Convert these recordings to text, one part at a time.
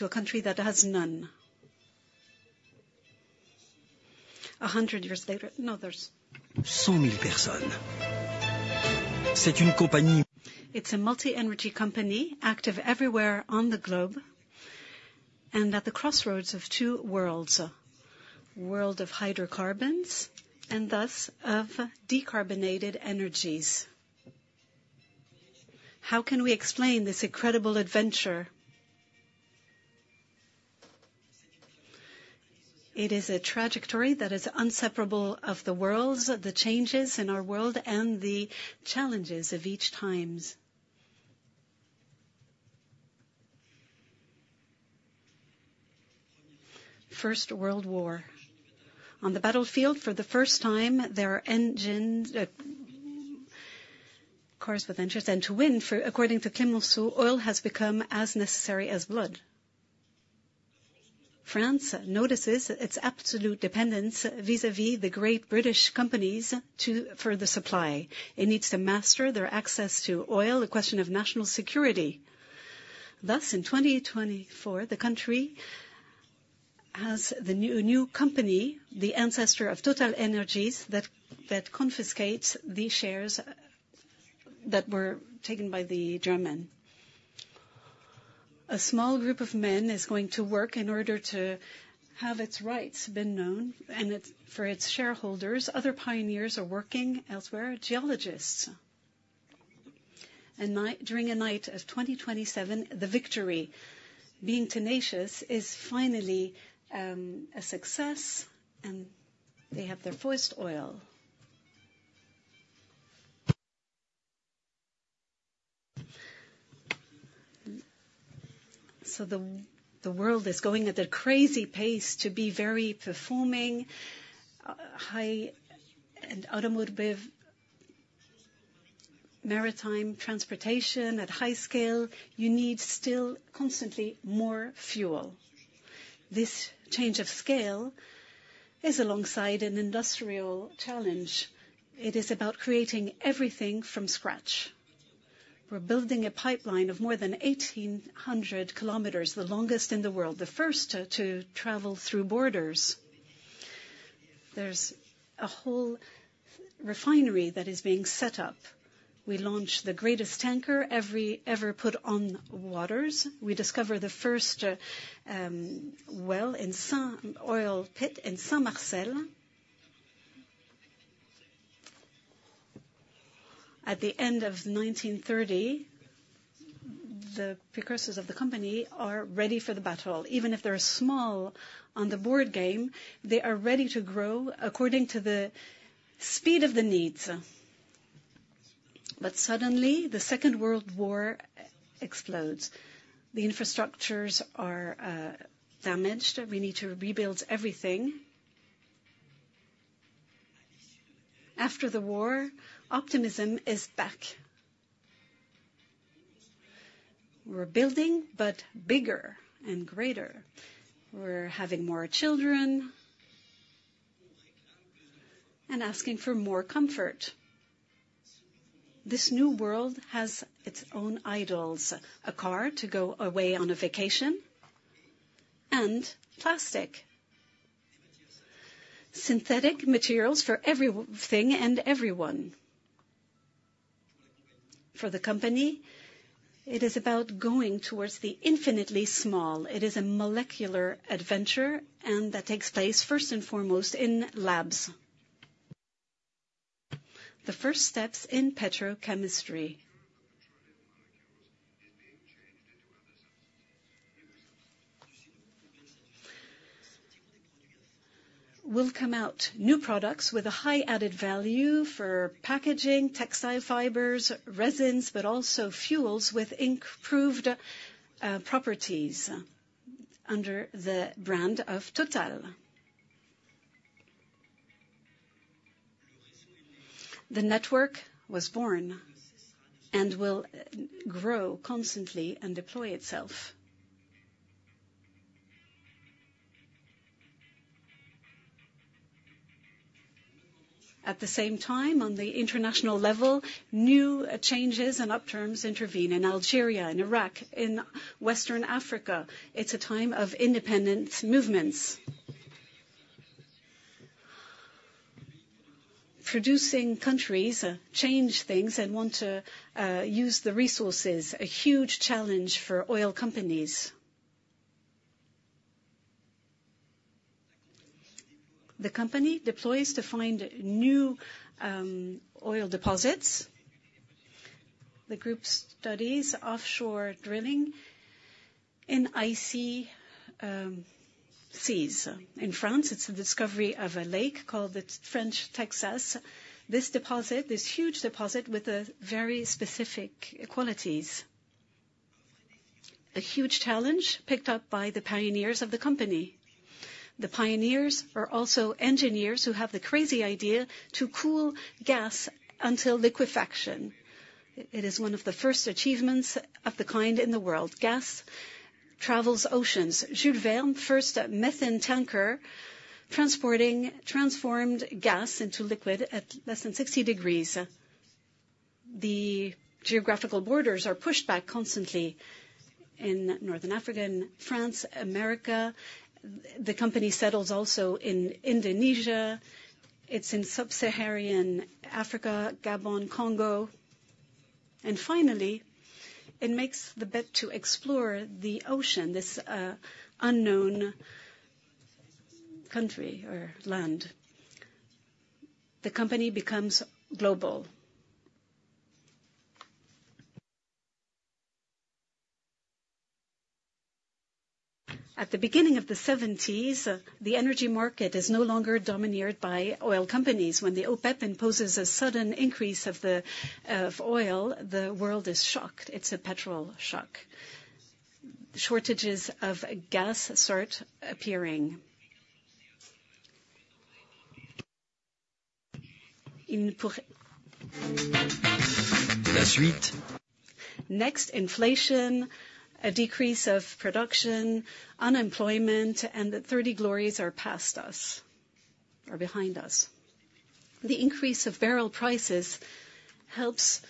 ...to a country that has none. 100 years later, now it's a multi-energy company, active everywhere on the globe, and at the crossroads of two worlds. World of hydrocarbons, and thus, of decarbonated energies. How can we explain this incredible adventure? It is a trajectory that is inseparable from the worlds, of the changes in our world, and the challenges of each time. First World War. On the battlefield, for the first time, there are engine cars with engines. And to win, for according to Clemenceau, oil has become as necessary as blood. France notices its absolute dependence vis-à-vis the great British companies to, for the supply. It needs to master their access to oil, a question of national security. Thus, in 2024, the country has the new company, the ancestor of TotalEnergies, that confiscates the shares that were taken by the German. A small group of men is going to work in order to have its rights been known and for its shareholders. Other pioneers are working elsewhere, geologists. During a night of 2027, the victory, being tenacious is finally a success, and they have their first oil. So, the world is going at a crazy pace to be very performing, high and automotive, maritime transportation at high scale, you need still constantly more fuel. This change of scale is alongside an industrial challenge. It is about creating everything from scratch. We're building a pipeline of more than 1,800 kilometers, the longest in the world, the first to travel through borders. There's a whole refinery that is being set up. We launch the greatest tanker ever put on waters. We discover the first well in oil pit in Saint-Marcet. At the end of 1930, the precursors of the company are ready for the battle. Even if they're small on the board game, they are ready to grow according to the speed of the needs. But suddenly, the Second World War explodes. The infrastructures are damaged, we need to rebuild everything. After the war, optimism is back. We're building, but bigger and greater. We're having more children, and asking for more comfort. This new world has its own idols: a car to go away on a vacation and plastic. Synthetic materials for everything and everyone. For the company, it is about going towards the infinitely small. It is a molecular adventure, and that takes place first and foremost in labs. The first steps in petrochemistry. Will come out new products with a high added value for packaging, textile fibers, resins, but also fuels with improved properties under the brand of Total. The network was born and will grow constantly and deploy itself. At the same time, on the international level, new changes and upturns intervene in Algeria, in Iraq, in Western Africa. It's a time of independence movements. Producing countries change things and want to use the resources, a huge challenge for oil companies. The company deploys to find new oil deposits. The group studies offshore drilling in icy seas. In France, it's the discovery of a lake called the French Texas. This deposit, this huge deposit with very specific qualities. A huge challenge picked up by the pioneers of the company. The pioneers are also engineers who have the crazy idea to cool gas until liquefaction. It is one of the first achievements of the kind in the world. Gas travels oceans. Jules Verne, first methane tanker, transporting transformed gas into liquid at less than 60 degrees. ...The geographical borders are pushed back constantly in Northern Africa, in France, America. The company settles also in Indonesia; it's in Sub-Saharan Africa, Gabon, Congo. Finally, it makes the bet to explore the ocean, this unknown country or land. The company becomes global. At the beginning of the 1970s, the energy market is no longer dominated by oil companies. When the OPEC imposes a sudden increase of the, of oil, the world is shocked. It's a petrol shock. Shortages of gas start appearing. Next, inflation, a decrease of production, unemployment, and the 30 glories are past us, are behind us. The increase of barrel prices helps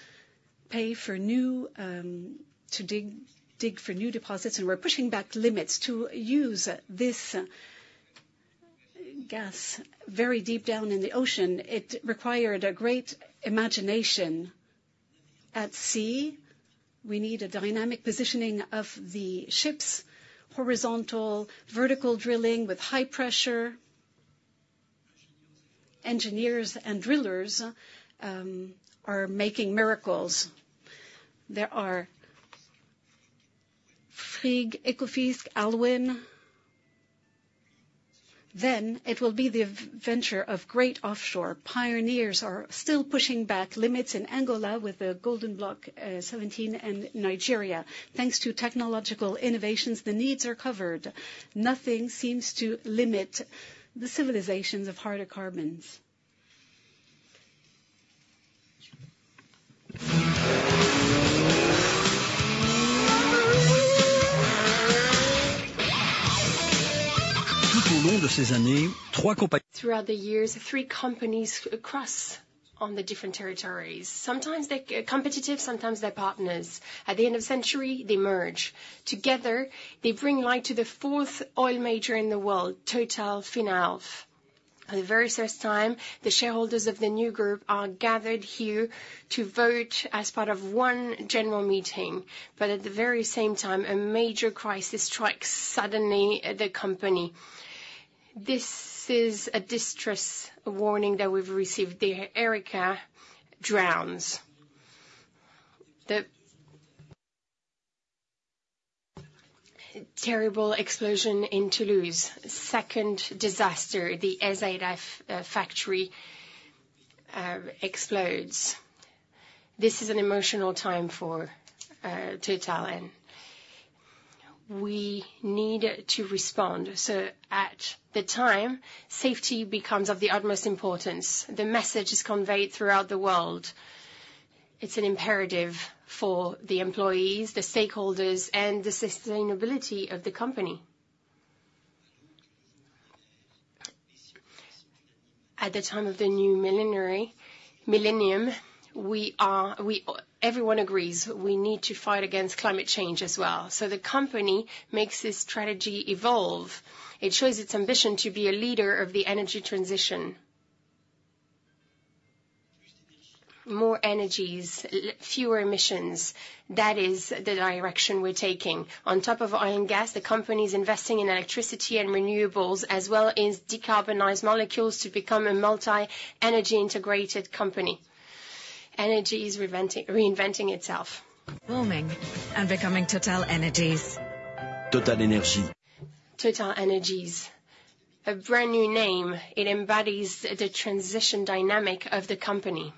pay for new to dig for new deposits, and we're pushing back limits to use this gas very deep down in the ocean. It required a great imagination. At sea, we need a dynamic positioning of the ships, horizontal, vertical drilling with high pressure. Engineers and drillers are making miracles. There are Frigg, Ekofisk, Alwyn. Then it will be the venture of great offshore. Pioneers are still pushing back limits in Angola with the Golden Block, Seventeen and Nigeria. Thanks to technological innovations, the needs are covered. Nothing seems to limit the civilizations of hydrocarbons. Throughout the years, three companies cross on the different territories. Sometimes they're competitive, sometimes they're partners. At the end of the century, they merge. Together, they bring light to the fourth oil major in the world, Total Fina Elf. For the very first time, the shareholders of the new group are gathered here to vote as part of one general meeting, but at the very same time, a major crisis strikes suddenly at the company. This is a distress warning that we've received. The Erika drowns. The terrible explosion in Toulouse. Second disaster, the AZF factory explodes. This is an emotional time for Total, and we need to respond. So at the time, safety becomes of the utmost importance. The message is conveyed throughout the world. It's an imperative for the employees, the stakeholders, and the sustainability of the company. At the time of the new millennium, everyone agrees we need to fight against climate change as well, so the company makes this strategy evolve. It shows its ambition to be a leader of the energy transition. More energies, fewer emissions, that is the direction we're taking. On top of oil and gas, the company is investing in electricity and renewables, as well as decarbonized molecules to become a multi-energy integrated company. Energy is reinventing, reinventing itself. Booming and becoming TotalEnergies. TotalEnergies. TotalEnergies, a brand-new name. It embodies the transition dynamic of the company.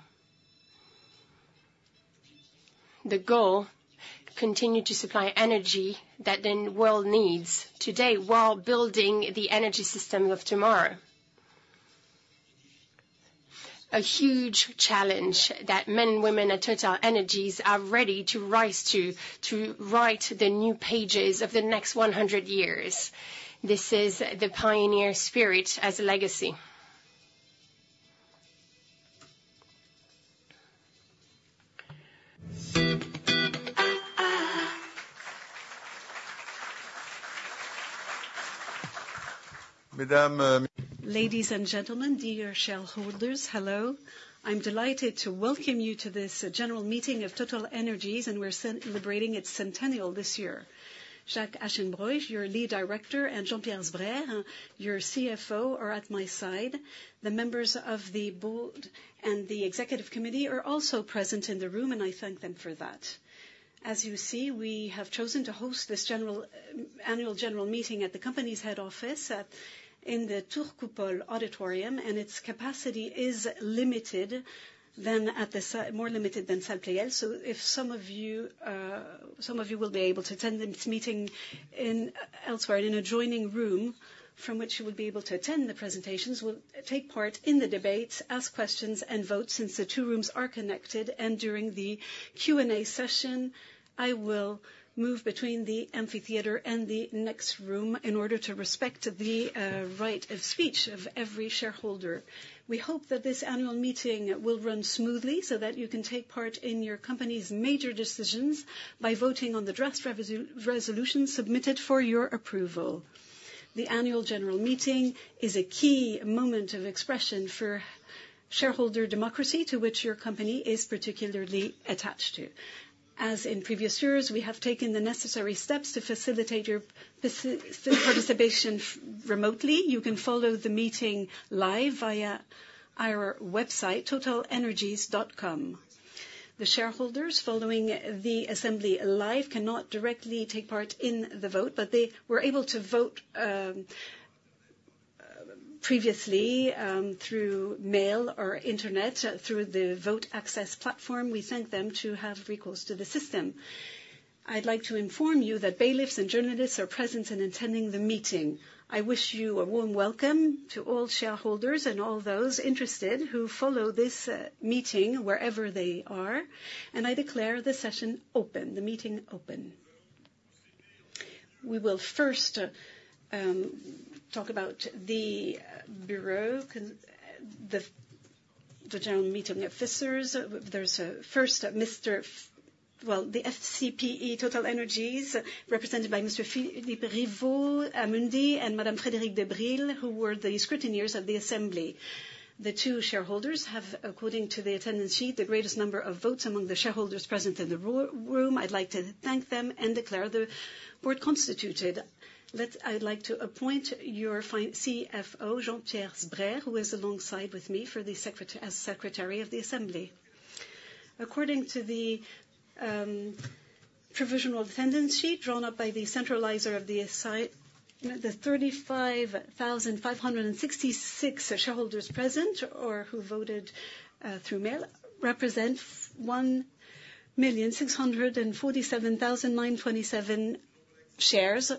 The goal: continue to supply energy that the world needs today while building the energy system of tomorrow. A huge challenge that men and women at TotalEnergies are ready to rise to, to write the new pages of the next 100 years. This is the pioneer spirit as a legacy. Ladies and gentlemen, dear shareholders, hello. I'm delighted to welcome you to this general meeting of TotalEnergies, and we're celebrating its centennial this year. Jacques Aschenbroich, your lead Director, and Jean-Pierre Sbraire, your CFO, are at my side. The members of the board and the executive committee are also present in the room, and I thank them for that. As you see, we have chosen to host this general annual general meeting at the company's head office at in the Tour Coupole auditorium, and its capacity is more limited than at Salle Pleyel. So if some of you, some of you will be able to attend this meeting in elsewhere in an adjoining room, from which you will be able to attend the presentations, will take part in the debates, ask questions, and vote, since the two rooms are connected, and during the-... Q&A session, I will move between the amphitheater and the next room in order to respect the right of speech of every shareholder. We hope that this annual meeting will run smoothly, so that you can take part in your company's major decisions by voting on the draft resolutions submitted for your approval. The annual general meeting is a key moment of expression for shareholder democracy, to which your company is particularly attached to. As in previous years, we have taken the necessary steps to facilitate your participation remotely. You can follow the meeting live via our website, totalenergies.com. The shareholders following the assembly live cannot directly take part in the vote, but they were able to vote previously through mail or internet, through the vote access platform. We thank them to have recourse to the system. I'd like to inform you that bailiffs and journalists are present and attending the meeting. I wish you a warm welcome to all shareholders and all those interested who follow this meeting wherever they are, and I declare the session open, the meeting open. We will first talk about the bureau, the general meeting officers. There's first, Mr... Well, the FCPE TotalEnergies, represented by Monsieur Philippe Rivaud, Amundi, and Madame Frédérique de Brem, who were the scrutineers of the assembly. The two shareholders have, according to the attendance sheet, the greatest number of votes among the shareholders present in the room. I'd like to thank them and declare the board constituted. I'd like to appoint your CFO, Jean-Pierre Sbraire, who is alongside with me as Secretary of the assembly. According to the provisional attendance sheet drawn up by the centralizer of the site, the 35,566 shareholders present or who voted through mail represent 1,647,927 shares.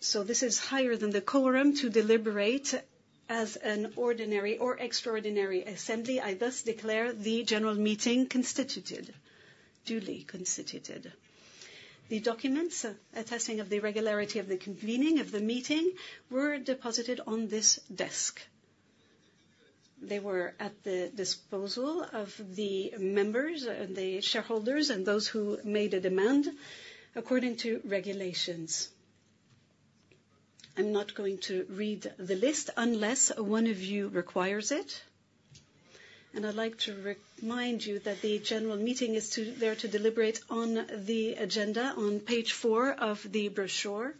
So this is higher than the quorum to deliberate as an ordinary or extraordinary assembly. I thus declare the general meeting constituted, duly constituted. The documents attesting of the regularity of the convening of the meeting were deposited on this desk. They were at the disposal of the members, the shareholders, and those who made a demand according to regulations. I'm not going to read the list unless one of you requires it, and I'd like to remind you that the general meeting is there to deliberate on the agenda on page four of the brochure.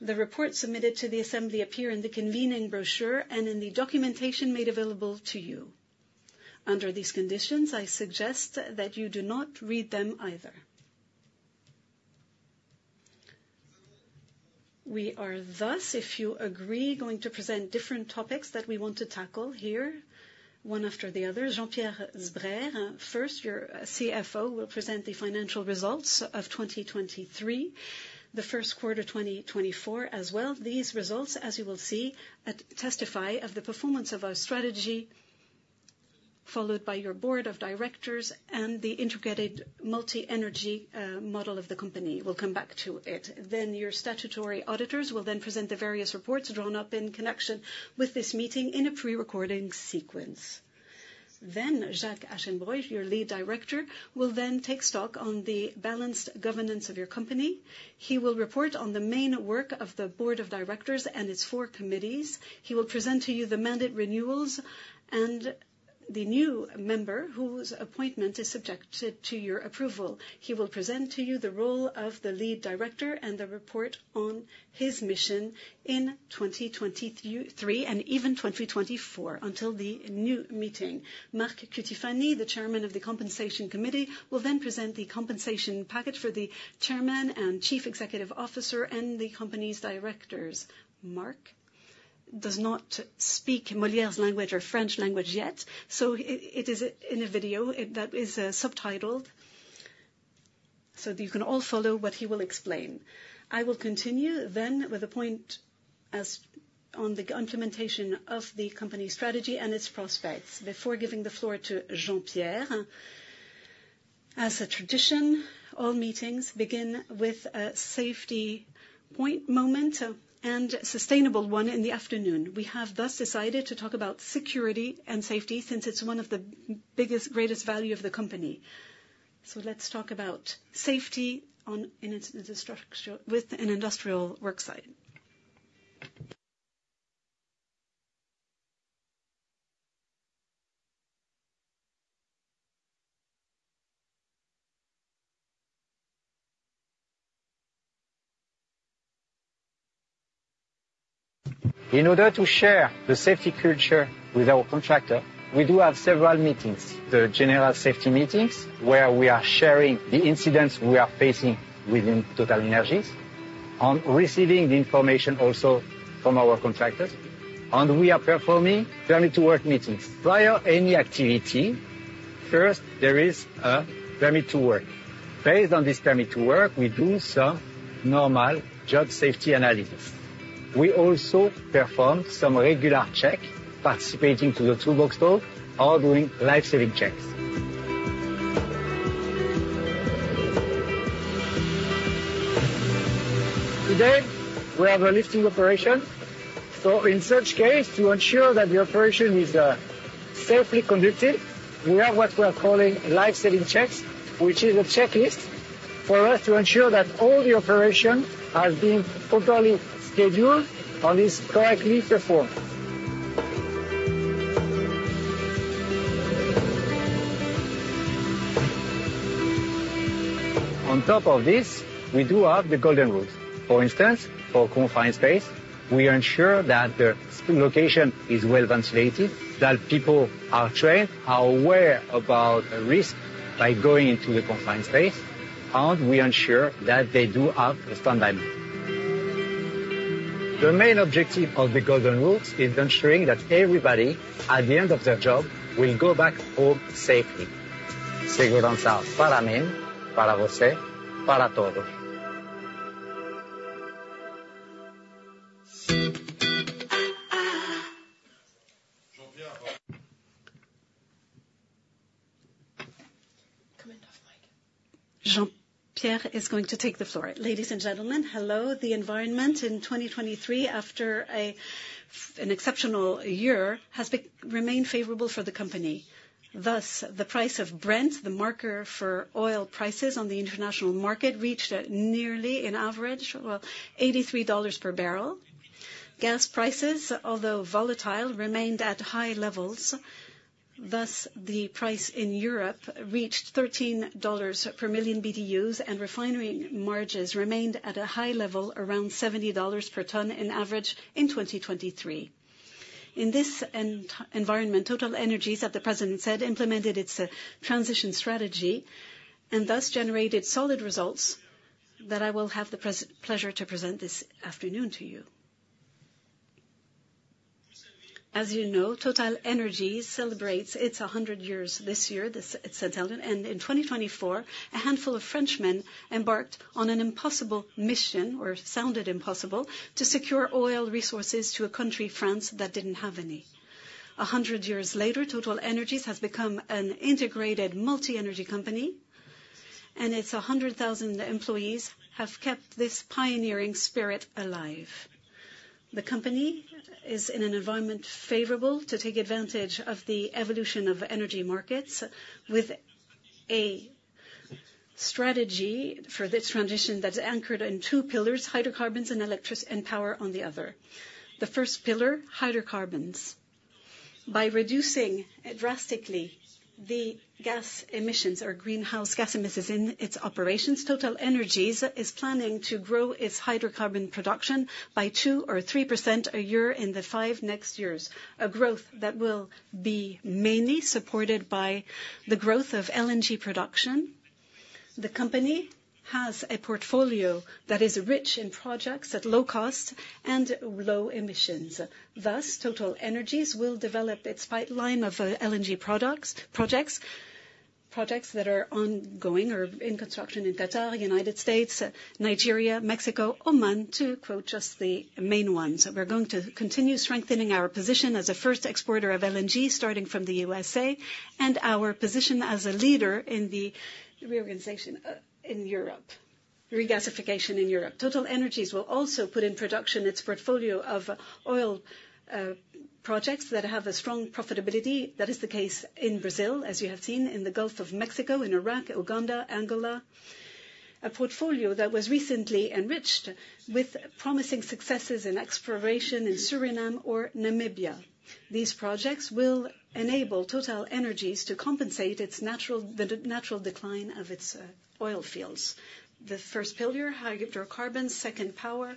The reports submitted to the assembly appear in the convening brochure and in the documentation made available to you. Under these conditions, I suggest that you do not read them either. We are, thus, if you agree, going to present different topics that we want to tackle here, one after the other. Jean-Pierre Sbraire, first, your CFO, will present the financial results of 2023, the first quarter 2024 as well. These results, as you will see, testify of the performance of our strategy, followed by your Board of Directors and the integrated multi-energy model of the company. We'll come back to it. Then your statutory auditors will then present the various reports drawn up in connection with this meeting in a pre-recorded sequence. Then, Jacques Aschenbroich, your lead Director, will then take stock on the balanced governance of your company. He will report on the main work of the Board of Directors and its four committees. He will present to you the mandate renewals and the new member, whose appointment is subjected to your approval. He will present to you the role of the lead Director and the report on his mission in 2023, and even 2024, until the new meeting. Mark Cutifani, the Chairman of the Compensation Committee, will then present the compensation package for the Chairman and Chief Executive Officer and the company's Directors. Mark does not speak Molière's language or French language yet, so it is in a video that is subtitled. So you can all follow what he will explain. I will continue then with points on the implementation of the company's strategy and its prospects. Before giving the floor to Jean-Pierre, as a tradition, all meetings begin with a safety point moment and sustainable one in the afternoon. We have thus decided to talk about security and safety, since it's one of the biggest, greatest value of the company. So let's talk about safety on an industrial, with an industrial work site. In order to share the safety culture with our contractor, we do have several meetings. The general safety meetings, where we are sharing the incidents we are facing within TotalEnergies, on receiving the information also from our contractors, and we are performing permit to work meetings. Prior to any activity, first, there is a permit to work. Based on this permit to work, we do some normal job safety analysis. We also perform some regular check, participating to the toolbox talk or doing life-saving checks. Today, we have a lifting operation. So in such case, to ensure that the operation is safely conducted, we have what we are calling life-saving checks, which is a checklist for us to ensure that all the operation has been properly scheduled and is correctly performed. On top of this, we do have the golden rules. For instance, for confined space, we ensure that the location is well-ventilated, that people are trained, are aware about the risk by going into the confined space, and we ensure that they do have a standby. The main objective of the golden rules is ensuring that everybody, at the end of their job, will go back home safely. Jean-Pierre is going to take the floor. Ladies and gentlemen, hello. The environment in 2023, after an exceptional year, has remained favorable for the company. Thus, the price of Brent, the marker for oil prices on the international market, reached nearly an average, well, $83 per barrel. Gas prices, although volatile, remained at high levels, thus the price in Europe reached $13 per million BDUs, and refinery margins remained at a high level, around $70 per ton on average in 2023. In this environment, TotalEnergies, as the President said, implemented its transition strategy, and thus generated solid results that I will have the pleasure to present this afternoon to you. As you know, TotalEnergies celebrates its 100 years this year, this it celebrated, and in 2024, a handful of Frenchmen embarked on an impossible mission, or it sounded impossible, to secure oil resources to a country, France, that didn't have any. 100 years later, TotalEnergies has become an integrated multi-energy company, and its 100,000 employees have kept this pioneering spirit alive. The company is in an environment favorable to take advantage of the evolution of energy markets, with a strategy for this transition that's anchored in two pillars: hydrocarbons and electric- and power on the other. The first pillar, hydrocarbons. By reducing drastically the gas emissions or greenhouse gas emissions in its operations, TotalEnergies is planning to grow its hydrocarbon production by 2%-3% a year in the five next years, a growth that will be mainly supported by the growth of LNG production. The company has a portfolio that is rich in projects at low cost and low emissions. Thus, TotalEnergies will develop its pipeline of LNG projects that are ongoing or in construction in Qatar, United States, Nigeria, Mexico, Oman, to quote just the main ones. We're going to continue strengthening our position as a first exporter of LNG, starting from the USA, and our position as a leader in the regasification in Europe. TotalEnergies will also put in production its portfolio of oil projects that have a strong profitability. That is the case in Brazil, as you have seen, in the Gulf of Mexico, in Iraq, Uganda, Angola. A portfolio that was recently enriched with promising successes in exploration in Suriname or Namibia. These projects will enable TotalEnergies to compensate the natural decline of its oil fields. The first pillar, hydrocarbons. Second, power.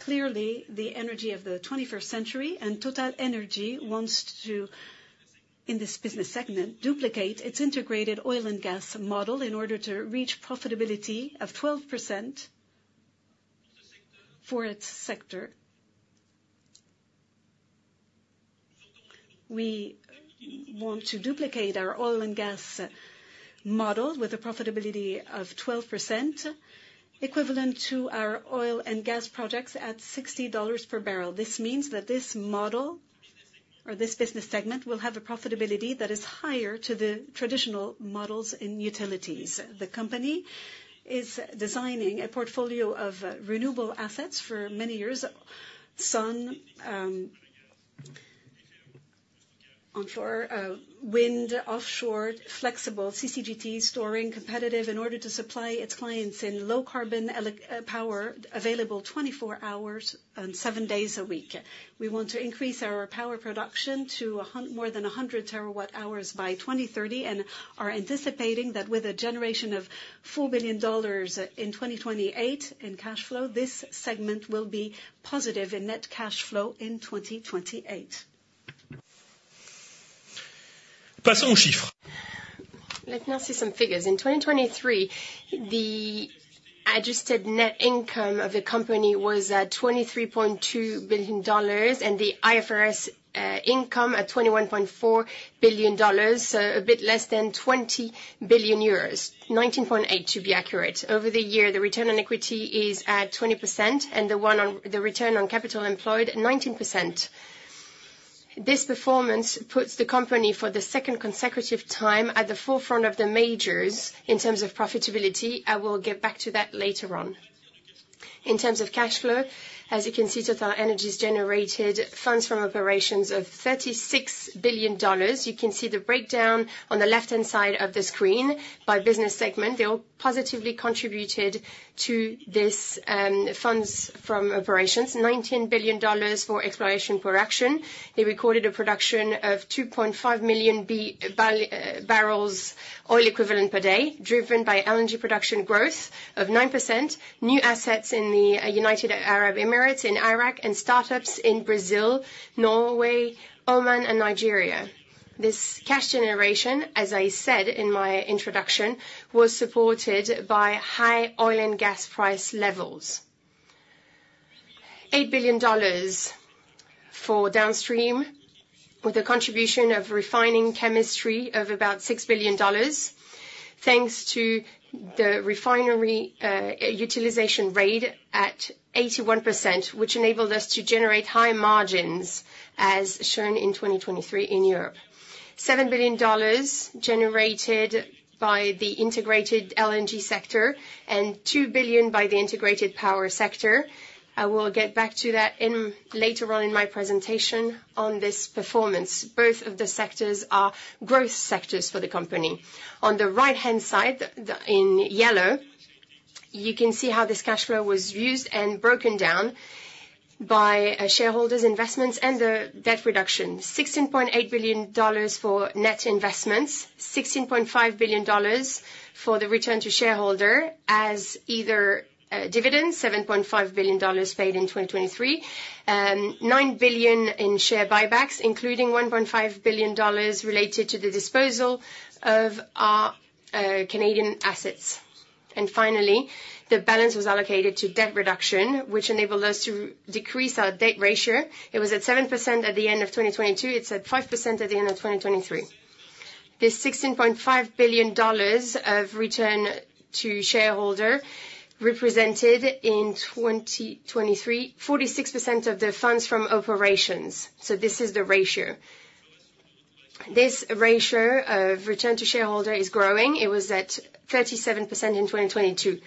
Clearly, the energy of the 21st century and TotalEnergies wants to, in this business segment, duplicate its integrated oil and gas model in order to reach profitability of 12% for its sector. We want to duplicate our oil and gas model with a profitability of 12%, equivalent to our oil and gas projects at $60 per barrel. This means that this model or this business segment will have a profitability that is higher to the traditional models in utilities. The company is designing a portfolio of renewable assets for many years. Sun, onshore, wind, offshore, flexible CCGT storing competitive in order to supply its clients in low-carbon elec-power, available 24 hours and seven days a week. We want to increase our power production to more than 100 terawatt-hours by 2030, and are anticipating that with a generation of $4 billion in 2028 in cash flow, this segment will be positive in net cash flow in 2028. Let's now see some figures. In 2023, the adjusted net income of the company was at $23.2 billion, and the IFRS income at $21.4 billion, so a bit less than 20 billion euros, 19.8 billion, to be accurate. Over the year, the return on equity is at 20%, and the one on the return on capital employed, 19%.... This performance puts the company for the second consecutive time at the forefront of the majors in terms of profitability. I will get back to that later on. In terms of cash flow, as you can see, TotalEnergies generated funds from operations of $36 billion. You can see the breakdown on the left-hand side of the screen by business segment. They all positively contributed to this, funds from operations. $19 billion for exploration production. They recorded a production of 2.5 million barrels oil equivalent per day, driven by LNG production growth of 9%, new assets in the United Arab Emirates, in Iraq, and startups in Brazil, Norway, Oman, and Nigeria. This cash generation, as I said in my introduction, was supported by high oil and gas price levels. $8 billion for downstream, with a contribution of refining chemistry of about $6 billion, thanks to the refinery utilization rate at 81%, which enabled us to generate high margins, as shown in 2023 in Europe. $7 billion generated by the integrated LNG sector and $2 billion by the integrated power sector. I will get back to that later on in my presentation on this performance. Both of the sectors are growth sectors for the company. On the right-hand side, the, in yellow, you can see how this cash flow was used and broken down by shareholders' investments and the debt reduction. $16.8 billion for net investments, $16.5 billion for the return to shareholder as either dividends, $7.5 billion paid in 2023, $9 billion in share buybacks, including $1.5 billion related to the disposal of our Canadian assets. And finally, the balance was allocated to debt reduction, which enabled us to decrease our debt ratio. It was at 7% at the end of 2022. It's at 5% at the end of 2023. This $16.5 billion of return to shareholder represented in 2023, 46% of the funds from operations, so this is the ratio. This ratio of return to shareholder is growing. It was at 37% in 2022.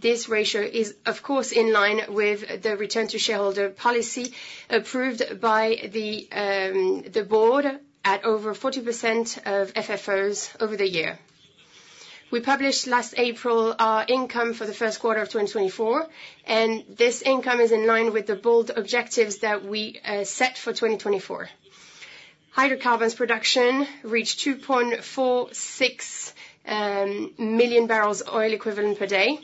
This ratio is, of course, in line with the return-to-shareholder policy approved by the board at over 40% of FFOs over the year. We published last April our income for the first quarter of 2024, and this income is in line with the bold objectives that we set for 2024. Hydrocarbons production reached 2.46 million barrels oil equivalent per day.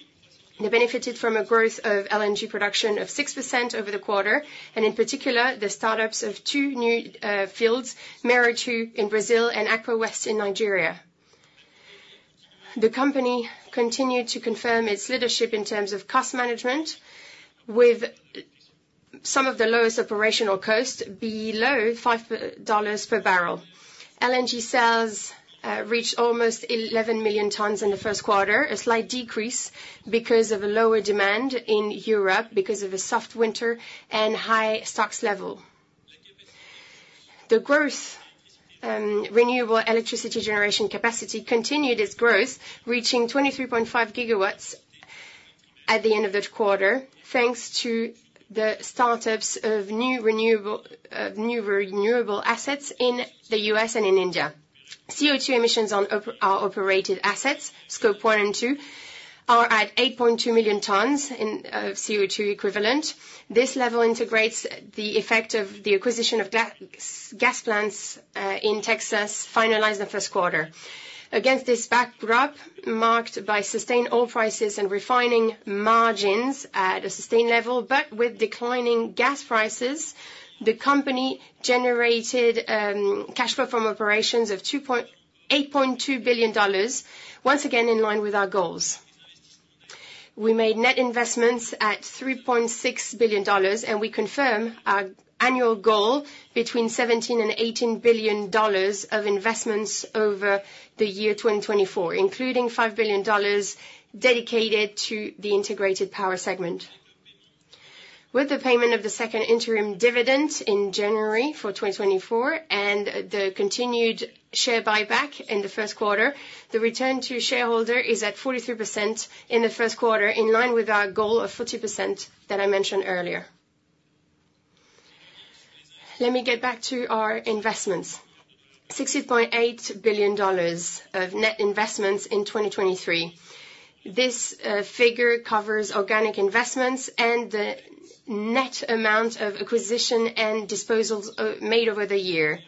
They benefited from a growth of LNG production of 6% over the quarter, and in particular, the startups of two new fields, Mero-2 in Brazil and Akpo West in Nigeria. The company continued to confirm its leadership in terms of cost management, with some of the lowest operational costs below $5 per barrel. LNG sales reached almost 11 million tons in the first quarter, a slight decrease because of a lower demand in Europe because of a soft winter and high stocks level. The growth renewable electricity generation capacity continued its growth, reaching 23.5 GW at the end of the quarter, thanks to the startups of new renewable new renewable assets in the US and in India. CO₂ emissions on our operated assets, Scope one and two, are at 8.2 million tons in CO₂ equivalent. This level integrates the effect of the acquisition of gas plants in Texas, finalized the first quarter. Against this backdrop, marked by sustained oil prices and refining margins at a sustained level, but with declining gas prices, the company generated cash flow from operations of $2.82 billion, once again, in line with our goals. We made net investments at $3.6 billion, and we confirm our annual goal between $17 billion and $18 billion of investments over the year 2024, including $5 billion dedicated to the integrated power segment. With the payment of the second interim dividend in January for 2024 and the continued share buyback in the first quarter, the return to shareholder is at 43% in the first quarter, in line with our goal of 40% that I mentioned earlier. Let me get back to our investments. $16.8 billion of net investments in 2023. This figure covers organic investments and the net amount of acquisition and disposals made over the year.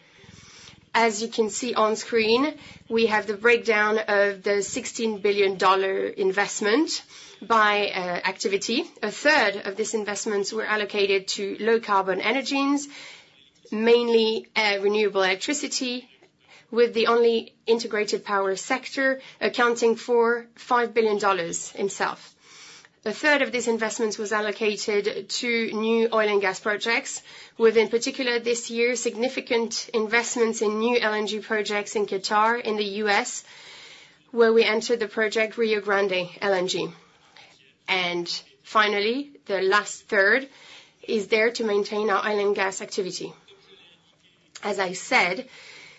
As you can see on screen, we have the breakdown of the $16 billion investment by activity. A third of these investments were allocated to low-carbon energies, mainly renewable electricity, with the only integrated power sector accounting for $5 billion himself. A third of this investment was allocated to new oil and gas projects, with, in particular this year, significant investments in new LNG projects in Qatar, in the U.S., where we entered the project, Rio Grande LNG. ...And finally, the last third is there to maintain our oil and gas activity. As I said,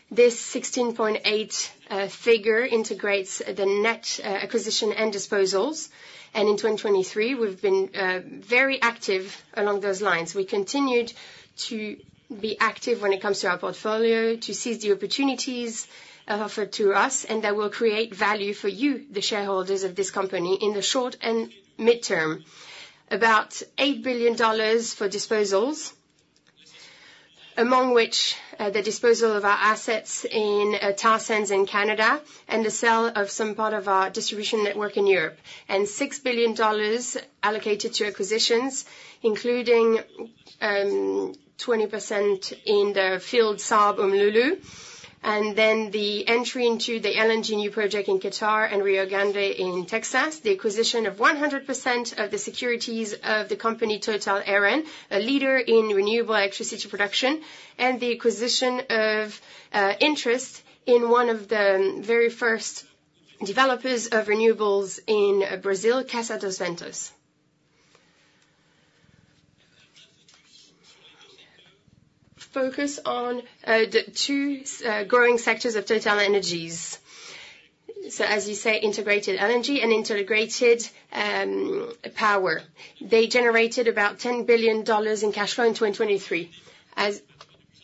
this 16.8 figure integrates the net acquisition and disposals, and in 2023, we've been very active along those lines. We continued to be active when it comes to our portfolio, to seize the opportunities offered to us, and that will create value for you, the shareholders of this company, in the short and midterm. About $8 billion for disposals, among which the disposal of our assets in tar sands in Canada, and the sale of some part of our distribution network in Europe. And $6 billion allocated to acquisitions, including 20% in the field SARB and Umm Lulu. And then the entry into the LNG new project in Qatar and Rio Grande in Texas. The acquisition of 100% of the securities of the company, Total Eren, a leader in renewable electricity production, and the acquisition of interest in one of the very first developers of renewables in Brazil, Casa dos Ventos. Focus on the two growing sectors of TotalEnergies. So, as you say, integrated LNG and integrated power. They generated about $10 billion in cash flow in 2023.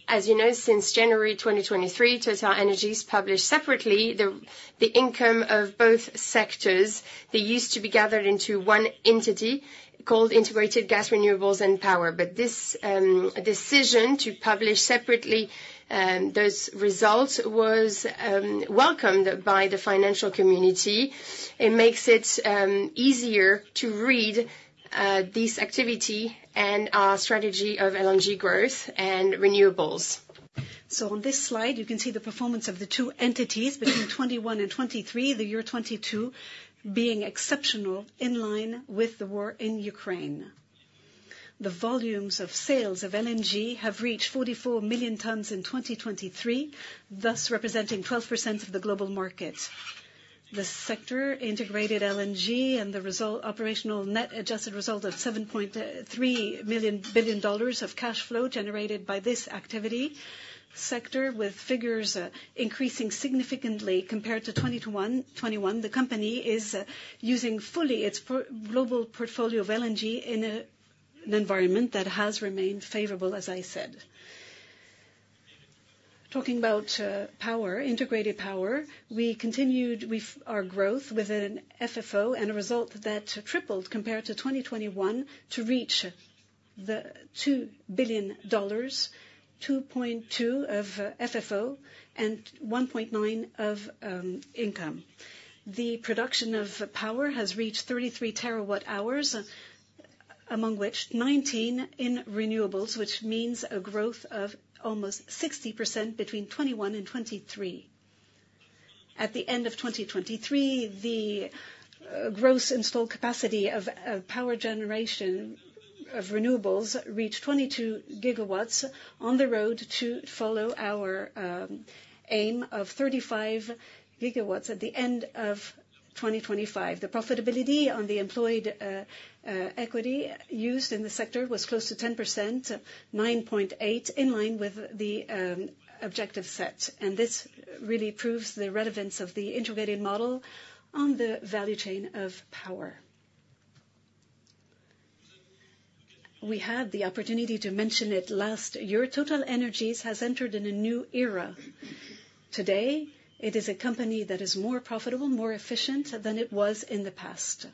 As you know, since January 2023, TotalEnergies published separately the income of both sectors. They used to be gathered into one entity called Integrated Gas, Renewables and Power. But this decision to publish separately those results was welcomed by the financial community. It makes it easier to read this activity and our strategy of LNG growth and renewables. So on this slide, you can see the performance of the two entities between 2021 and 2023, the year 2022 being exceptional, in line with the war in Ukraine. The volumes of sales of LNG have reached 44 million tons in 2023, thus representing 12% of the global market. The sector integrated LNG and the result, operational net adjusted result of $7.3 billion of cash flow generated by this activity. Sector with figures increasing significantly compared to 2021. The company is using fully its global portfolio of LNG in an environment that has remained favorable, as I said. Talking about power, integrated power, we continued with our growth with an FFO and a result that tripled compared to 2021, to reach $2 billion, $2.2 of FFO and $1.9 of income. The production of power has reached 33 TWh, among which 19 in renewables, which means a growth of almost 60% between 2021 and 2023. At the end of 2023, the gross installed capacity of power generation of renewables reached 22 GW on the road to follow our aim of 35 GW at the end of 2025. The profitability on the employed equity used in the sector was close to 10%, 9.8, in line with the objective set. This really proves the relevance of the integrated model on the value chain of power. We had the opportunity to mention it last year, TotalEnergies has entered in a new era. Today, it is a company that is more profitable, more efficient than it was in the past.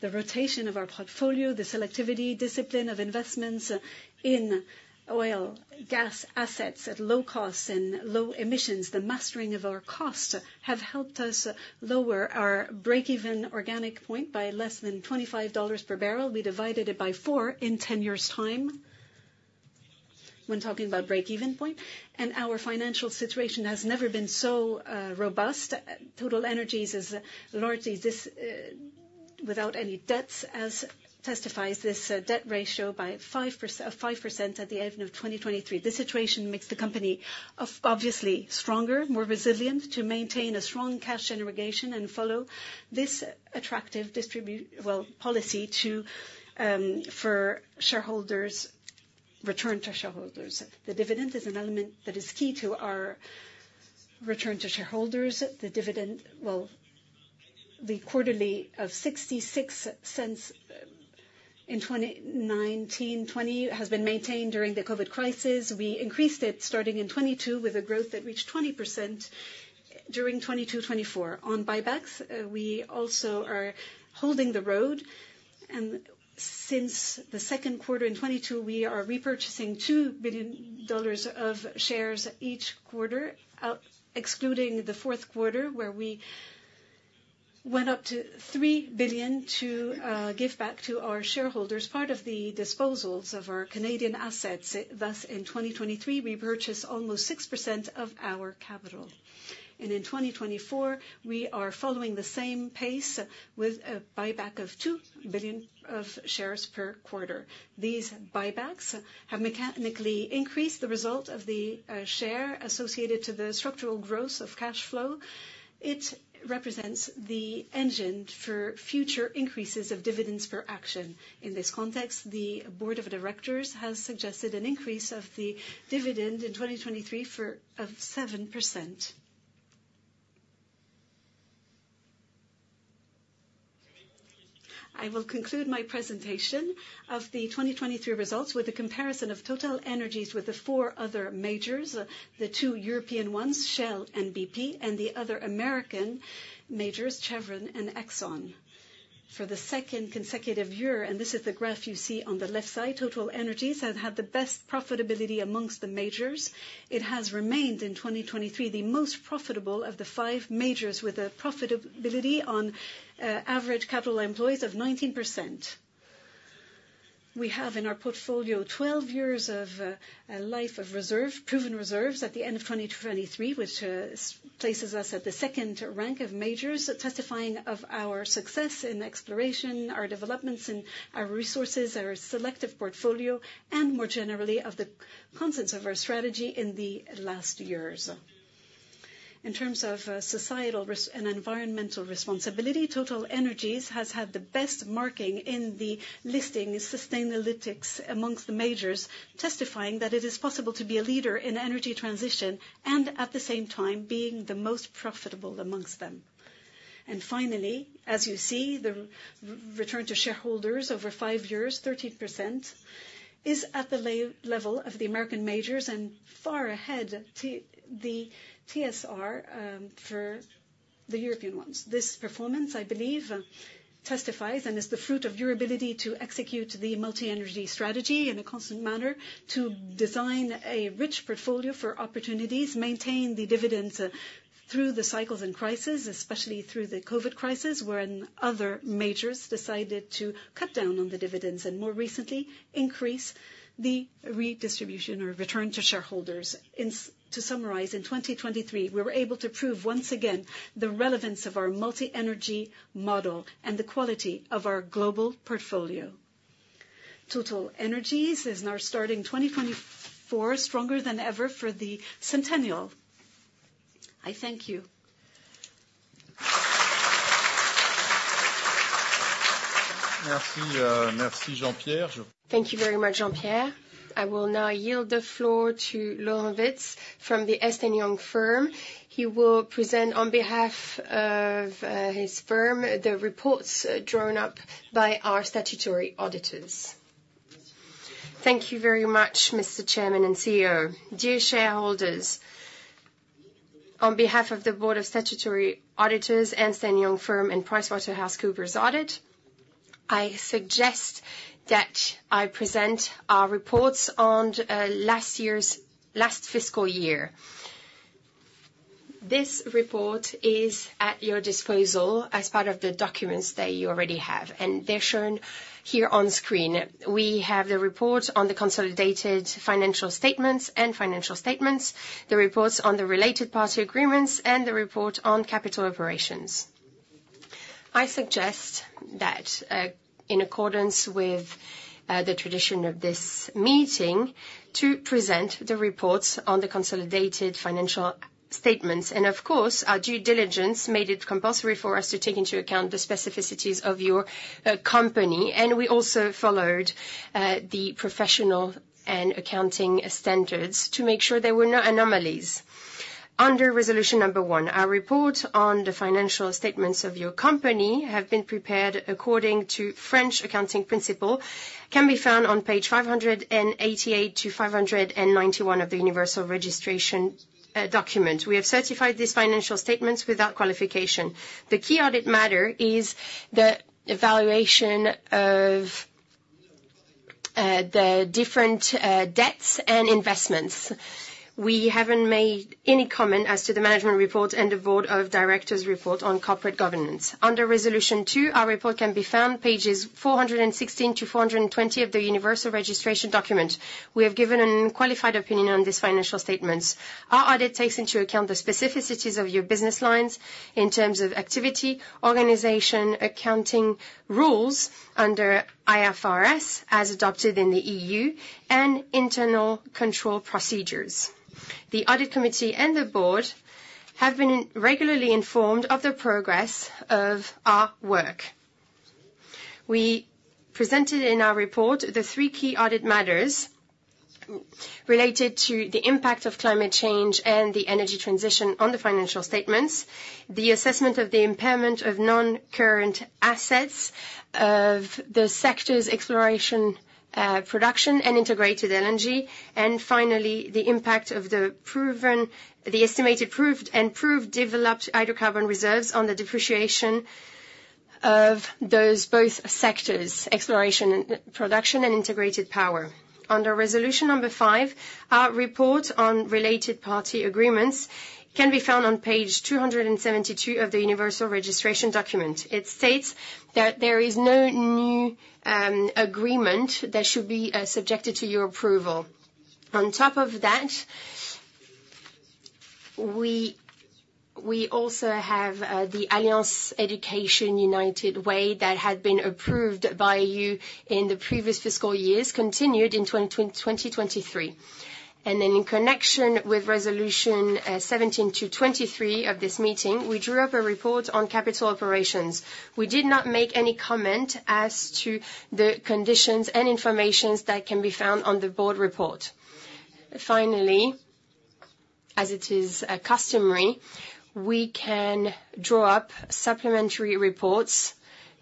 The rotation of our portfolio, the selectivity, discipline of investments in oil, gas assets at low costs and low emissions, the mastering of our costs, have helped us lower our break-even organic point by less than $25 per barrel. We divided it by four in years' time, when talking about break-even point, and our financial situation has never been so robust. TotalEnergies is largely this without any debts, as testifies this debt ratio by 5%, of 5% at the end of 2023. This situation makes the company obviously stronger, more resilient, to maintain a strong cash generation and follow this attractive well policy to for shareholders, return to shareholders. The dividend is an element that is key to our return to shareholders. The dividend, well, the quarterly of $0.66 in 2019, 2020, has been maintained during the COVID crisis. We increased it starting in 2022, with a growth that reached 20% during 2024. On buybacks, we also are holding the road, and since the second quarter in 2022, we are repurchasing $2 billion of shares each quarter, excluding the fourth quarter, where we went up to $3 billion to give back to our shareholders part of the disposals of our Canadian assets. Thus, in 2023, we purchased almost 6% of our capital. In 2024, we are following the same pace with a buyback of $2 billion of shares per quarter. These buybacks have mechanically increased the result of the share associated to the structural growth of cash flow.... It represents the engine for future increases of dividends per action. In this context, the Board of Directors has suggested an increase of the dividend in 2023 for of 7%. I will conclude my presentation of the 2023 results with a comparison of TotalEnergies with the four other majors, the two European ones, Shell and BP, and the other American majors, Chevron and Exxon. For the second consecutive year, and this is the graph you see on the left side, TotalEnergies has had the best profitability amongst the majors. It has remained, in 2023, the most profitable of the five majors, with a profitability on average capital employees of 19%. We have in our portfolio 12 years of life of reserve, proven reserves at the end of 2023, which places us at the second rank of majors, testifying of our success in exploration, our developments and our resources, our selective portfolio, and more generally, of the concepts of our strategy in the last years. In terms of societal and environmental responsibility, TotalEnergies has had the best marking in the listing Sustainalytics amongst the majors, testifying that it is possible to be a leader in energy transition and at the same time being the most profitable amongst them. And finally, as you see, the return to shareholders over five years, 13%, is at the level of the American majors and far ahead of the TSR for the European ones. This performance, I believe, testifies and is the fruit of your ability to execute the multi-energy strategy in a constant manner to design a rich portfolio for opportunities, maintain the dividends, through the cycles and crises, especially through the COVID crisis, when other majors decided to cut down on the dividends, and more recently, increase the redistribution or return to shareholders. In to summarize, in 2023, we were able to prove once again the relevance of our multi-energy model and the quality of our global portfolio. TotalEnergies is now starting 2024 stronger than ever for the centennial. I thank you. Merci, merci, Jean-Pierre. Thank you very much, Jean-Pierre. I will now yield the floor to Laurent Vitse from the Ernst & Young firm. He will present on behalf of his firm, the reports drawn up by our statutory auditors. Thank you very much, Mr. Chairman and CEO. Dear shareholders, on behalf of the Board of Statutory Auditors, Ernst & Young firm, and PricewaterhouseCoopers Audit, I suggest that I present our reports on last fiscal year. This report is at your disposal as part of the documents that you already have, and they're shown here on screen. We have the report on the consolidated financial statements and financial statements, the reports on the related party agreements, and the report on capital operations. I suggest that, in accordance with, the tradition of this meeting, to present the reports on the consolidated financial statements, and of course, our due diligence made it compulsory for us to take into account the specificities of your, company. And we also followed, the professional and accounting standards to make sure there were no anomalies. Under resolution number one, our report on the financial statements of your company have been prepared according to French accounting principle, can be found on page 588-591 of the universal registration document. We have certified these financial statements without qualification. The key audit matter is the evaluation of the different debts and investments. We haven't made any comment as to the management report and the Board of Directors report on corporate governance. Under resolution two, our report can be found pages 416-420 of the universal registration document. We have given an qualified opinion on these financial statements. Our audit takes into account the specificities of your business lines in terms of activity, organization, accounting rules under IFRS, as adopted in the EU, and internal control procedures. The audit committee and the board have been regularly informed of the progress of our work. We presented in our report the three key audit matters related to the impact of climate change and the energy transition on the financial statements, the assessment of the impairment of noncurrent assets of the sectors exploration, production and integrated LNG, and finally, the impact of the estimated proved and proved developed hydrocarbon reserves on the depreciation of those both sectors, exploration and production, and integrated power. Under resolution number five, our report on related party agreements can be found on page 272 of the Universal Registration Document. It states that there is no new agreement that should be subjected to your approval. On top of that-... We also have the Alliance Education United Way that had been approved by you in the previous fiscal years, continued in 2023. Then in connection with resolution 17-23 of this meeting, we drew up a report on capital operations. We did not make any comment as to the conditions and information that can be found on the board report. Finally, as it is customary, we can draw up supplementary reports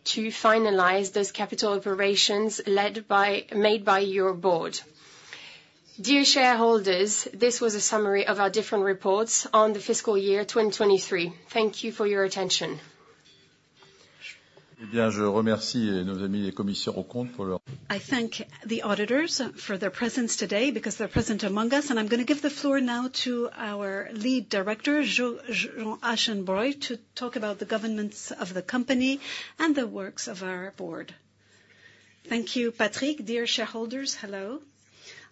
to finalize those capital operations made by your board. Dear shareholders, this was a summary of our different reports on the fiscal year 2023. Thank you for your attention. Well, I thank the auditors for their presence today, because they're present among us, and I'm gonna give the floor now to our Lead Director, Jacques Aschenbroich, to talk about the governance of the company and the works of our board. Thank you, Patrick. Dear shareholders, hello.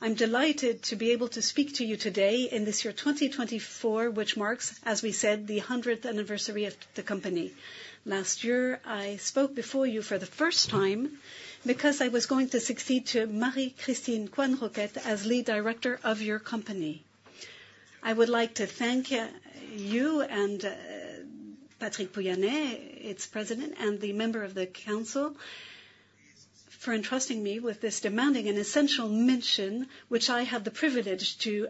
I'm delighted to be able to speak to you today in this year 2024, which marks, as we said, the 100th anniversary of the company. Last year, I spoke before you for the first time because I was going to succeed to Marie-Christine Coisne-Roquette as lead Director of your company. I would like to thank you and Patrick Pouyanné, its President, and the member of the council, for entrusting me with this demanding and essential mission, which I have the privilege to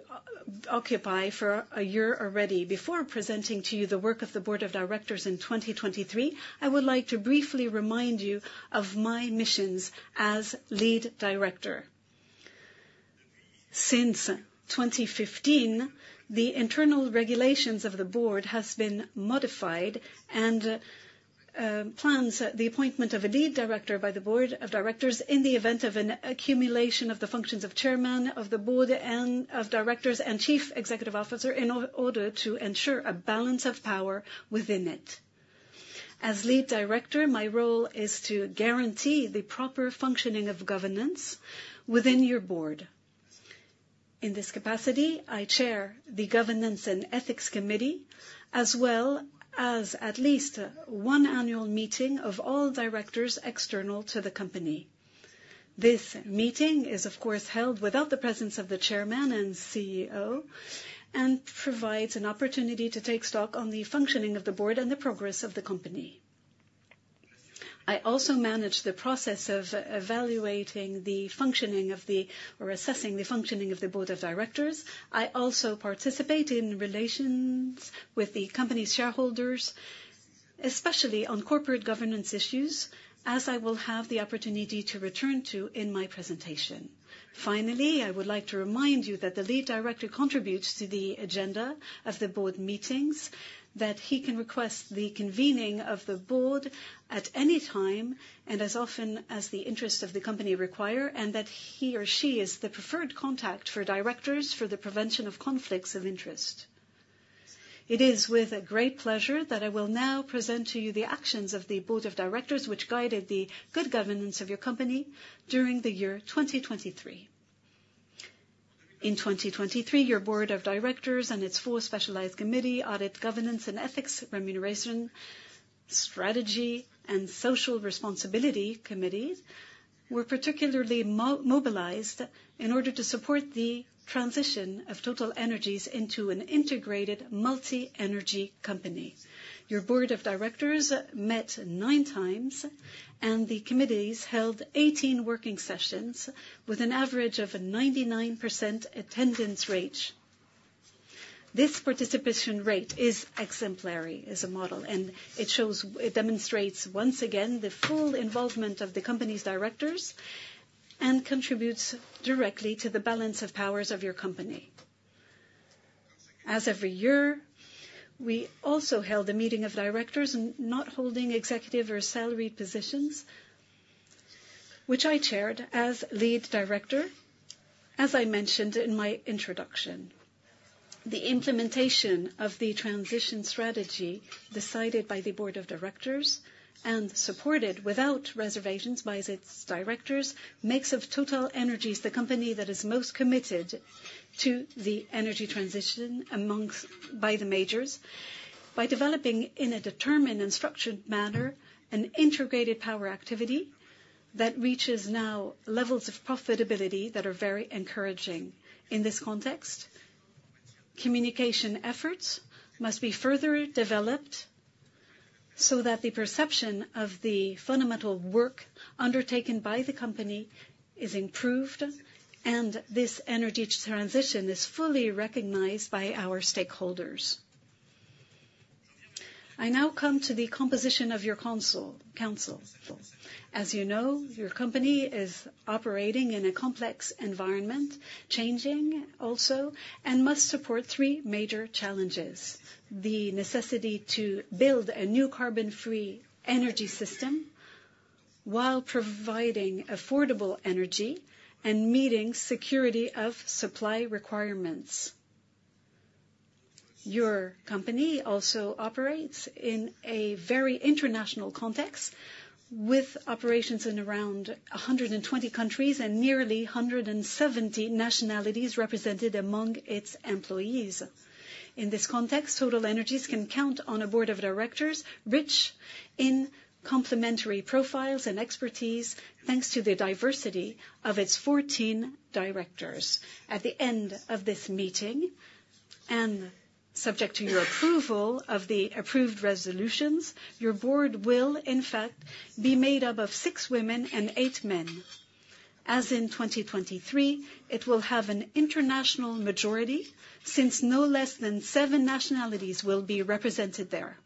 occupy for a year already. Before presenting to you the work of the Board of Directors in 2023, I would like to briefly remind you of my missions as lead Director. Since 2015, the internal regulations of the board has been modified and plans the appointment of a lead Director by the Board of Directors in the event of an accumulation of the functions of Chairman of the Board and of Directors and Chief Executive Officer, in order to ensure a balance of power within it. As lead Director, my role is to guarantee the proper functioning of governance within your board. In this capacity, I chair the Governance and Ethics Committee, as well as at least one annual meeting of all Directors external to the company. This meeting is, of course, held without the presence of the Chairman and CEO, and provides an opportunity to take stock on the functioning of the board and the progress of the company. I also manage the process of evaluating the functioning of the... or assessing the functioning of the Board of Directors. I also participate in relations with the company's shareholders, especially on corporate governance issues, as I will have the opportunity to return to in my presentation. Finally, I would like to remind you that the lead Director contributes to the agenda of the board meetings, that he can request the convening of the board at any time and as often as the interests of the company require, and that he or she is the preferred contact for Directors for the prevention of conflicts of interest. It is with a great pleasure that I will now present to you the actions of the Board of Directors, which guided the good governance of your company during the year 2023. In 2023, your Board of Directors and its four specialized committees, audit, governance and ethics, remuneration, strategy, and social responsibility committees, were particularly mobilized in order to support the transition of TotalEnergies into an integrated multi-energy company. Your Board of Directors met nine times, and the committees held 18 working sessions with an average of 99% attendance rate. This participation rate is exemplary as a model, and it shows, it demonstrates once again, the full involvement of the company's Directors and contributes directly to the balance of powers of your company. As every year, we also held a meeting of Directors not holding executive or salaried positions, which I chaired as lead Director, as I mentioned in my introduction. The implementation of the transition strategy, decided by the Board of Directors and supported without reservations by its Directors, makes of TotalEnergies the company that is most committed to the energy transition amongst, by the majors. By developing, in a determined and structured manner, an integrated power activity that reaches now levels of profitability that are very encouraging. In this context, communication efforts must be further developed so that the perception of the fundamental work undertaken by the company is improved, and this energy transition is fully recognized by our stakeholders. I now come to the composition of your council, council. As you know, your company is operating in a complex environment, changing also, and must support three major challenges: the necessity to build a new carbon-free energy system while providing affordable energy and meeting security of supply requirements... Your company also operates in a very international context, with operations in around 120 countries and nearly 170 nationalities represented among its employees. In this context, TotalEnergies can count on a board of Directors rich in complementary profiles and expertise, thanks to the diversity of its 14 Directors. At the end of this meeting, and subject to your approval of the approved resolutions, your board will in fact be made up of six women and eight men. As in 2023, it will have an international majority, since no less than seven nationalities will be represented there.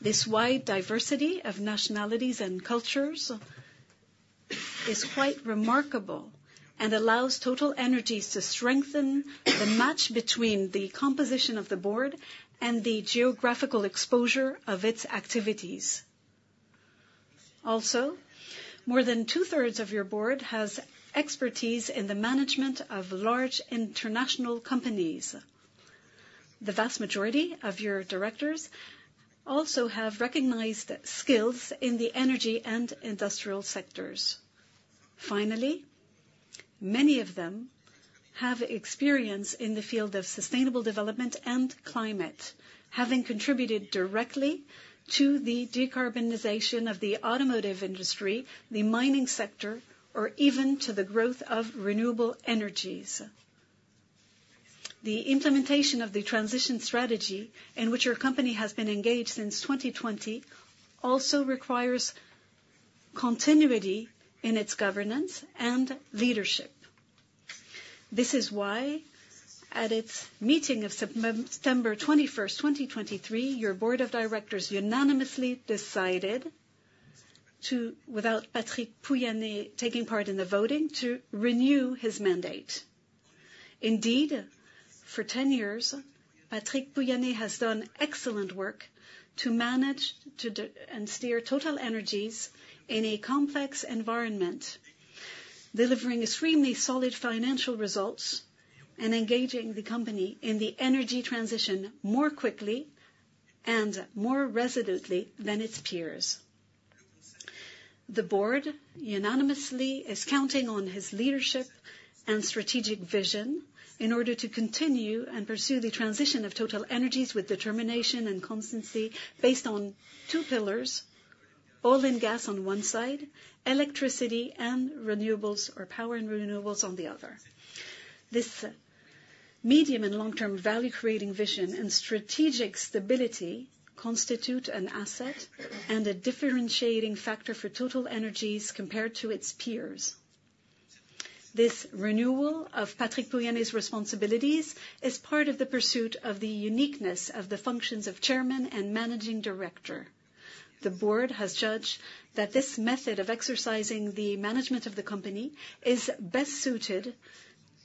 This wide diversity of nationalities and cultures is quite remarkable, and allows TotalEnergies to strengthen the match between the composition of the board and the geographical exposure of its activities. Also, more than two-thirds of your board has expertise in the management of large international companies. The vast majority of your Directors also have recognized skills in the energy and industrial sectors. Finally, many of them have experience in the field of sustainable development and climate, having contributed directly to the decarbonization of the automotive industry, the mining sector, or even to the growth of renewable energies. The implementation of the transition strategy, in which your company has been engaged since 2020, also requires continuity in its governance and leadership. This is why, at its meeting of September 21, 2023, your Board of Directors unanimously decided to, without Patrick Pouyanné taking part in the voting, to renew his mandate. Indeed, for 10 years, Patrick Pouyanné has done excellent work to manage to and steer TotalEnergies in a complex environment, delivering extremely solid financial results and engaging the company in the energy transition more quickly and more resolutely than its peers. The board unanimously is counting on his leadership and strategic vision in order to continue and pursue the transition of TotalEnergies with determination and constancy, based on two pillars: oil and gas on one side, electricity and renewables, or power and renewables, on the other. This medium and long-term value-creating vision and strategic stability constitute an asset and a differentiating factor for TotalEnergies compared to its peers. This renewal of Patrick Pouyanné's responsibilities is part of the pursuit of the uniqueness of the functions of Chairman and Managing Director. The board has judged that this method of exercising the management of the company is best suited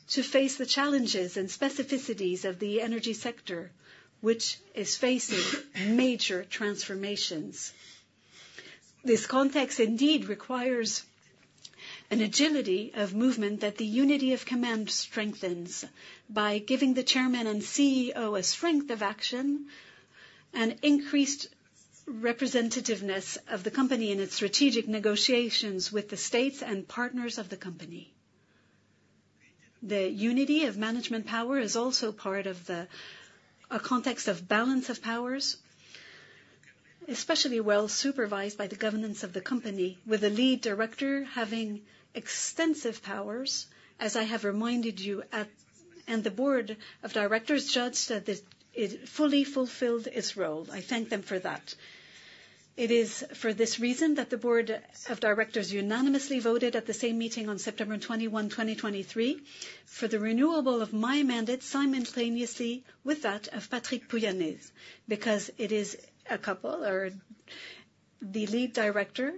to face the challenges and specificities of the energy sector, which is facing major transformations. This context indeed requires an agility of movement that the unity of command strengthens by giving the Chairman and CEO a strength of action and increased representativeness of the company in its strategic negotiations with the states and partners of the company. The unity of management power is also part of a context of balance of powers, especially well supervised by the governance of the company, with the Lead Director having extensive powers, as I have reminded you at... And the Board of Directors judged that it fully fulfilled its role. I thank them for that. It is for this reason that the Board of Directors unanimously voted at the same meeting on September 21, 2023, for the renewal of my mandate, simultaneously with that of Patrick Pouyanné's, because it is a couple of the Lead Director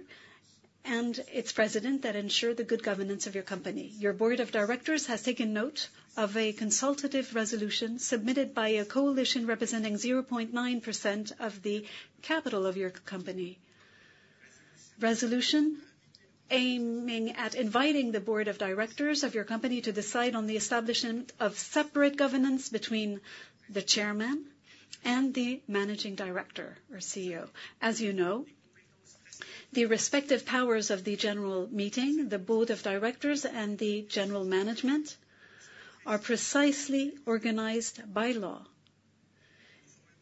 and its President that ensure the good governance of your company. Your Board of Directors has taken note of a consultative resolution submitted by a coalition representing 0.9% of the capital of your company. Resolution aiming at inviting the Board of Directors of your company to decide on the establishment of separate governance between the Chairman and the Managing Director or CEO. As you know, the respective powers of the general meeting, the Board of Directors, and the general management are precisely organized by law.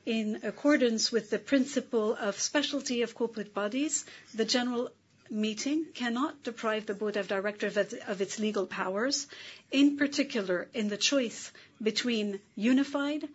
In accordance with the principle of specialty of corporate bodies, the general meeting cannot deprive the Board of Directors of its legal powers, in particular, in the choice between unified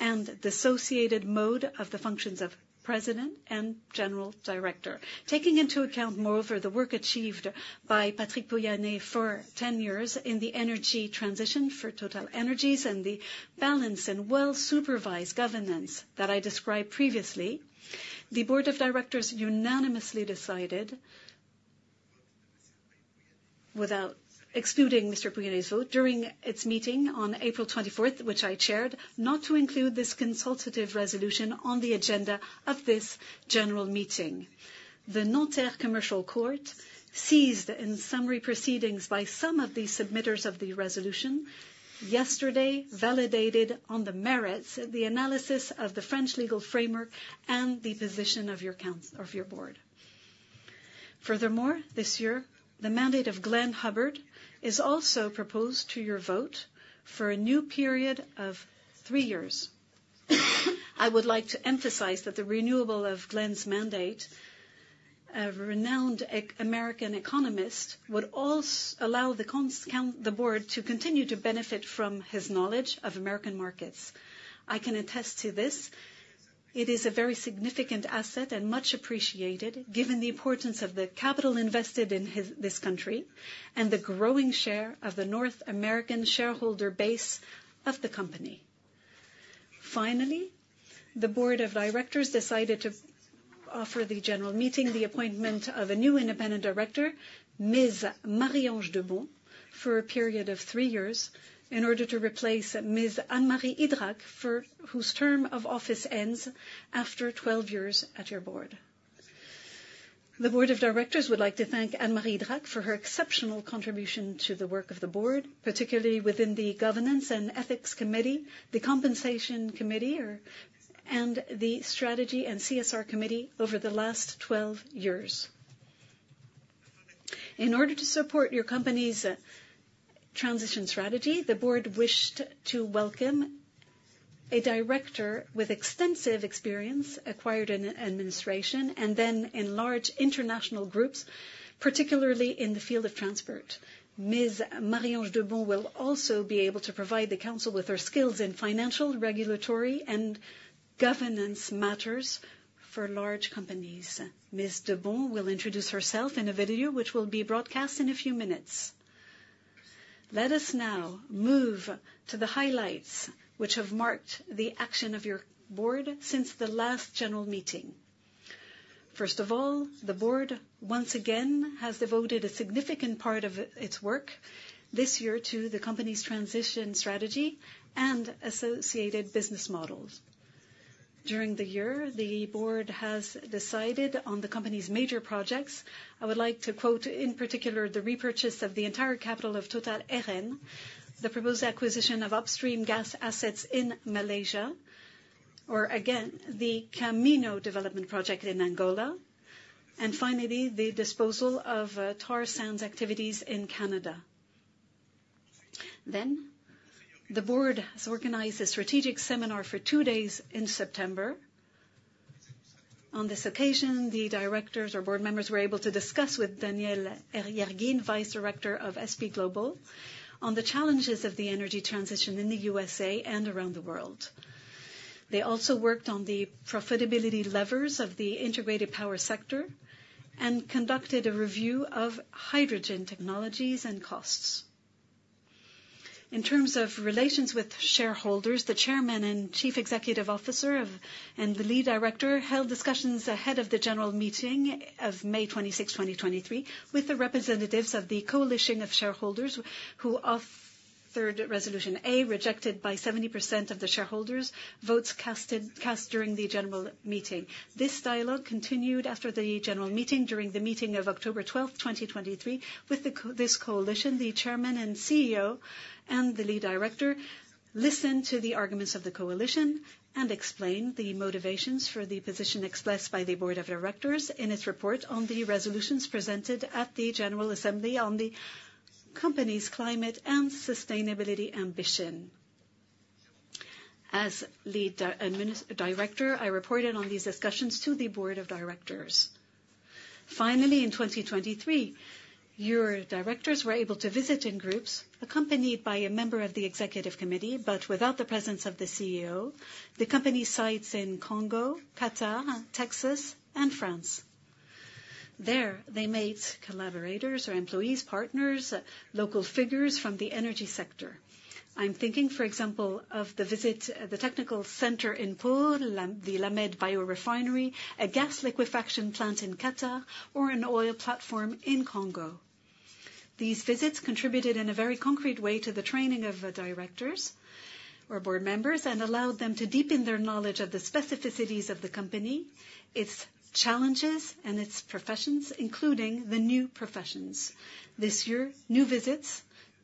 and dissociated mode of the functions of President and General Director. Taking into account, moreover, the work achieved by Patrick Pouyanné for 10 years in the energy transition for TotalEnergies and the balance and well-supervised governance that I described previously, the Board of Directors unanimously decided without excluding Mr. Pouyanné's vote during its meeting on April 24, which I chaired, not to include this consultative resolution on the agenda of this general meeting. The Nanterre Commercial Court, seized in summary proceedings by some of the submitters of the resolution, yesterday validated on the merits, the analysis of the French legal framework and the position of your board. Furthermore, this year, the mandate of Glenn Hubbard is also proposed to your vote for a new period of three years. I would like to emphasize that the renewal of Glenn's mandate, a renowned American economist, would also allow the board to continue to benefit from his knowledge of American markets. I can attest to this. It is a very significant asset and much appreciated, given the importance of the capital invested in this country, and the growing share of the North American shareholder base of the company. Finally, the Board of Directors decided to offer the general meeting the appointment of a new independent Director, Ms. Marie-Ange Debon, for a period of three years in order to replace Ms. Anne-Marie Idrac, for whose term of office ends after 12 years at your board. The Board of Directors would like to thank Anne-Marie Idrac for her exceptional contribution to the work of the board, particularly within the Governance and Ethics Committee, the Compensation Committee, and the Strategy and CSR Committee over the last 12 years. In order to support your company's transition strategy, the board wished to welcome a Director with extensive experience acquired in administration, and then in large international groups, particularly in the field of transport. Ms. Marie-Ange Debon will also be able to provide the council with her skills in financial, regulatory, and governance matters for large companies. Ms. Debon will introduce herself in a video, which will be broadcast in a few minutes. Let us now move to the highlights, which have marked the action of your board since the last general meeting. First of all, the board, once again, has devoted a significant part of its work this year to the company's transition strategy and associated business models. During the year, the board has decided on the company's major projects. I would like to quote, in particular, the repurchase of the entire capital of Total Eren, the proposed acquisition of upstream gas assets in Malaysia, or again, the Kaminho development project in Angola, and finally, the disposal of tar sands activities in Canada. Then, the board has organized a strategic seminar for two days in September. On this occasion, the Directors or board members were able to discuss with Daniel Yergin, Vice Director of S&P Global, on the challenges of the energy transition in the USA and around the world. They also worked on the profitability levers of the integrated power sector and conducted a review of hydrogen technologies and costs. In terms of relations with shareholders, the Chairman and Chief Executive Officer of... and the Lead Director held discussions ahead of the general meeting of May 26, 2023, with the representatives of the coalition of shareholders, who offered resolution A, rejected by 70% of the shareholders, votes cast during the general meeting. This dialogue continued after the general meeting, during the meeting of October 12, 2023. With this coalition, the Chairman and CEO, and the Lead Director listened to the arguments of the coalition and explained the motivations for the position expressed by the Board of Directors in its report on the resolutions presented at the General Assembly on the company's climate and sustainability ambition. As Lead Director, I reported on these discussions to the Board of Directors. Finally, in 2023, your Directors were able to visit in groups, accompanied by a member of the Executive Committee, but without the presence of the CEO, the company sites in Congo, Qatar, Texas, and France. There, they met collaborators or employees, partners, local figures from the energy sector. I'm thinking, for example, of the visit at the technical center in Pau, the La Mède biorefinery, a gas liquefaction plant in Qatar, or an oil platform in Congo. These visits contributed in a very concrete way to the training of the Directors or board members and allowed them to deepen their knowledge of the specificities of the company, its challenges, and its professions, including the new professions. This year, new visits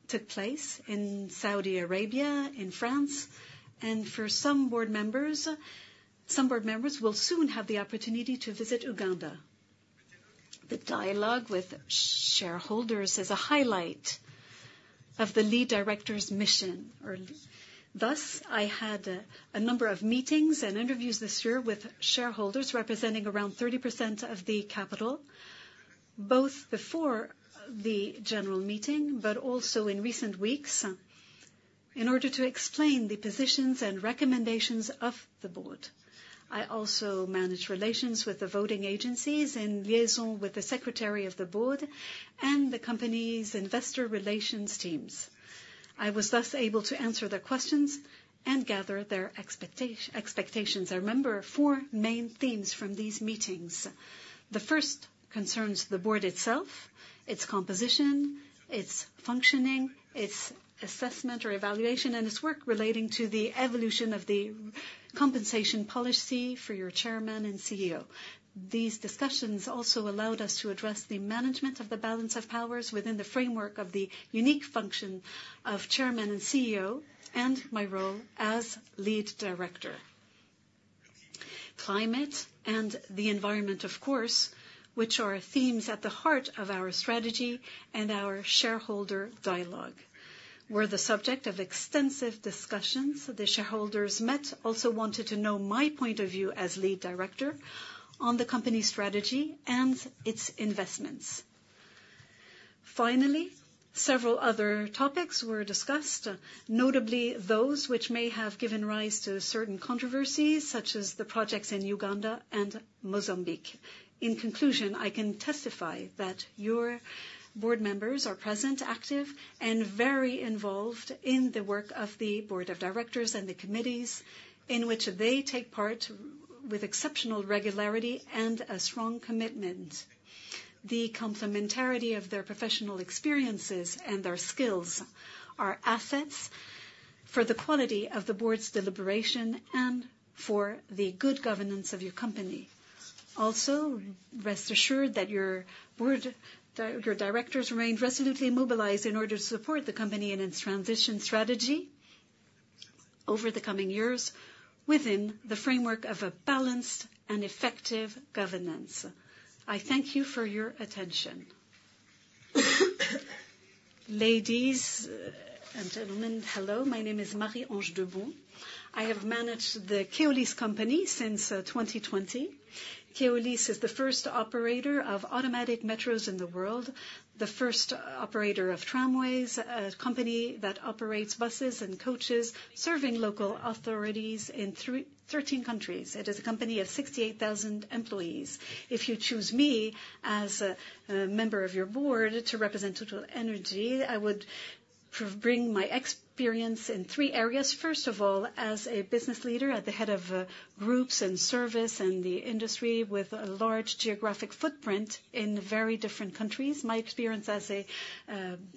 took place in Saudi Arabia, in France, and for some board members, some board members will soon have the opportunity to visit Uganda. The dialogue with shareholders is a highlight of the lead Director's mission, or thus, I had a number of meetings and interviews this year with shareholders representing around 30% of the capital, both before the general meeting, but also in recent weeks, in order to explain the positions and recommendations of the board. I also managed relations with the voting agencies in liaison with the secretary of the board and the company's investor relations teams. I was thus able to answer their questions and gather their expectations. I remember four main themes from these meetings.... The first concerns the board itself, its composition, its functioning, its assessment or evaluation, and its work relating to the evolution of the compensation policy for your Chairman and CEO. These discussions also allowed us to address the management of the balance of powers within the framework of the unique function of Chairman and CEO, and my role as Lead Director. Climate and the environment, of course, which are themes at the heart of our strategy and our shareholder dialogue, were the subject of extensive discussions. The shareholders met also wanted to know my point of view as Lead Director on the company's strategy and its investments. Finally, several other topics were discussed, notably those which may have given rise to certain controversies, such as the projects in Uganda and Mozambique. In conclusion, I can testify that your board members are present, active, and very involved in the work of the Board of Directors and the committees, in which they take part with exceptional regularity and a strong commitment. The complementarity of their professional experiences and their skills are assets for the quality of the board's deliberation and for the good governance of your company. Also, rest assured that your board, your Directors remain resolutely mobilized in order to support the company in its transition strategy over the coming years, within the framework of a balanced and effective governance. I thank you for your attention. Ladies and gentlemen, hello, my name is Marie-Ange Debon. I have managed the Keolis company since 2020. Keolis is the first operator of automatic metros in the world, the first operator of tramways, a company that operates buses and coaches, serving local authorities in 13 countries. It is a company of 68,000 employees. If you choose me as a member of your board to represent TotalEnergies, I would bring my experience in three areas. First of all, as a business leader at the head of groups and service and the industry with a large geographic footprint in very different countries. My experience as a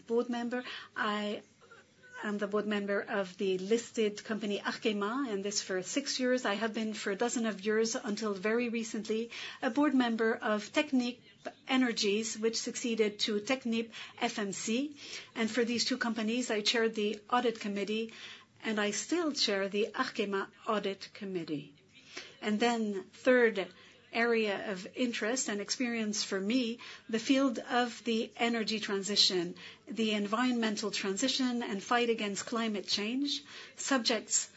board member, I am the board member of the listed company, Arkema, and this for six years. I have been for a dozen of years, until very recently, a board member of Technip Energies, which succeeded to Technip FMC. For these two companies, I chaired the audit committee, and I still chair the Arkema audit committee. Then third area of interest and experience for me, the field of the energy transition, the environmental transition, and fight against climate change. Subjects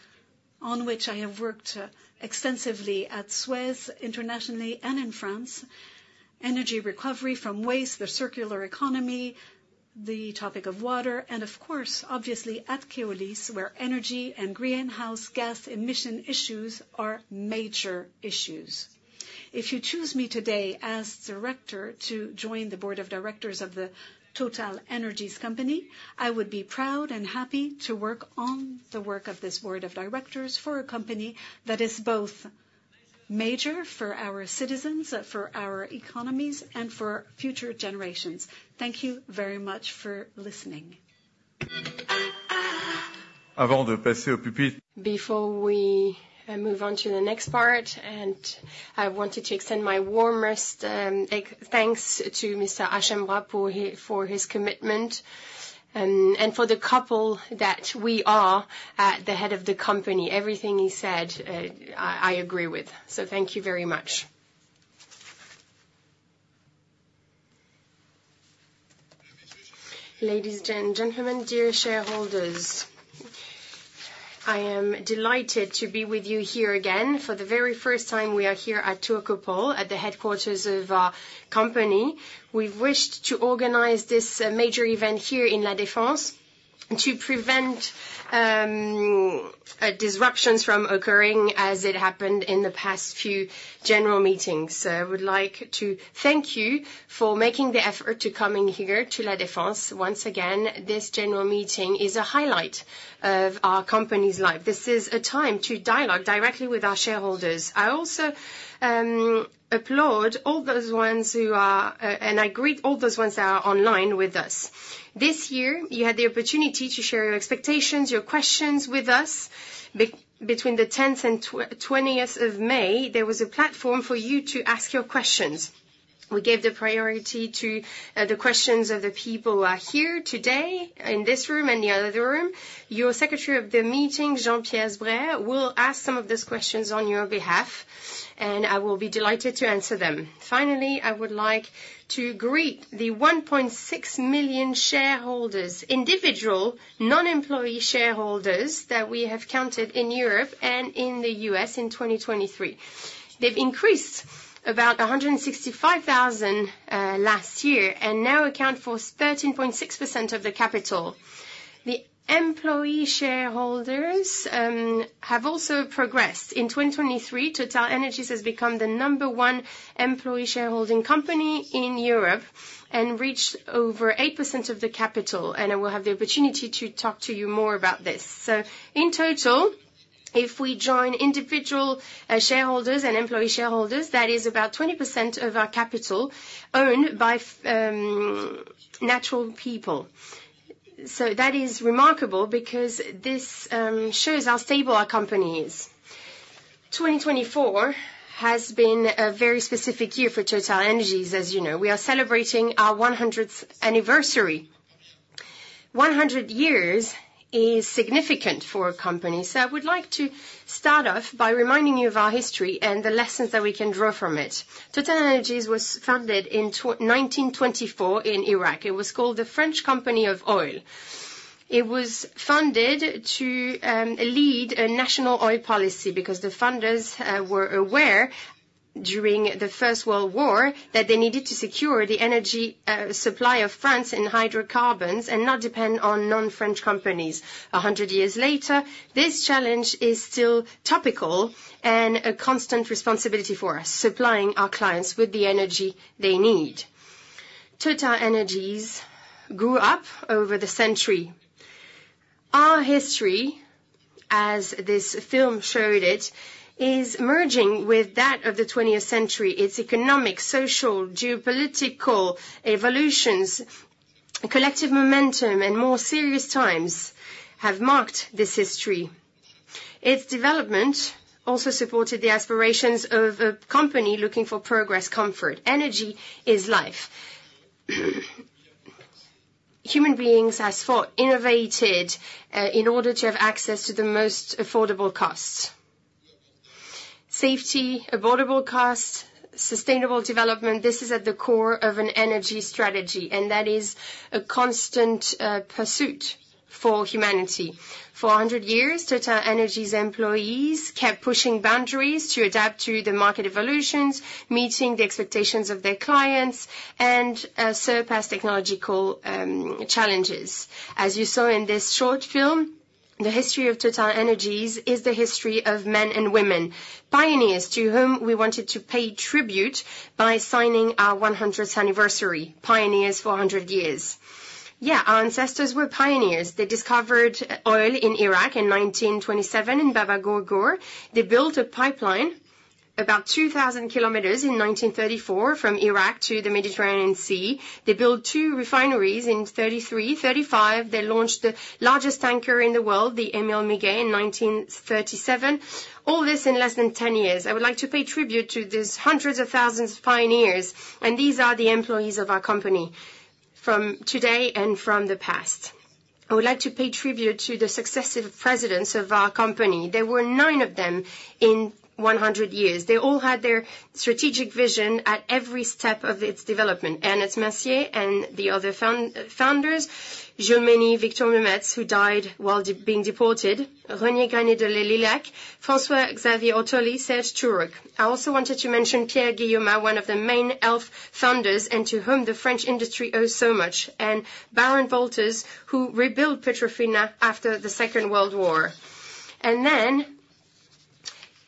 on which I have worked extensively at SUEZ, internationally and in France. Energy recovery from waste, the circular economy, the topic of water, and of course, obviously at Keolis, where energy and greenhouse gas emission issues are major issues. If you choose me today as Director to join the Board of Directors of the TotalEnergies company, I would be proud and happy to work on the work of this Board of Directors for a company that is both major for our citizens, for our economies, and for future generations. Thank you very much for listening. Before we move on to the next part, and I wanted to extend my warmest thanks to Mr. Aschenbroich for his commitment and for the couple that we are at the head of the company. Everything he said, I agree with. So thank you very much. Ladies and gentlemen, dear shareholders, I am delighted to be with you here again. For the very first time, we are here at Tour Total, at the headquarters of our company. We've wished to organize this major event here in La Défense to prevent disruptions from occurring as it happened in the past few general meetings. So I would like to thank you for making the effort to coming here to La Défense. Once again, this general meeting is a highlight of our company's life. This is a time to dialogue directly with our shareholders. I also applaud all those ones who are. I greet all those ones that are online with us. This year, you had the opportunity to share your expectations, your questions with us. Between the 10th and 20th of May, there was a platform for you to ask your questions. We gave the priority to the questions of the people who are here today, in this room and the other room. Your secretary of the meeting, Jean-Pierre Sbraire, will ask some of those questions on your behalf, and I will be delighted to answer them. Finally, I would like to greet the 1.6 million shareholders, individual, non-employee shareholders, that we have counted in Europe and in the US in 2023. They've increased about 165,000 last year, and now account for 13.6% of the capital. The employee shareholders have also progressed. In 2023, TotalEnergies has become the number one employee shareholding company in Europe and reached over 8% of the capital, and I will have the opportunity to talk to you more about this. So in total, if we join individual shareholders and employee shareholders, that is about 20% of our capital owned by natural people. So that is remarkable because this shows how stable our company is. 2024 has been a very specific year for TotalEnergies, as you know. We are celebrating our 100th anniversary. 100 years is significant for a company, so I would like to start off by reminding you of our history and the lessons that we can draw from it. TotalEnergies was founded in 1924 in Iraq. It was called the French Company of Oil. It was founded to lead a national oil policy because the founders were aware during the First World War that they needed to secure the energy supply of France in hydrocarbons and not depend on non-French companies. 100 years later, this challenge is still topical and a constant responsibility for us, supplying our clients with the energy they need. TotalEnergies grew up over the century. Our history, as this film showed it, is merging with that of the 20th century. Its economic, social, geopolitical evolutions, collective momentum, and more serious times have marked this history. Its development also supported the aspirations of a company looking for progress, comfort. Energy is life. Human beings has fought, innovated, in order to have access to the most affordable costs. Safety, affordable cost, sustainable development, this is at the core of an energy strategy, and that is a constant, pursuit for humanity. For 100 years, TotalEnergies employees kept pushing boundaries to adapt to the market evolutions, meeting the expectations of their clients, and, surpass technological, challenges. As you saw in this short film, the history of TotalEnergies is the history of men and women, pioneers to whom we wanted to pay tribute by signing our 100th anniversary, pioneers for 100 years. Yeah, our ancestors were pioneers. They discovered oil in Iraq in 1927 in Baba Gurgur. They built a pipeline, about 2,000 kilometers in 1934 from Iraq to the Mediterranean Sea. They built two refineries in 1933. 1935, they launched the largest tanker in the world, the Emile Miguet, in 1937. All this in less than 10 years. I would like to pay tribute to these hundreds of thousands of pioneers, and these are the employees of our company from today and from the past. I would like to pay tribute to the successive Presidents of our company. There were nine of them in 100 years. They all had their strategic vision at every step of its development, Ernest Mercier and the other founders, Jules Mény, Victor de Metz, who died while being deported. René Granier de Lillac, François Xavier Ortoli, Serge Tchuruk. I also wanted to mention Pierre Guillaumat, one of the main Elf founders, and to whom the French industry owes so much, and Baron Wolters, who rebuilt Petrofina after the Second World War. Then,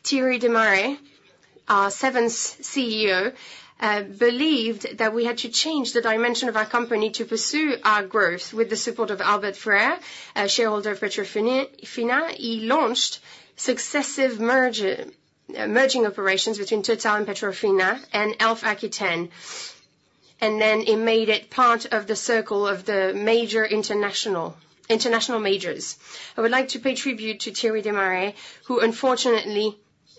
Thierry Desmarest, our seventh CEO, believed that we had to change the dimension of our company to pursue our growth. With the support of Albert Frère, a shareholder of Petrofina, he launched successive merging operations between Total and Petrofina and Elf Aquitaine, and then he made it part of the circle of the major international majors. I would like to pay tribute to Thierry Desmarest, who unfortunately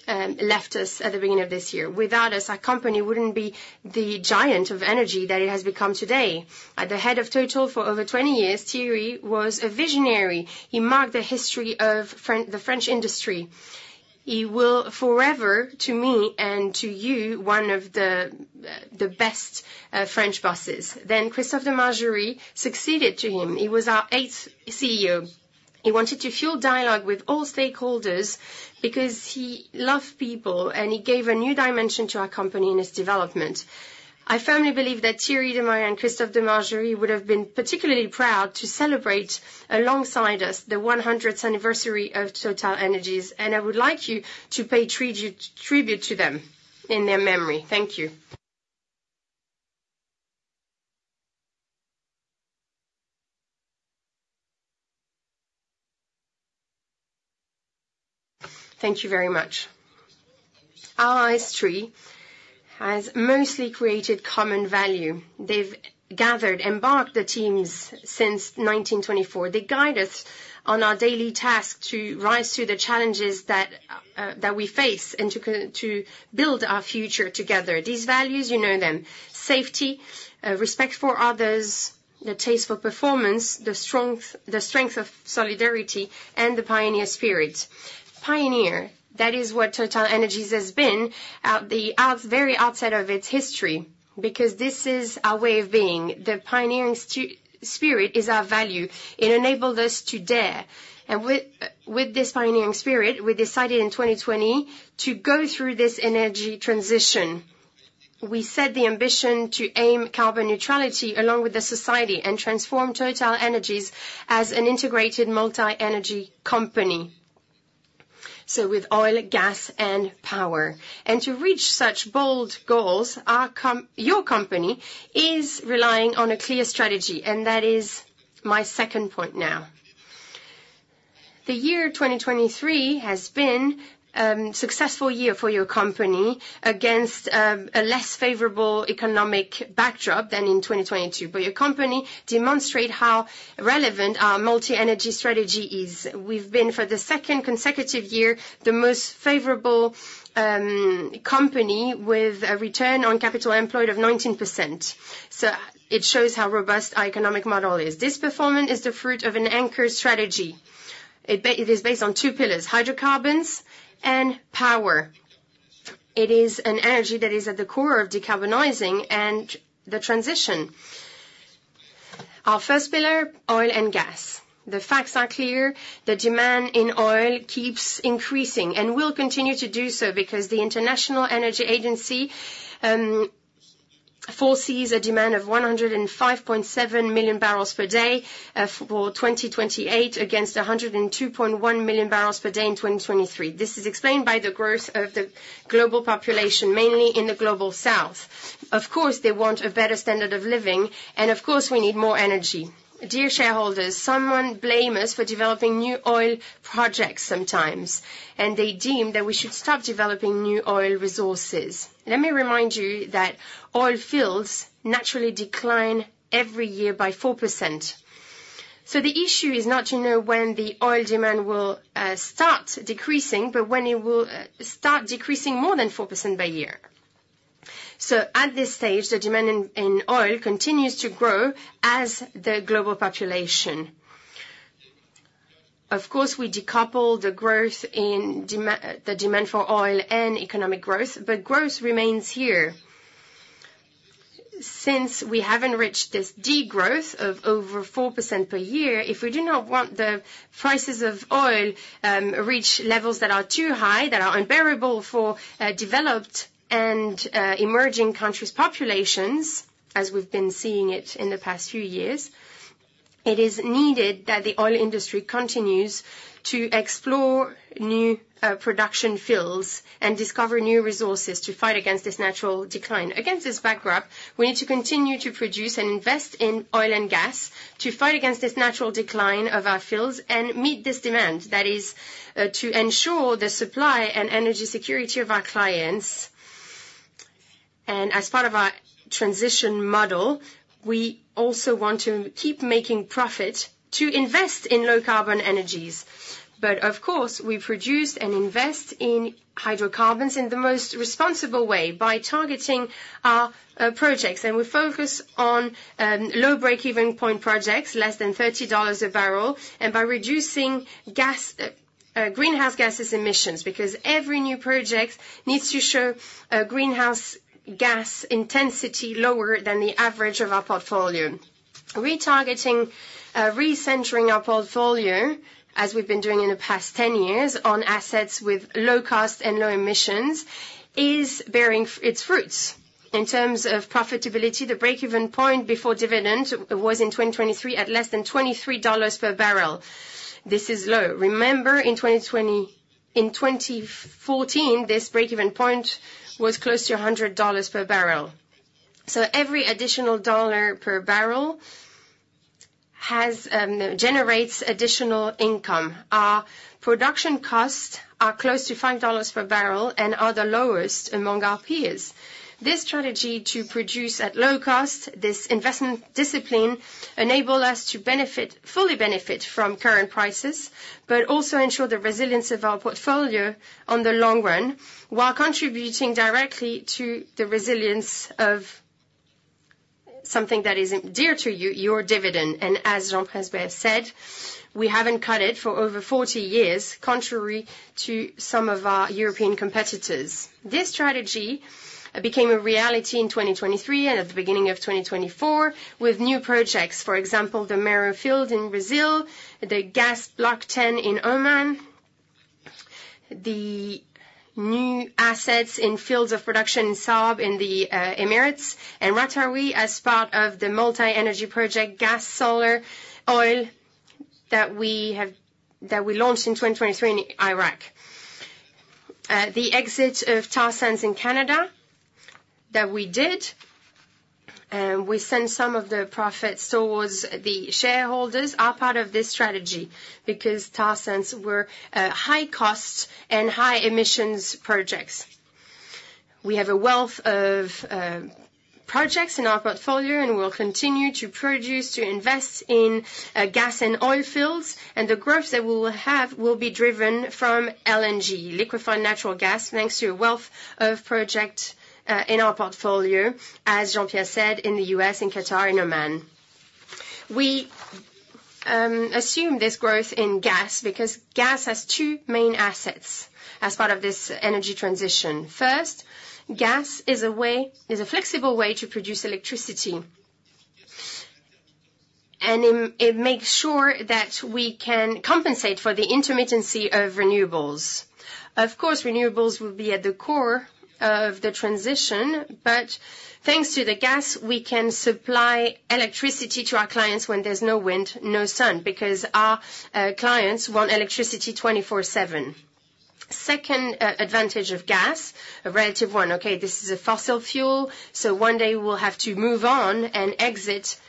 left us at the beginning of this year. Without us, our company wouldn't be the giant of energy that it has become today. At the head of Total for over 20 years, Thierry was a visionary. He marked the history of the French industry. He will forever, to me and to you, one of the, the best, French bosses. Then Christophe de Margerie succeeded to him. He was our eighth CEO. He wanted to fuel dialogue with all stakeholders because he loved people, and he gave a new dimension to our company and its development. I firmly believe that Thierry Desmarest and Christophe de Margerie would have been particularly proud to celebrate alongside us, the 100th anniversary of TotalEnergies, and I would like you to pay tribute to them in their memory. Thank you. Thank you very much. Our history has mostly created common value. They've gathered, embarked the teams since 1924. They guide us on our daily task to rise to the challenges that we face and to build our future together. These values, you know them. Safety, respect for others, the taste for performance, the strength of solidarity, and the pioneer spirit. Pioneer, that is what TotalEnergies has been at the very outset of its history, because this is our way of being. The pioneering spirit is our value. It enabled us to dare, and with this pioneering spirit, we decided in 2020 to go through this energy transition. We set the ambition to aim carbon neutrality along with the society and transform TotalEnergies as an integrated multi-energy company. So with oil, gas, and power. And to reach such bold goals, your company is relying on a clear strategy, and that is. My second point now. The year 2023 has been a successful year for your company against a less favorable economic backdrop than in 2022. But your company demonstrate how relevant our multi-energy strategy is. We've been, for the second consecutive year, the most favorable, company with a return on capital employed of 19%. So it shows how robust our economic model is. This performance is the fruit of an anchor strategy. It is based on two pillars: hydrocarbons and power. It is an energy that is at the core of decarbonizing and the transition. Our first pillar, oil and gas. The facts are clear. The demand in oil keeps increasing and will continue to do so because the International Energy Agency foresees a demand of 105.7 million barrels per day for 2028, against 102.1 million barrels per day in 2023. This is explained by the growth of the global population, mainly in the Global South. Of course, they want a better standard of living, and of course, we need more energy. Dear shareholders, someone blame us for developing new oil projects sometimes, and they deem that we should stop developing new oil resources. Let me remind you that oil fields naturally decline every year by 4%. So the issue is not to know when the oil demand will start decreasing, but when it will start decreasing more than 4% by year. So at this stage, the demand in oil continues to grow as the global population. Of course, we decouple the growth in the demand for oil and economic growth, but growth remains here. Since we haven't reached this degrowth of over 4% per year, if we do not want the prices of oil reach levels that are too high, that are unbearable for developed and emerging countries' populations, as we've been seeing it in the past few years, it is needed that the oil industry continues to explore new production fields and discover new resources to fight against this natural decline. Against this backdrop, we need to continue to produce and invest in oil and gas to fight against this natural decline of our fields and meet this demand. That is, to ensure the supply and energy security of our clients, and as part of our transition model, we also want to keep making profit to invest in low carbon energies. But of course, we produce and invest in hydrocarbons in the most responsible way by targeting our projects, and we focus on low breakeven point projects, less than $30 a barrel, and by reducing gas greenhouse gases emissions, because every new project needs to show a greenhouse gas intensity lower than the average of our portfolio. Retargeting recentering our portfolio, as we've been doing in the past 10 years, on assets with low cost and low emissions, is bearing its fruits. In terms of profitability, the breakeven point before dividend was in 2023, at less than $23 per barrel. This is low. Remember, in 2020... In 2014, this breakeven point was close to $100 per barrel. So every additional dollar per barrel has generates additional income. Our production costs are close to $5 per barrel and are the lowest among our peers. This strategy to produce at low cost, this investment discipline, enable us to benefit, fully benefit from current prices, but also ensure the resilience of our portfolio on the long run, while contributing directly to the resilience of something that is dear to you, your dividend. And as Jean-Pierre said, we haven't cut it for over 40 years, contrary to some of our European competitors. This strategy became a reality in 2023 and at the beginning of 2024, with new projects. For example, the Mero field in Brazil, the gas Block 10 in Oman, the new assets in fields of production in Sarb, in the Emirates, and Ratawi, as part of the multi-energy project, gas, solar, oil, that we launched in 2023 in Iraq. The exit of tar sands in Canada that we did, and we send some of the profits towards the shareholders, are part of this strategy, because tar sands were high cost and high emissions projects. We have a wealth of projects in our portfolio, and we will continue to produce, to invest in, gas and oil fields, and the growth that we will have will be driven from LNG, liquefied natural gas, thanks to a wealth of project in our portfolio, as Jean-Pierre said, in the US, in Qatar, in Oman. We assume this growth in gas, because gas has two main assets as part of this energy transition. First, gas is a flexible way to produce electricity, and it makes sure that we can compensate for the intermittency of renewables. Of course, renewables will be at the core of the transition, but thanks to the gas, we can supply electricity to our clients when there's no wind, no sun, because our clients want electricity 24/7... Second, advantage of gas, a relative one, okay, this is a fossil fuel, so one day we'll have to move on and exit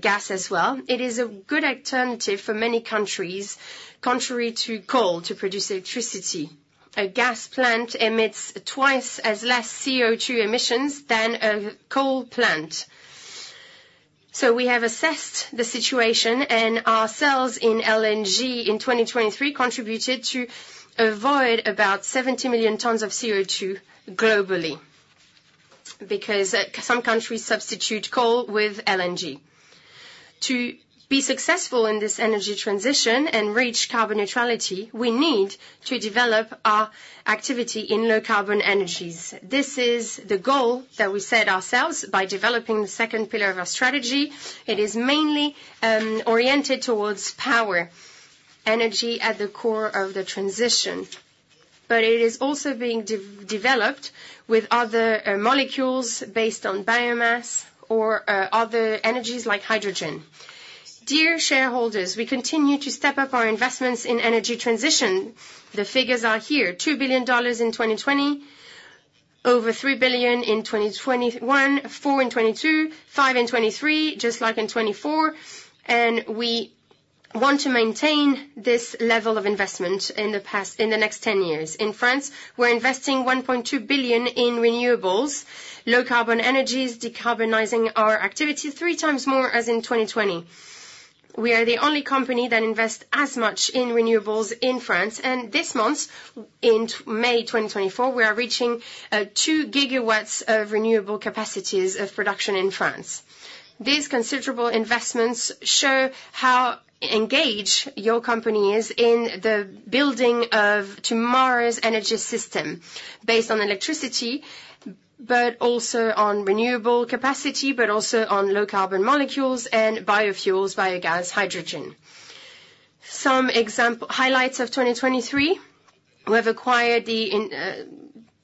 gas as well. It is a good alternative for many countries, contrary to coal, to produce electricity. A gas plant emits twice as less CO2 emissions than a coal plant. So we have assessed the situation, and our sales in LNG in 2023 contributed to avoid about 70 million tons of CO2 globally, because some countries substitute coal with LNG. To be successful in this energy transition and reach carbon neutrality, we need to develop our activity in low-carbon energies. This is the goal that we set ourselves by developing the second pillar of our strategy. It is mainly oriented towards power, energy at the core of the transition, but it is also being developed with other molecules based on biomass or other energies like hydrogen. Dear shareholders, we continue to step up our investments in energy transition. The figures are here, $2 billion in 2020, over $3 billion in 2021, $4 billion in 2022, $5 billion in 2023, just like in 2024. We want to maintain this level of investment in the next 10 years. In France, we're investing $1.2 billion in renewables, low carbon energies, decarbonizing our activity three times more as in 2020. We are the only company that invests as much in renewables in France, and this month, in May 2024, we are reaching 2 GW of renewable capacities of production in France. These considerable investments show how engaged your company is in the building of tomorrow's energy system, based on electricity, but also on renewable capacity, but also on low carbon molecules and biofuels, biogas, hydrogen. Some highlights of 2023. We have acquired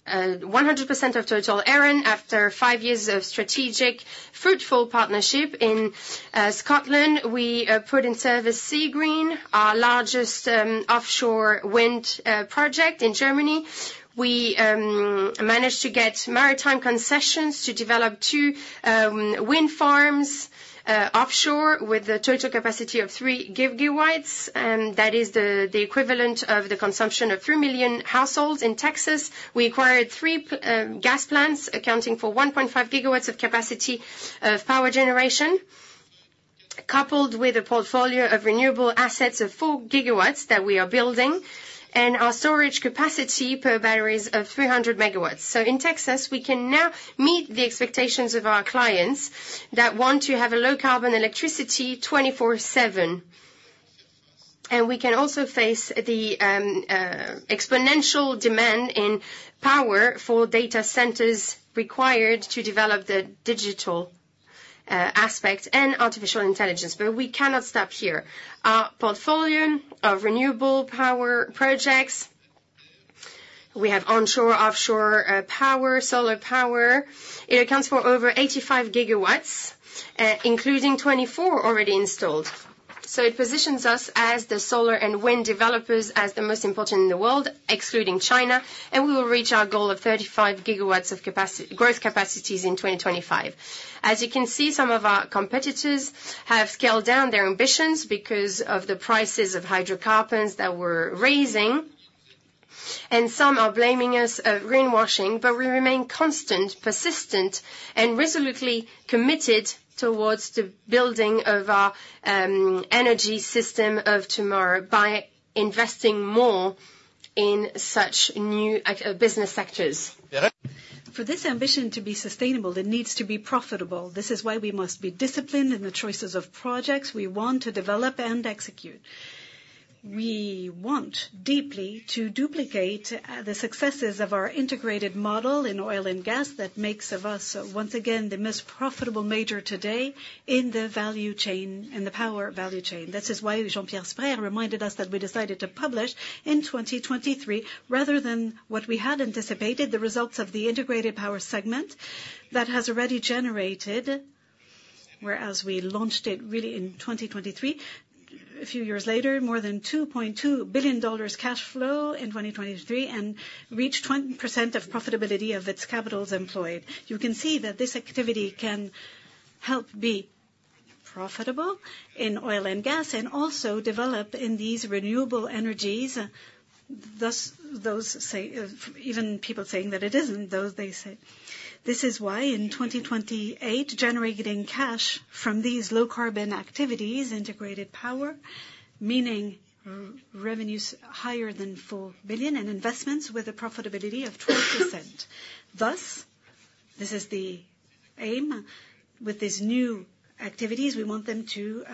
100% of Total Eren after five years of strategic, fruitful partnership in Scotland. We put in service Seagreen, our largest offshore wind project in Germany. We managed to get maritime concessions to develop two wind farms offshore, with a total capacity of 3 GW, and that is the equivalent of the consumption of 3 million households. In Texas, we acquired three gas plants, accounting for 1.5 GW of capacity of power generation, coupled with a portfolio of renewable assets of 4 GW that we are building, and our storage capacity per batteries of 300 MW. So in Texas, we can now meet the expectations of our clients that want to have a low-carbon electricity 24/7. We can also face the exponential demand in power for data centers required to develop the digital aspect and artificial intelligence. But we cannot stop here. Our portfolio of renewable power projects, we have onshore, offshore, power, solar power. It accounts for over 85 GW, including 24 already installed. It positions us as the solar and wind developers as the most important in the world, excluding China, and we will reach our goal of 35 GW of capacity - growth capacities in 2025. As you can see, some of our competitors have scaled down their ambitions because of the prices of hydrocarbons that were rising, and some are blaming us of greenwashing, but we remain constant, persistent, and resolutely committed towards the building of our energy system of tomorrow by investing more in such new business sectors. For this ambition to be sustainable, it needs to be profitable. This is why we must be disciplined in the choices of projects we want to develop and execute. We want deeply to duplicate the successes of our integrated model in oil and gas that makes of us, once again, the most profitable major today in the value chain, in the power value chain. This is why Jean-Pierre Sbraire reminded us that we decided to publish in 2023, rather than what we had anticipated, the results of the integrated power segment that has already generated, whereas we launched it really in 2023. A few years later, more than $2.2 billion cash flow in 2023, and reached 20% of profitability of its capitals employed. You can see that this activity can help be profitable in oil and gas, and also develop in these renewable energies. Thus, those say, even people saying that it isn't, those they say... This is why in 2028, generating cash from these low-carbon activities, integrated power, meaning revenues higher than 4 billion, and investments with a profitability of 12%. Thus, this is the aim. With these new activities, we want them to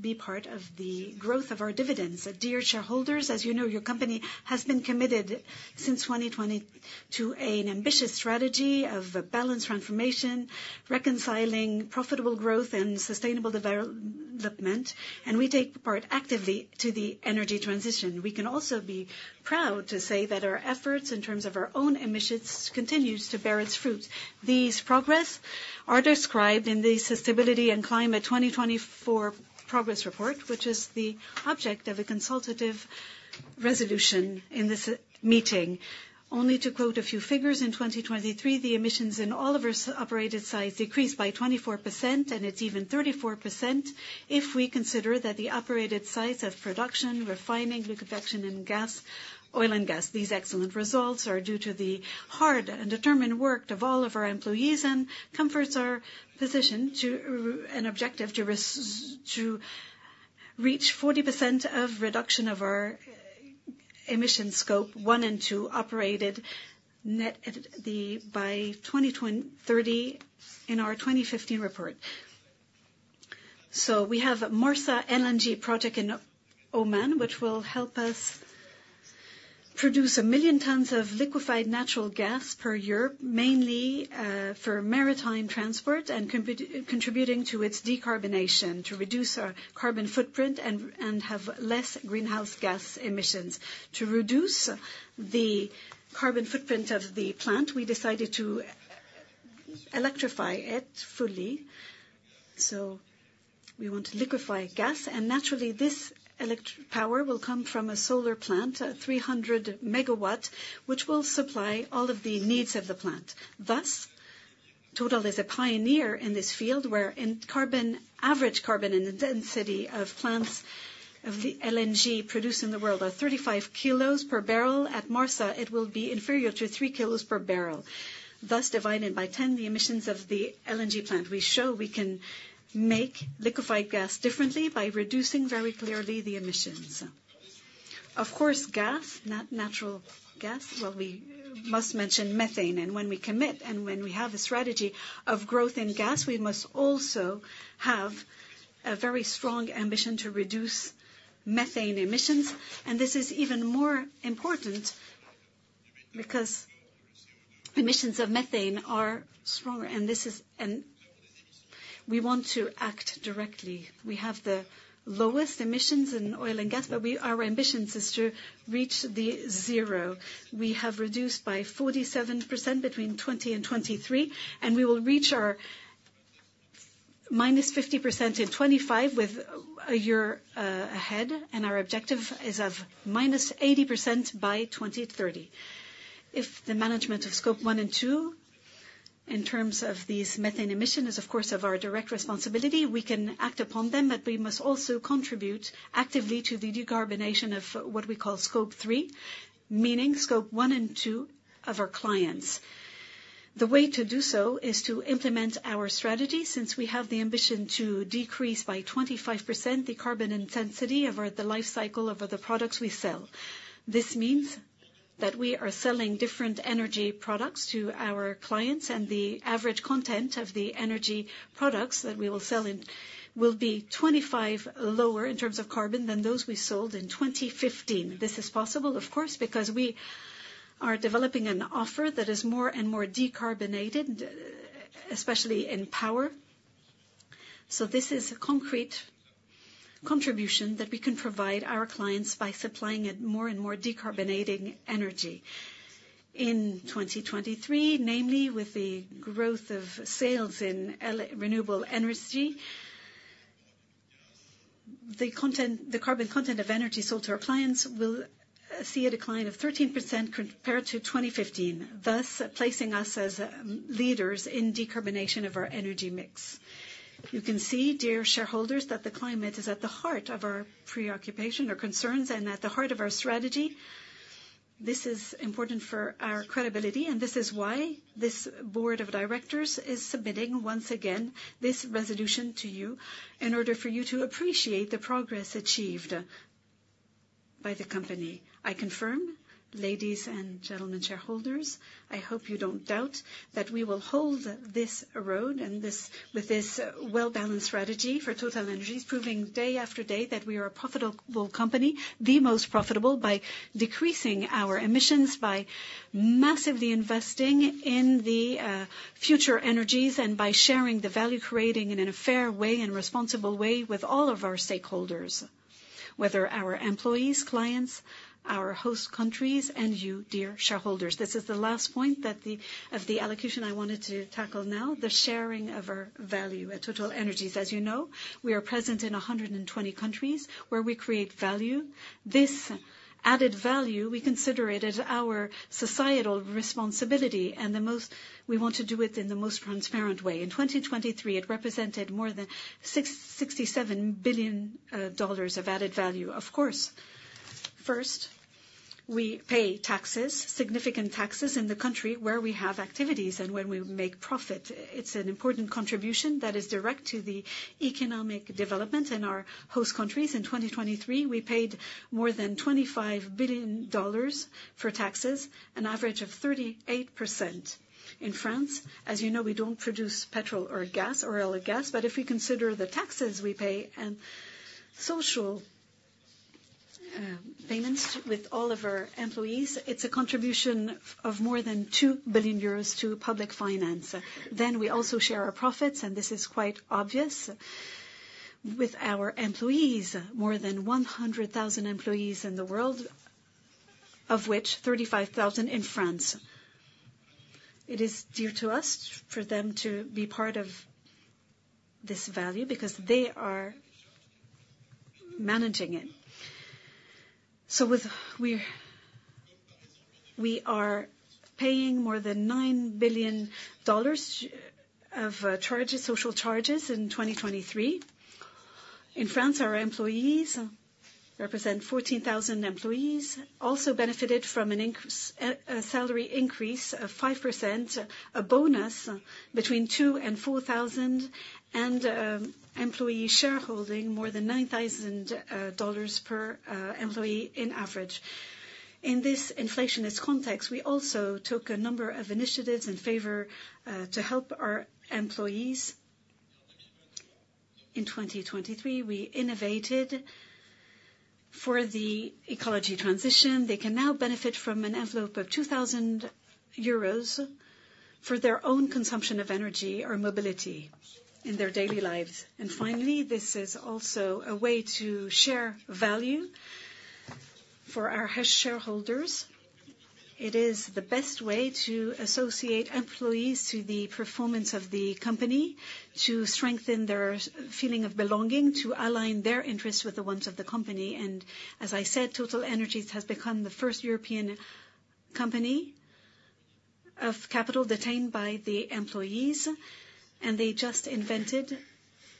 be part of the growth of our dividends. Dear shareholders, as you know, your company has been committed since 2020 to an ambitious strategy of balanced transformation, reconciling profitable growth and sustainable development, and we take part actively to the energy transition. We can also be proud to say that our efforts, in terms of our own emissions, continues to bear its fruit. These progress are described in the Sustainability and Climate 2024 Progress Report, which is the object of a consultative resolution in this meeting. Only to quote a few figures, in 2023, the emissions in all of our operated sites decreased by 24%, and it's even 34% if we consider that the operated sites of production, refining, liquefaction, and gas, oil and gas. These excellent results are due to the hard and determined work of all of our employees, and comforts our position to an objective to reach 40% of reduction of our emission scope one and two operated net at the by 2030 in our 2050 report. So we have Marsa LNG project in Oman, which will help us produce 1 million tons of liquefied natural gas per year, mainly for maritime transport and contributing to its decarbonation, to reduce our carbon footprint and have less greenhouse gas emissions. To reduce the carbon footprint of the plant, we decided to electrify it fully. So we want to liquefy gas, and naturally, this electric power will come from a solar plant, a 300 MW, which will supply all of the needs of the plant. Thus, Total is a pioneer in this field, where in carbon, average carbon, in the density of plants of the LNG produced in the world, are 35 kilos per barrel. At Marsa, it will be inferior to 3 kilos per barrel, thus divided by 10, the emissions of the LNG plant. We show we can make liquefied gas differently by reducing very clearly the emissions. Of course, gas, natural gas, well, we must mention methane, and when we commit and when we have a strategy of growth in gas, we must also have a very strong ambition to reduce methane emissions. And this is even more important because emissions of methane are stronger, and we want to act directly. We have the lowest emissions in oil and gas, but we, our ambitions is to reach the zero. We have reduced by 47% between 2020 and 2023, and we will reach our -50% in 2025, with a year ahead, and our objective is of -80% by 2030. If the management of scope one and two, in terms of these methane emissions, is, of course, of our direct responsibility, we can act upon them, but we must also contribute actively to the decarbonation of what we call Scope three, meaning Scope one and two of our clients. The way to do so is to implement our strategy, since we have the ambition to decrease by 25% the carbon intensity over the life cycle of the products we sell. This means that we are selling different energy products to our clients, and the average content of the energy products that we will sell in, will be 25 lower in terms of carbon than those we sold in 2015. This is possible, of course, because we are developing an offer that is more and more decarbonated, especially in power. So this is a concrete contribution that we can provide our clients by supplying a more and more decarbonating energy. In 2023, namely, with the growth of sales in renewable energy, the content, the carbon content of energy sold to our clients will see a decline of 13% compared to 2015, thus placing us as leaders in decarbonation of our energy mix. You can see, dear shareholders, that the climate is at the heart of our preoccupation or concerns and at the heart of our strategy. This is important for our credibility, and this is why this Board of Directors is submitting, once again, this resolution to you in order for you to appreciate the progress achieved by the company. I confirm, ladies and gentlemen, shareholders, I hope you don't doubt that we will hold with this well-balanced strategy for TotalEnergies, proving day-after-day that we are a profitable company, the most profitable, by decreasing our emissions, by massively investing in the future energies, and by sharing the value creating in a fair way and responsible way with all of our stakeholders, whether our employees, clients, our host countries, and you, dear shareholders. This is the last point that of the allocation I wanted to tackle now, the sharing of our value at TotalEnergies. As you know, we are present in 120 countries where we create value. This added value, we consider it as our societal responsibility, and we want to do it in the most transparent way. In 2023, it represented more than $67 billion of added value. Of course, first, we pay taxes, significant taxes in the country where we have activities and when we make profit. It's an important contribution that is direct to the economic development in our host countries. In 2023, we paid more than $25 billion for taxes, an average of 38%. In France, as you know, we don't produce petrol or gas, oil or gas, but if we consider the taxes we pay and social payments with all of our employees, it's a contribution of more than 2 billion euros to public finance. Then we also share our profits, and this is quite obvious with our employees, more than 100,000 employees in the world, of which 35,000 in France. It is dear to us for them to be part of-... this value because they are managing it. So with we, we are paying more than $9 billion of charges, social charges in 2023. In France, our employees represent 14,000 employees, also benefited from an increase, a salary increase of 5%, a bonus between 2,000 and 4,000, and employee shareholding more than $9,000 per employee in average. In this inflationist context, we also took a number of initiatives in favor to help our employees. In 2023, we innovated for the ecology transition. They can now benefit from an envelope of 2,000 euros for their own consumption of energy or mobility in their daily lives. And finally, this is also a way to share value for our shareholders. It is the best way to associate employees to the performance of the company, to strengthen their feeling of belonging, to align their interests with the ones of the company. As I said, TotalEnergies has become the first European company of capital held by the employees, and they just invested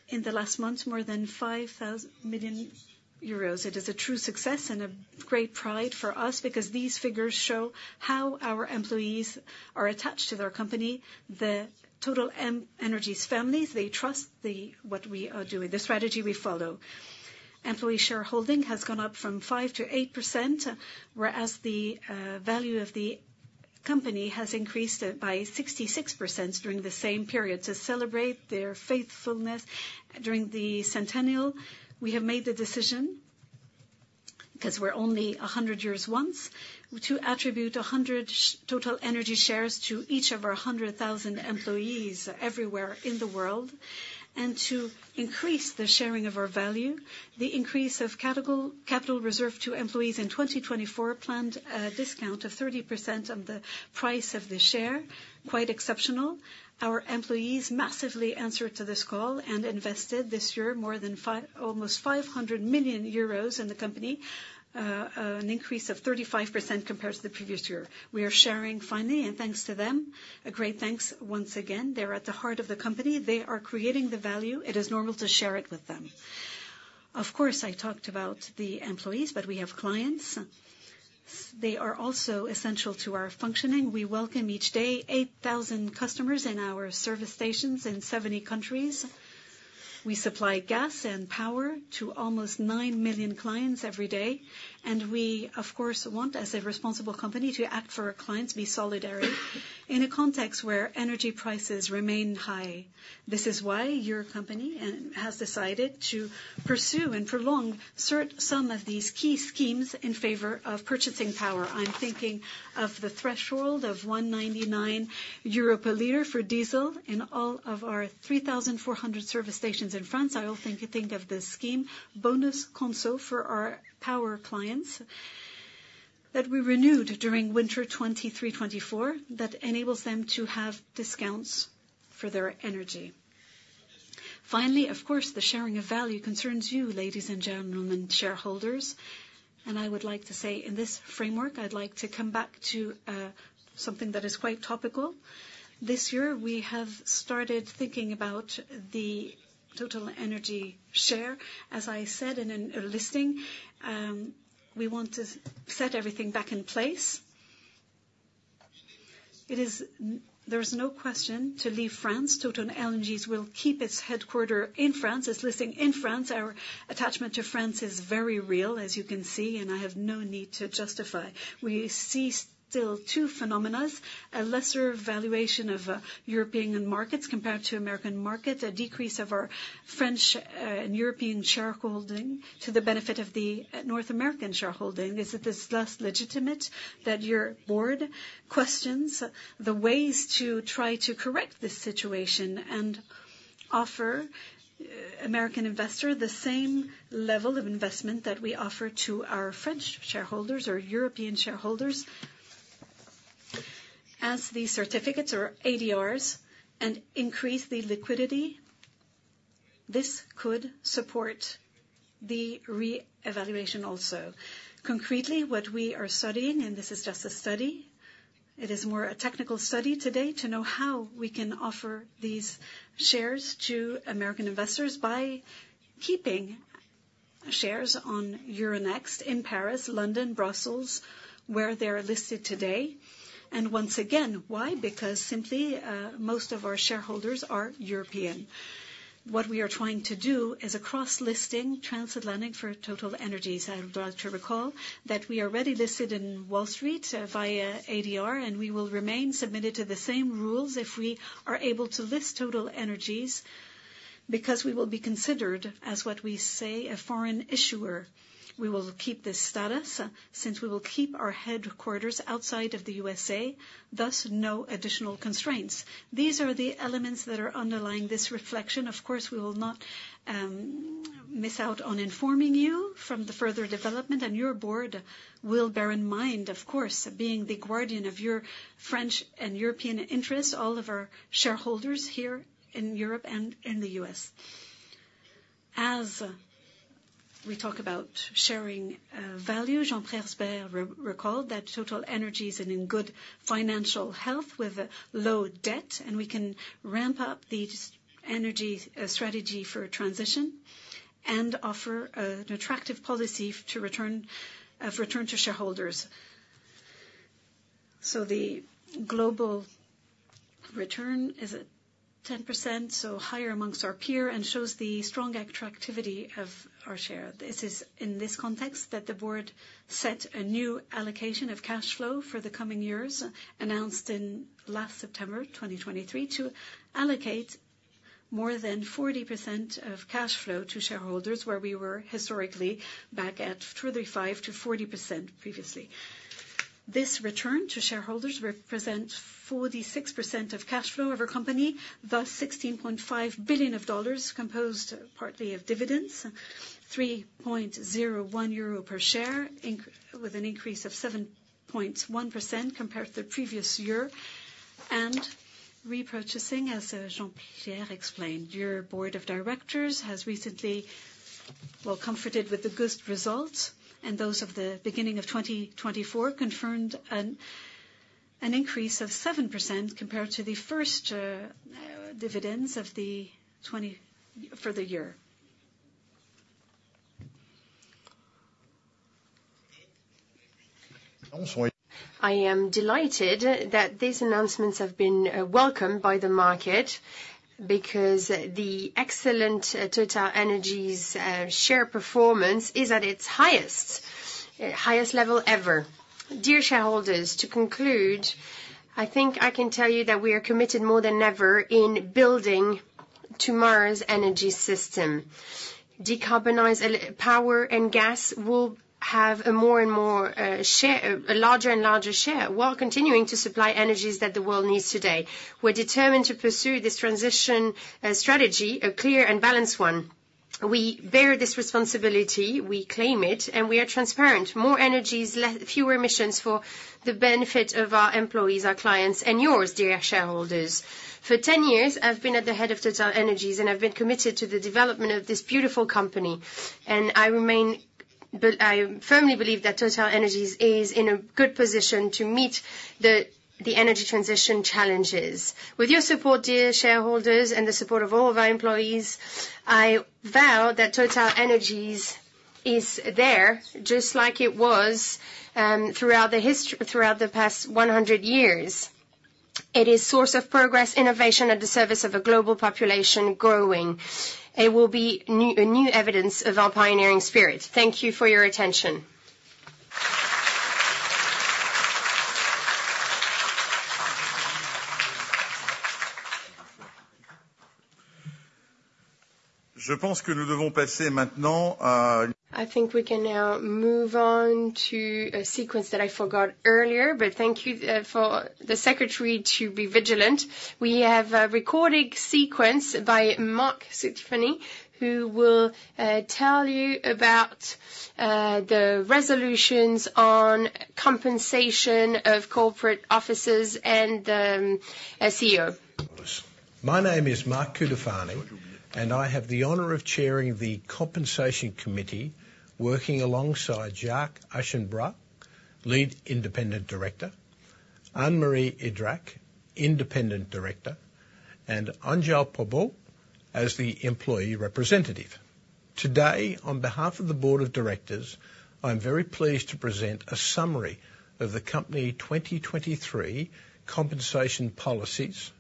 in the last month, more than 5,000 million euros. It is a true success and a great pride for us because these figures show how our employees are attached to their company, the TotalEnergies families. They trust what we are doing, the strategy we follow. Employee shareholding has gone up from 5%-8%, whereas the value of the company has increased by 66% during the same period. To celebrate their faithfulness during the centennial, we have made the decision, because we're only a hundred years once, to attribute 100 TotalEnergies shares to each of our 100,000 employees everywhere in the world, and to increase the sharing of our value. The increase of capital reserve to employees in 2024 planned a discount of 30% on the price of the share. Quite exceptional. Our employees massively answered to this call and invested this year more than almost 500 million euros in the company, an increase of 35% compared to the previous year. We are sharing finally, and thanks to them, a great thanks once again. They're at the heart of the company. They are creating the value. It is normal to share it with them. Of course, I talked about the employees, but we have clients. They are also essential to our functioning. We welcome each day 8,000 customers in our service stations in 70 countries. We supply gas and power to almost 9 million clients every day, and we, of course, want, as a responsible company, to act for our clients, be solidary in a context where energy prices remain high. This is why your company has decided to pursue and prolong some of these key schemes in favor of purchasing power. I'm thinking of the threshold of 1.99 euro per liter for diesel in all of our 3,400 service stations in France. I also think of the scheme, Bonus Conso, for our power clients, that we renewed during winter 2023-2024, that enables them to have discounts for their energy. Finally, of course, the sharing of value concerns you, ladies and gentlemen, shareholders. I would like to say in this framework, I'd like to come back to something that is quite topical. This year, we have started thinking about the TotalEnergies share. As I said in a listing, we want to set everything back in place. There is no question to leave France. TotalEnergies will keep its headquarters in France, its listing in France. Our attachment to France is very real, as you can see, and I have no need to justify. We see still two phenomena, a lesser valuation of European markets compared to American market, a decrease of our French and European shareholding to the benefit of the North American shareholding. Is it thus legitimate that your board questions the ways to try to correct this situation and offer American investor the same level of investment that we offer to our French shareholders or European shareholders as the certificates or ADRs and increase the liquidity? This could support the reevaluation also. Concretely, what we are studying, and this is just a study, it is more a technical study today to know how we can offer these shares to American investors by keeping shares on Euronext in Paris, London, Brussels, where they are listed today. And once again, why? Because simply, most of our shareholders are European. What we are trying to do is a cross-listing, transatlantic for TotalEnergies. I would like to recall that we are already listed in Wall Street via ADR, and we will remain submitted to the same rules if we are able to list TotalEnergies, because we will be considered as what we say, a foreign issuer. We will keep this status since we will keep our headquarters outside of the USA, thus, no additional constraints. These are the elements that are underlying this reflection. Of course, we will not.... miss out on informing you from the further development, and your board will bear in mind, of course, being the guardian of your French and European interests, all of our shareholders here in Europe and in the US. As we talk about sharing, value, Jean-Pierre Sbraire recalled that TotalEnergies is in good financial health with low debt, and we can ramp up the energy strategy for transition and offer, an attractive policy to return, of return to shareholders. So the global return is at 10%, so higher amongst our peer, and shows the strong attractivity of our share. It is in this context that the board set a new allocation of cash flow for the coming years, announced in last September 2023, to allocate more than 40% of cash flow to shareholders, where we were historically back at 35%-40% previously. This return to shareholders represents 46% of cash flow of our company, thus $16.5 billion, composed partly of dividends, 3.01 euro per share, with an increase of 7.1% compared to the previous year, and repurchasing, as, Jean-Pierre explained. Your Board of Directors has recently, well, comforted with the good results and those of the beginning of 2024, confirmed an increase of 7% compared to the first, dividends of the 2024 for the year. I am delighted that these announcements have been, welcomed by the market, because the excellent TotalEnergies, share performance is at its highest level ever. Dear shareholders, to conclude, I think I can tell you that we are committed more than ever in building tomorrow's energy system. Decarbonized electricity power and gas will have a more and more share, a larger and larger share, while continuing to supply energies that the world needs today. We're determined to pursue this transition strategy, a clear and balanced one. We bear this responsibility, we claim it, and we are transparent. More energies, fewer emissions for the benefit of our employees, our clients, and yours, dear shareholders. For 10 years, I've been at the head of TotalEnergies, and I've been committed to the development of this beautiful company, but I firmly believe that TotalEnergies is in a good position to meet the energy transition challenges. With your support, dear shareholders, and the support of all of our employees, I vow that TotalEnergies is there, just like it was throughout the past 100 years. It is source of progress, innovation at the service of a global population growing. It will be new, a new evidence of our pioneering spirit. Thank you for your attention. I think we can now move on to a sequence that I forgot earlier, but thank you, for the secretary to be vigilant. We have a recorded sequence by Mark Cutifani, who will tell you about the resolutions on compensation of corporate officers and a CEO. My name is Mark Cutifani, and I have the honor of chairing the Compensation Committee, working alongside Jacques Aschenbroich, Lead Independent Director, Anne-Marie Idrac, Independent Director, and Angel Pobo as the employee representative. Today, on behalf of the Board of Directors, I'm very pleased to present a summary of the company 2023 compensation policies,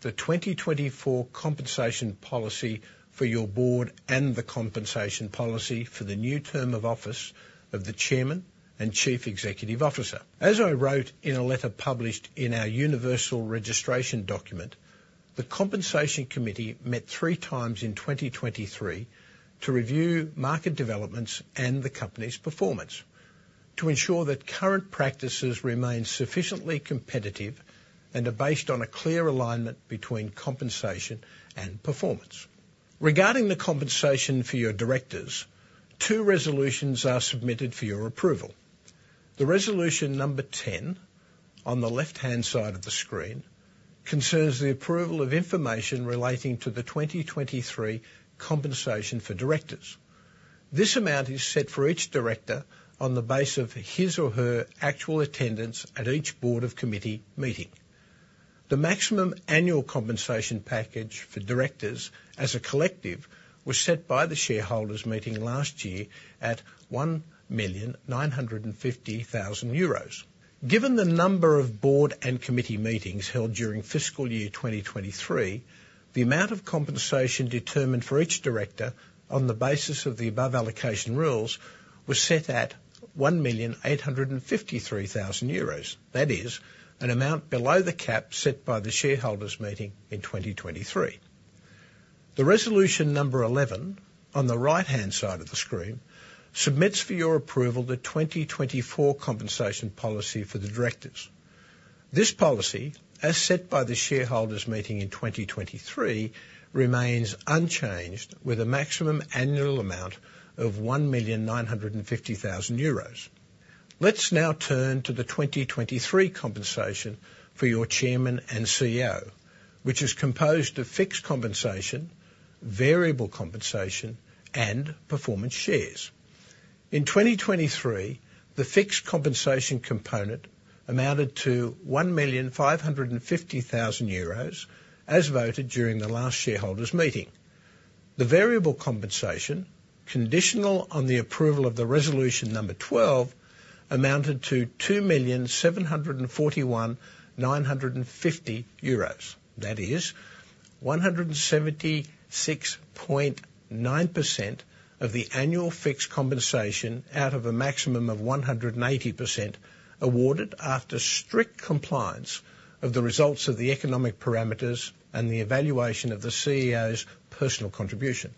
the 2024 compensation policy for your board, and the compensation policy for the new term of office of the Chairman and Chief Executive Officer. As I wrote in a letter published in our Universal Registration Document, the Compensation Committee met three times in 2023 to review market developments and the company's performance to ensure that current practices remain sufficiently competitive and are based on a clear alignment between compensation and performance. Regarding the compensation for your Directors, two resolutions are submitted for your approval. The resolution number 10, on the left-hand side of the screen, concerns the approval of information relating to the 2023 compensation for Directors. This amount is set for each Director on the basis of his or her actual attendance at each board of committee meeting. The maximum annual compensation package for Directors as a collective was set by the shareholders meeting last year at 1,950,000 euros. Given the number of board and committee meetings held during fiscal year 2023, the amount of compensation determined for each Director on the basis of the above allocation rules was set at 1,853,000 euros. That is an amount below the cap set by the shareholders meeting in 2023. The resolution number 11, on the right-hand side of the screen, submits for your approval the 2024 compensation policy for the Directors. This policy, as set by the shareholders meeting in 2023, remains unchanged, with a maximum annual amount of 1,950,000 euros. Let's now turn to the 2023 compensation for your Chairman and CEO, which is composed of fixed compensation, variable compensation, and performance shares. In 2023, the fixed compensation component amounted to 1,550,000 euros, as voted during the last shareholders meeting. The variable compensation, conditional on the approval of the resolution number 12, amounted to 2,741,950 euros. That is 176.9% of the annual fixed compensation out of a maximum of 180%, awarded after strict compliance of the results of the economic parameters and the evaluation of the CEO's personal contribution.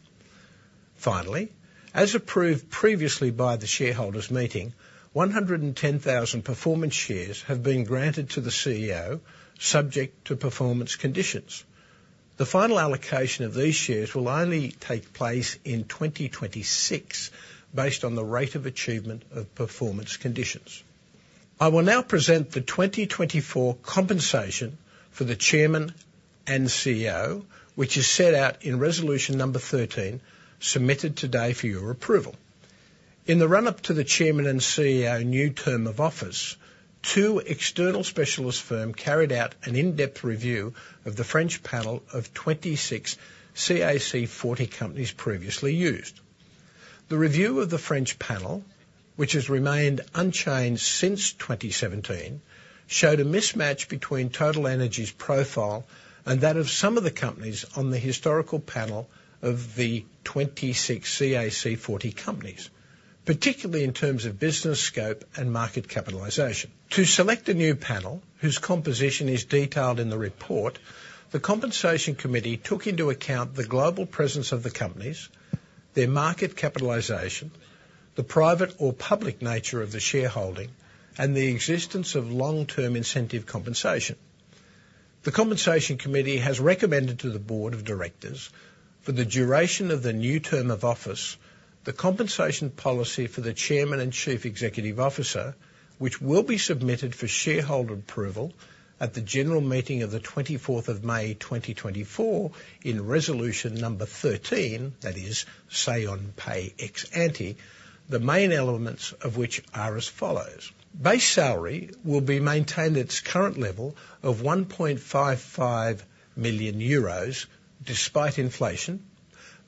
Finally, as approved previously by the shareholders' meeting, 110,000 performance shares have been granted to the CEO, subject to performance conditions. The final allocation of these shares will only take place in 2026, based on the rate of achievement of performance conditions. I will now present the 2024 compensation for the Chairman and CEO, which is set out in resolution number 13, submitted today for your approval. In the run-up to the Chairman and CEO's new term of office, two external specialist firms carried out an in-depth review of the French panel of 26 CAC 40 companies previously used. The review of the French panel, which has remained unchanged since 2017, showed a mismatch between TotalEnergies' profile and that of some of the companies on the historical panel of the 26 CAC 40 companies, particularly in terms of business scope and market capitalization. To select a new panel, whose composition is detailed in the report, the Compensation Committee took into account the global presence of the companies, their market capitalization, the private or public nature of the shareholding, and the existence of long-term incentive compensation. The Compensation Committee has recommended to the Board of Directors for the duration of the new term of office, the compensation policy for the Chairman and Chief Executive Officer, which will be submitted for shareholder approval at the general meeting of the 24th of May, 2024, in resolution number 13, that is to say, on pay ex-ante, the main elements of which are as follows: base salary will be maintained at its current level of 1.55 million euros, despite inflation.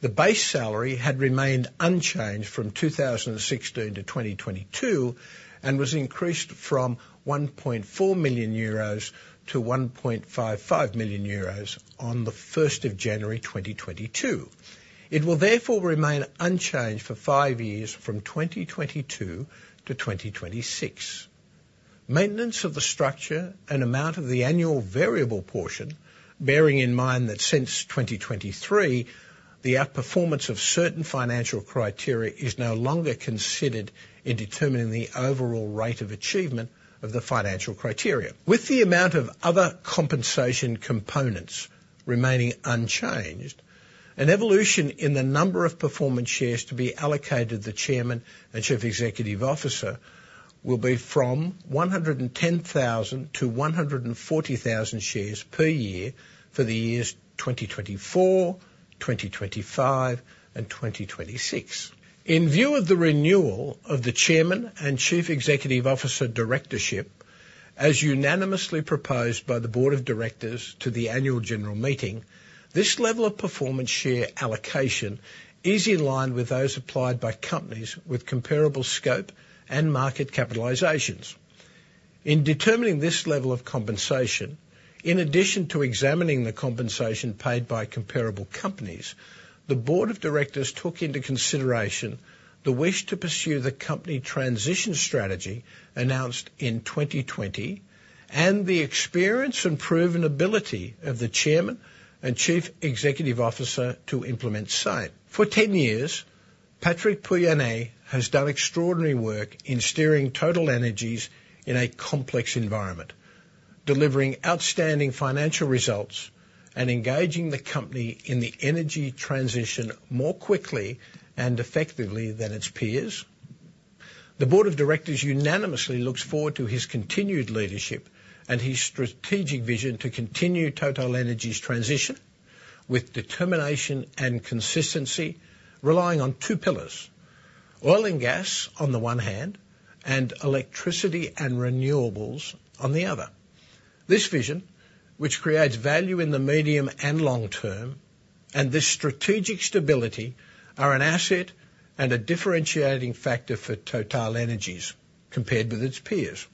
The base salary had remained unchanged from 2016 to 2022, and was increased from 1.4 million euros to 1.55 million euros on the first of January, 2022. It will therefore remain unchanged for five years from 2022 to 2026. Maintenance of the structure and amount of the annual variable portion, bearing in mind that since 2023, the outperformance of certain financial criteria is no longer considered in determining the overall rate of achievement of the financial criteria. With the amount of other compensation components remaining unchanged, an evolution in the number of performance shares to be allocated, the Chairman and Chief Executive Officer will be from 110,000 to 140,000 shares per year for the years 2024, 2025, and 2026. In view of the renewal of the Chairman and Chief Executive Officer Directorship, as unanimously proposed by the Board of Directors to the annual general meeting, this level of performance share allocation is in line with those applied by companies with comparable scope and market capitalizations. In determining this level of compensation, in addition to examining the compensation paid by comparable companies, the Board of Directors took into consideration the wish to pursue the company transition strategy announced in 2020, and the experience and proven ability of the Chairman and Chief Executive Officer to implement same. For 10 years, Patrick Pouyanné has done extraordinary work in steering TotalEnergies in a complex environment, delivering outstanding financial results and engaging the company in the energy transition more quickly and effectively than its peers. The Board of Directors unanimously looks forward to his continued leadership and his strategic vision to continue TotalEnergies transition with determination and consistency, relying on two pillars: oil and gas, on the one hand, and electricity and renewables on the other. This vision, which creates value in the medium and long term, and this strategic stability, are an asset and a differentiating factor for TotalEnergies compared with its peers.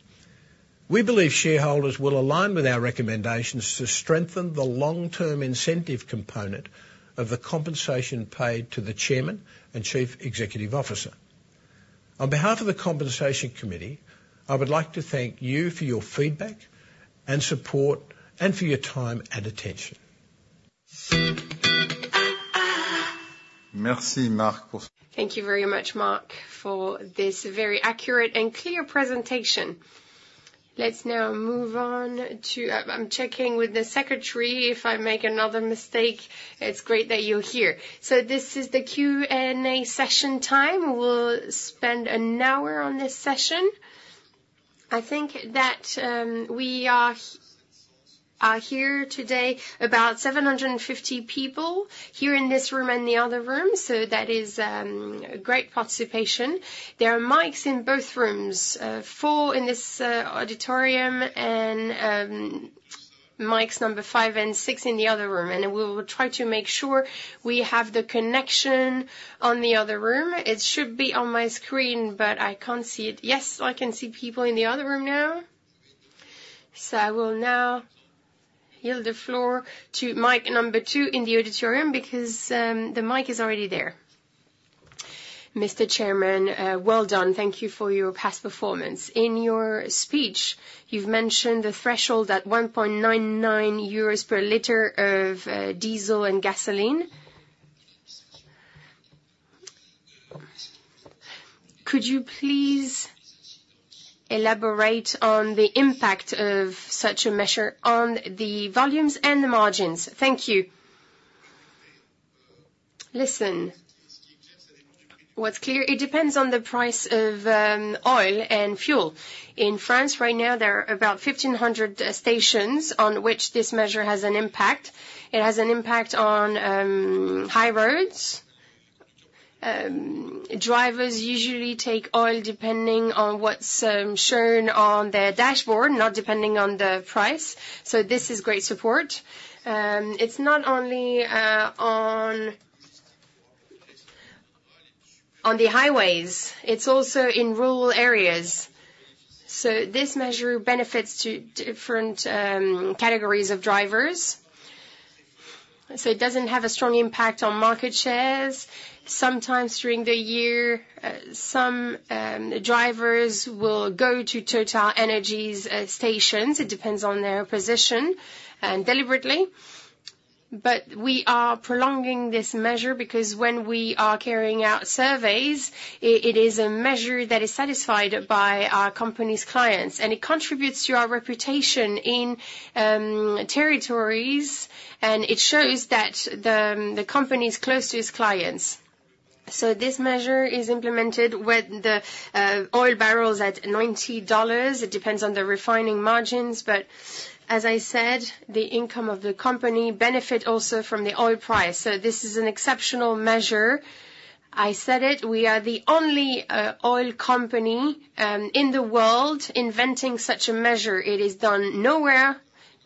We believe shareholders will align with our recommendations to strengthen the long-term incentive component of the compensation paid to the Chairman and Chief Executive Officer. On behalf of the Compensation Committee, I would like to thank you for your feedback and support and for your time and attention.... Merci, Mark. Thank you very much, Mark, for this very accurate and clear presentation. Let's now move on to. I'm checking with the secretary. If I make another mistake, it's great that you're here. So this is the Q&A session time. We'll spend an hour on this session. I think that we are here today about 750 people, here in this room and the other room, so that is a great participation. There are mics in both rooms, four in this auditorium, and mics number five and six in the other room. We will try to make sure we have the connection on the other room. It should be on my screen, but I can't see it. Yes, I can see people in the other room now. So I will now yield the floor to mic number two in the auditorium, because the mic is already there. Mr. Chairman, well done. Thank you for your past performance. In your speech, you've mentioned the threshold at 1.99 euros per liter of diesel and gasoline. Could you please elaborate on the impact of such a measure on the volumes and the margins? Thank you. Listen, what's clear, it depends on the price of oil and fuel. In France right now, there are about 1,500 stations on which this measure has an impact. It has an impact on high roads. Drivers usually take oil, depending on what's shown on their dashboard, not depending on the price. So this is great support. It's not only on the highways, it's also in rural areas. So this measure benefits to different, categories of drivers. It doesn't have a strong impact on market shares. Sometimes during the year, some drivers will go to TotalEnergies stations, it depends on their position, and deliberately. But we are prolonging this measure because when we are carrying out surveys, it is a measure that is satisfied by our company's clients, and it contributes to our reputation in territories, and it shows that the company is close to its clients. So this measure is implemented when the oil barrel is at $90. It depends on the refining margins, but as I said, the income of the company benefit also from the oil price. So this is an exceptional measure. I said it, we are the only oil company in the world inventing such a measure. It is done nowhere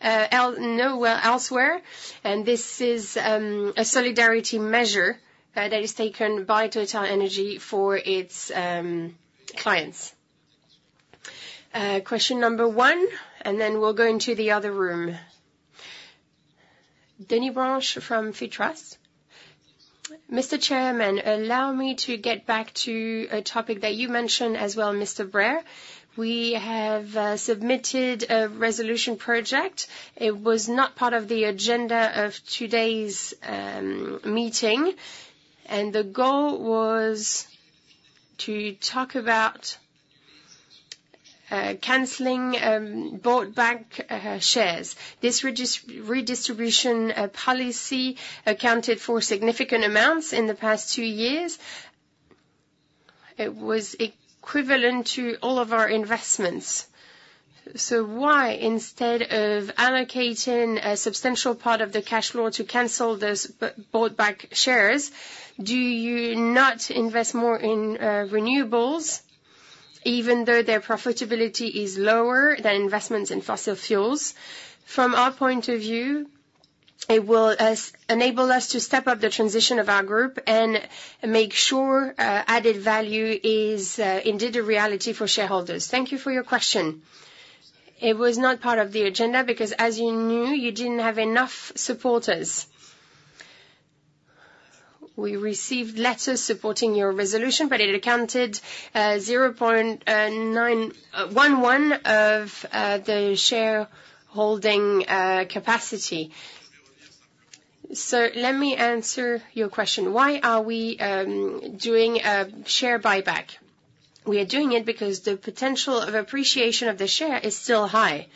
else, nowhere elsewhere, and this is a solidarity measure that is taken by TotalEnergies for its clients. Question number one, and then we'll go into the other room. Denis Branche from Fiducial. Mr. Chairman, allow me to get back to a topic that you mentioned as well, Mr. Sbraire. We have submitted a resolution project. It was not part of the agenda of today's meeting, and the goal was to talk about canceling bought back shares. This redistribution policy accounted for significant amounts in the past two years. It was equivalent to all of our investments. So why, instead of allocating a substantial part of the cash flow to cancel those bought back shares, do you not invest more in renewables, even though their profitability is lower than investments in fossil fuels? From our point of view, it will enable us to step up the transition of our group and make sure added value is indeed a reality for shareholders. Thank you for your question. It was not part of the agenda because, as you knew, you didn't have enough supporters. We received letters supporting your resolution, but it accounted 0.911 of the shareholding capacity. So let me answer your question: Why are we doing a share buyback? We are doing it because the potential of appreciation of the share is still high.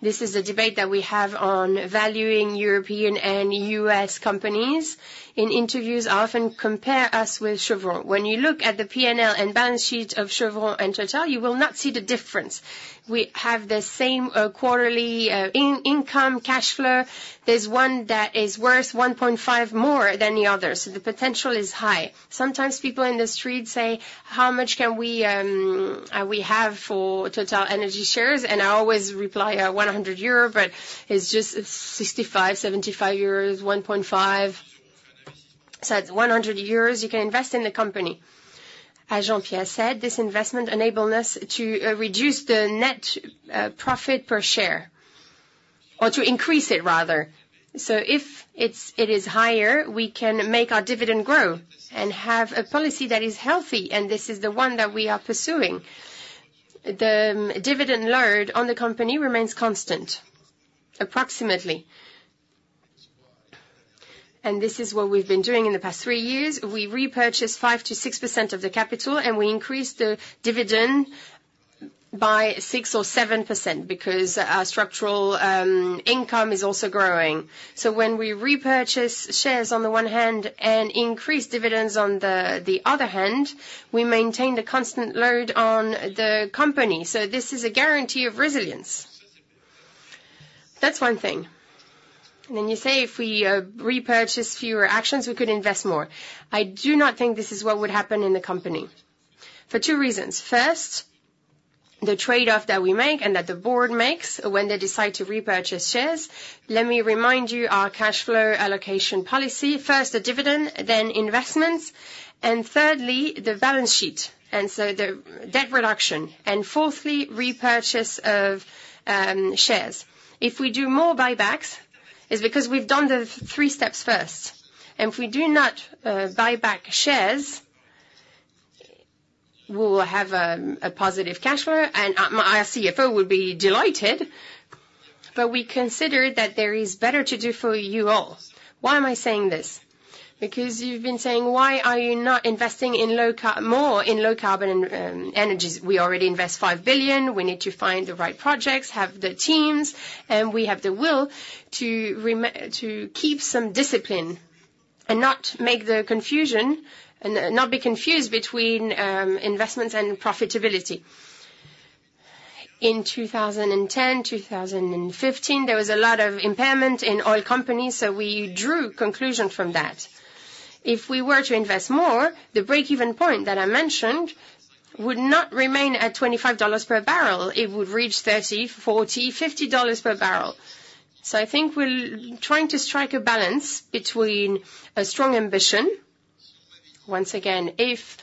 This is a debate that we have on valuing European and U.S. companies. In interviews, I often compare us with Chevron. When you look at the P&L and balance sheet of Chevron and Total, you will not see the difference. We have the same quarterly income, cash flow. There's one that is worth 1.5 more than the other, so the potential is high. Sometimes people in the street say: How much can we have for TotalEnergies shares? And I always reply EUR 100, but it's just, it's 65- 75 euros, 1.5. So, at 100 euros, you can invest in the company. As Jean-Pierre said, this investment enabling us to reduce the net profit per share, or to increase it rather. So, if it's, it is higher, we can make our dividend grow and have a policy that is healthy, and this is the one that we are pursuing. The dividend load on the company remains constant, approximately, and this is what we've been doing in the past three years. We repurchased 5%-6% of the capital, and we increased the dividend by 6%-7% because our structural income is also growing. So when we repurchase shares on the one hand and increase dividends on the other hand, we maintain the constant load on the company. So this is a guarantee of resilience. That's one thing. Then you say, if we repurchase fewer shares, we could invest more. I do not think this is what would happen in the company for two reasons. First, the trade-off that we make and that the board makes when they decide to repurchase shares, let me remind you, our cash flow allocation policy, first, the dividend, then investments, and thirdly, the balance sheet, and so the debt reduction, and fourthly, repurchase of shares. If we do more buybacks, it's because we've done the three steps first, and if we do not buy back shares, we will have a positive cash flow, and my CFO would be delighted. But we consider that there is better to do for you all. Why am I saying this? Because you've been saying, "Why are you not investing more in low-carbon energies?" We already invest 5 billion. We need to find the right projects, have the teams, and we have the will to keep some discipline and not make the confusion, and not be confused between investment and profitability. In 2010, 2015, there was a lot of impairment in oil companies, so we drew conclusion from that. If we were to invest more, the breakeven point that I mentioned would not remain at $25 per barrel. It would reach $30, $40, $50 per barrel. So I think we're trying to strike a balance between a strong ambition. Once again, if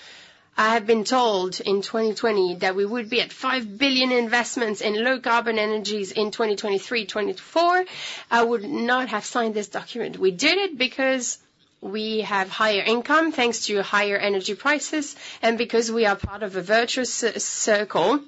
I have been told in 2020 that we would be at $5 billion investments in low-carbon energies in 2023, 2024, I would not have signed this document. We did it because we have higher income, thanks to higher energy prices, and because we are part of a virtuous circle.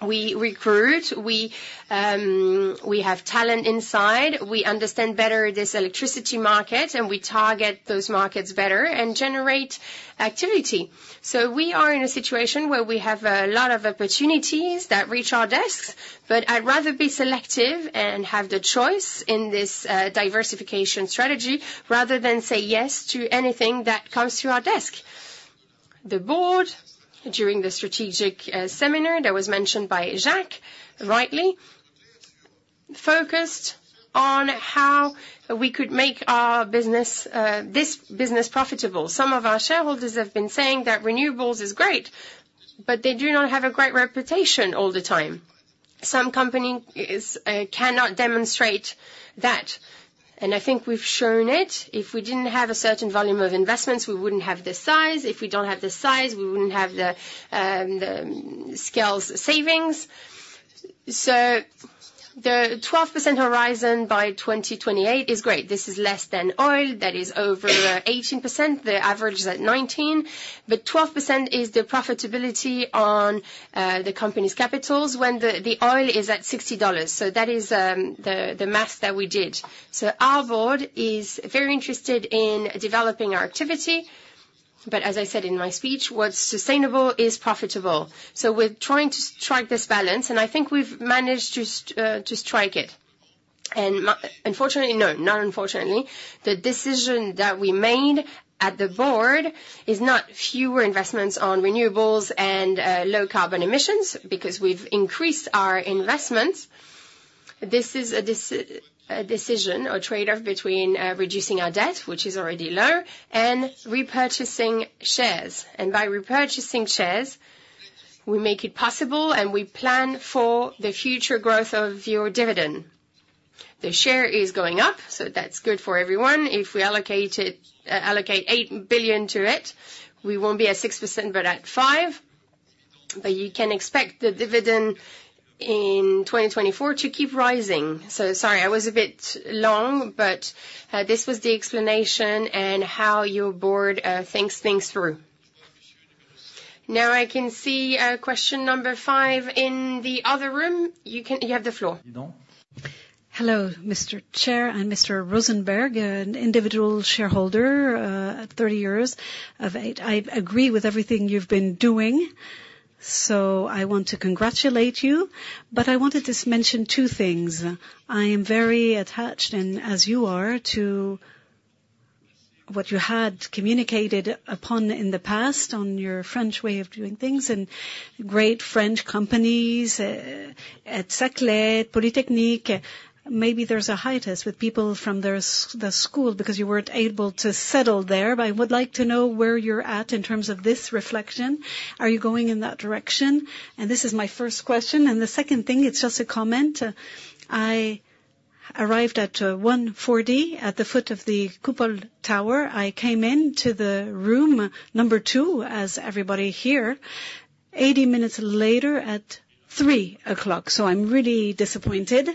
We recruit, we have talent inside, we understand better this electricity market, and we target those markets better and generate activity. So we are in a situation where we have a lot of opportunities that reach our desks, but I'd rather be selective and have the choice in this diversification strategy, rather than say yes to anything that comes to our desk. The board, during the strategic seminar, that was mentioned by Jacques, rightly, focused on how we could make our business, this business profitable. Some of our shareholders have been saying that renewables is great, but they do not have a great reputation all the time. Some company is cannot demonstrate that, and I think we've shown it. If we didn't have a certain volume of investments, we wouldn't have the size. If we don't have the size, we wouldn't have the scale's savings. So the 12% horizon by 2028 is great. This is less than oil. That is over 18%. The average is at 19, but 12% is the profitability on the company's capitals when the oil is at $60. So that is the math that we did. So our board is very interested in developing our activity, but as I said in my speech, what's sustainable is profitable. So we're trying to strike this balance, and I think we've managed to strike it. And unfortunately, no, not unfortunately, the decision that we made at the board is not fewer investments on renewables and low carbon emissions, because we've increased our investments. This is a decision or trade-off between reducing our debt, which is already low, and repurchasing shares. And by repurchasing shares, we make it possible, and we plan for the future growth of your dividend. The share is going up, so that's good for everyone. If we allocate it, allocate 8 billion to it, we won't be at 6%, but at 5%, but you can expect the dividend in 2024 to keep rising. So sorry, I was a bit long, but, this was the explanation and how your board thinks things through. Now I can see, question number five in the other room. You can... You have the floor. Hello, Mr. Chair and Mr. Rosenberg, an individual shareholder at 30 years of age. I agree with everything you've been doing, so I want to congratulate you. I wanted to mention two things. I am very attached, and as you are, to what you had communicated upon in the past on your French way of doing things and great French companies at Saclay, Polytechnique. Maybe there's a hiatus with people from the school because you weren't able to settle there, but I would like to know where you're at in terms of this reflection. Are you going in that direction? This is my first question, and the second thing, it's just a comment. I arrived at 1:40 P.M. at the foot of the Coupole Tower. I came into the room number two, as everybody here, 80 minutes later at 3:00 P.M., so I'm really disappointed.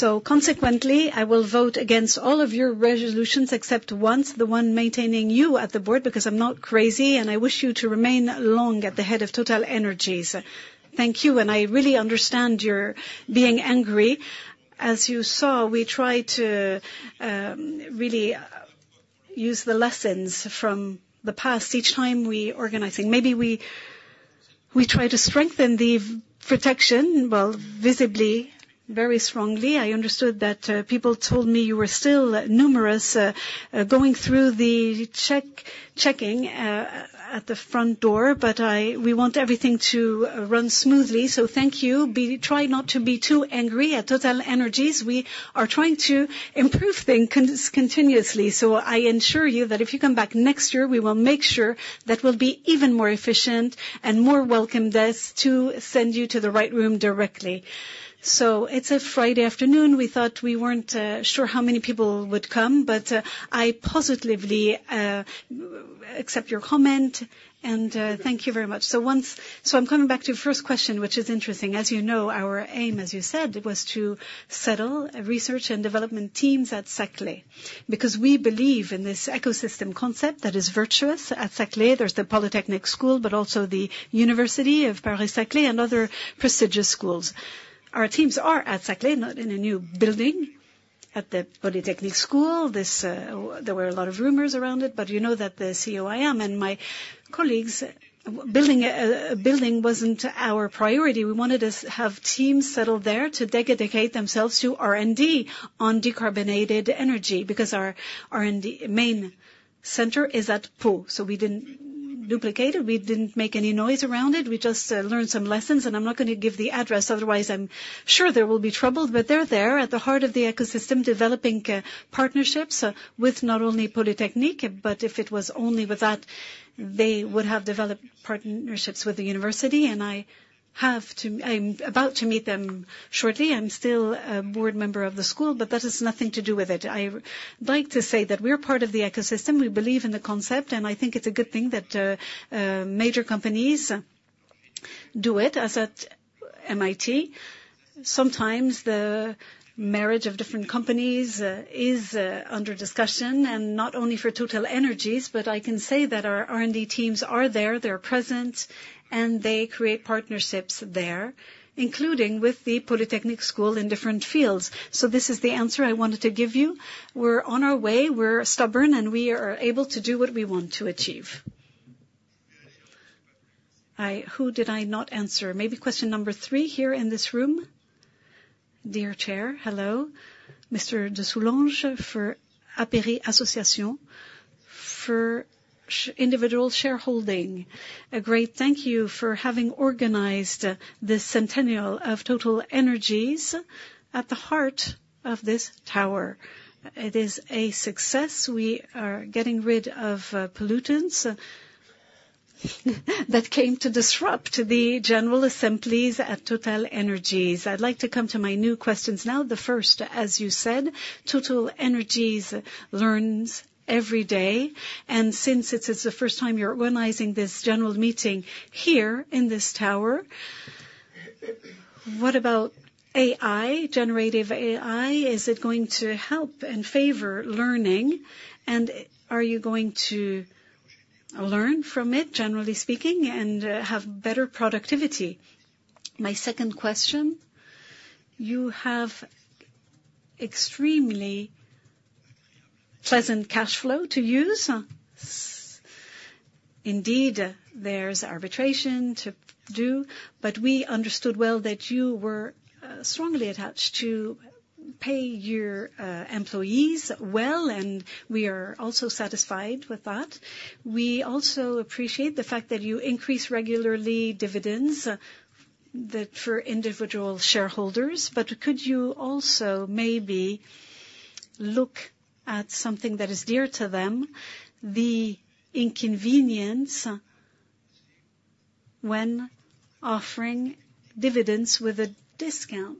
So consequently, I will vote against all of your resolutions, except one, the one maintaining you at the board, because I'm not crazy, and I wish you to remain long at the head of TotalEnergies. Thank you, and I really understand you're being angry. As you saw, we tried to really use the lessons from the past each time we organizing. Maybe we try to strengthen the protection, well, visibly, very strongly. I understood that people told me you were still numerous going through the check at the front door, but we want everything to run smoothly. So thank you. Try not to be too angry at TotalEnergies. We are trying to improve things continuously. So I ensure you that if you come back next year, we will make sure that we'll be even more efficient and more welcomed as to send you to the right room directly. So it's a Friday afternoon. We thought we weren't sure how many people would come, but I positively accept your comment, and thank you very much. So I'm coming back to your first question, which is interesting. As you know, our aim, as you said, was to settle research and development teams at Saclay, because we believe in this ecosystem concept that is virtuous. At Saclay, there's the Polytechnic School, but also the University of Paris-Saclay and other prestigious schools. Our teams are at Saclay, not in a new building, at the Polytechnic School. This, there were a lot of rumors around it, but you know that the CEO, I am, and my colleagues, building a building wasn't our priority. We wanted to have teams settle there to dedicate themselves to R&D on decarbonated energy, because our R&D main center is at Pau, so we didn't duplicate it. We didn't make any noise around it. We just learned some lessons, and I'm not gonna give the address, otherwise, I'm sure there will be trouble. But they're there at the heart of the ecosystem, developing partnerships with not only Polytechnique, but if it was only with that, they would have developed partnerships with the university, and I have to, I'm about to meet them shortly. I'm still a board member of the school, but that has nothing to do with it. I like to say that we are part of the ecosystem. We believe in the concept, and I think it's a good thing that major companies do it, as at MIT. Sometimes the marriage of different companies is under discussion, and not only for TotalEnergies, but I can say that our R&D teams are there, they're present, and they create partnerships there, including with the Polytechnique School in different fields. So this is the answer I wanted to give you. We're on our way, we're stubborn, and we are able to do what we want to achieve. Who did I not answer? Maybe question number three here in this room. Dear Chair, hello. Mr. Dessoulange for ARPE Association for individual shareholding. A great thank you for having organized this centennial of TotalEnergies at the heart of this tower. It is a success. We are getting rid of pollutants that came to disrupt the General Assemblies at TotalEnergies. I'd like to come to my new questions now. The first, as you said, TotalEnergies learns every day, and since it is the first time you're organizing this general meeting here in this tower, what about AI, generative AI? Is it going to help and favor learning, and are you going to learn from it, generally speaking, and have better productivity? My second question: you have extremely pleasant cash flow to use. Indeed, there's arbitration to do, but we understood well that you were strongly attached to pay your employees well, and we are also satisfied with that. We also appreciate the fact that you increase regularly dividends for individual shareholders, but could you also maybe look at something that is dear to them, the inconvenience when offering dividends with a discount?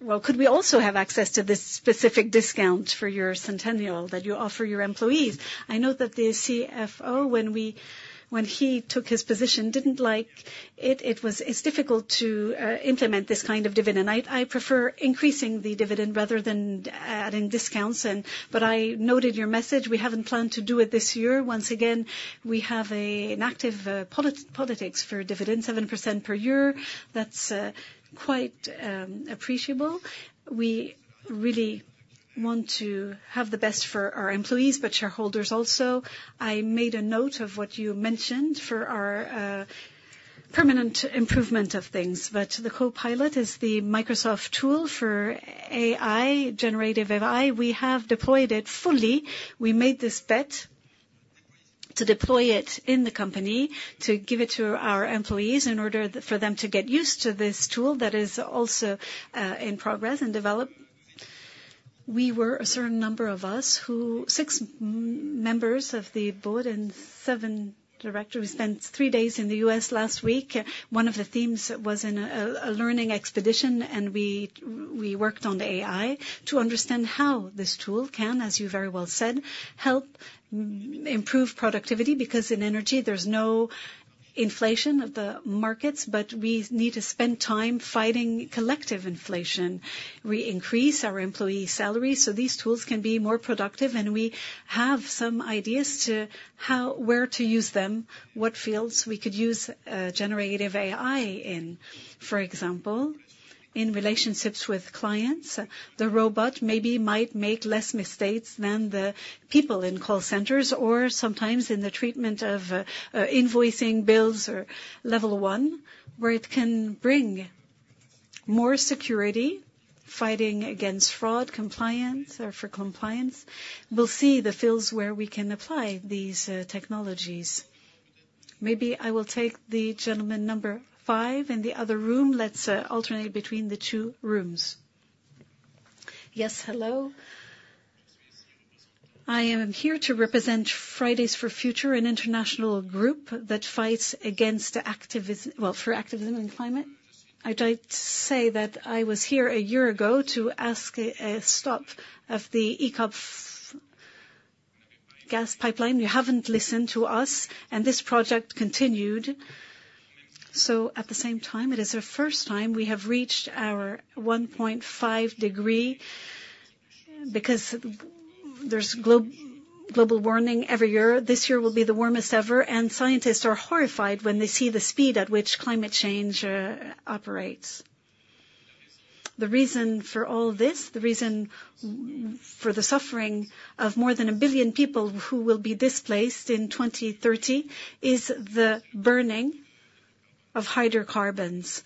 Well, could we also have access to this specific discount for your centennial that you offer your employees? I know that the CFO, when he took his position, didn't like it. It's difficult to implement this kind of dividend. I prefer increasing the dividend rather than adding discounts and but I noted your message. We haven't planned to do it this year. Once again, we have an active policy for dividend, 7% per year. That's quite appreciable. We really want to have the best for our employees, but shareholders also. I made a note of what you mentioned for our permanent improvement of things. But the Copilot is the Microsoft tool for AI, generative AI. We have deployed it fully. We made this bet to deploy it in the company, to give it to our employees in order for them to get used to this tool that is also in progress and develop. We were a certain number of us, who six members of the board and seven Directors, we spent three days in the U.S. last week. One of the themes was in a learning expedition, and we worked on the AI to understand how this tool can, as you very well said, help improve productivity, because in energy, there's no inflation of the markets, but we need to spend time fighting collective inflation. We increase our employee salary, so these tools can be more productive, and we have some ideas to where to use them, what fields we could use generative AI in, for example, in relationships with clients. The robot maybe might make less mistakes than the people in call centers, or sometimes in the treatment of invoicing bills or level one, where it can bring more security, fighting against fraud, compliance, or for compliance. We'll see the fields where we can apply these technologies. Maybe I will take the gentleman number five in the other room. Let's alternate between the two rooms. Yes, hello. I am here to represent Fridays for Future, an international group that fights against activism, well, for activism and climate. I'd like to say that I was here a year ago to ask a stop of the EACOP gas pipeline. You haven't listened to us, and this project continued. So at the same time, it is the first time we have reached our 1.5 degree, because there's global warming every year. This year will be the warmest ever, and scientists are horrified when they see the speed at which climate change operates. The reason for all this, the reason for the suffering of more than 1 billion people who will be displaced in 2030, is the burning of hydrocarbons,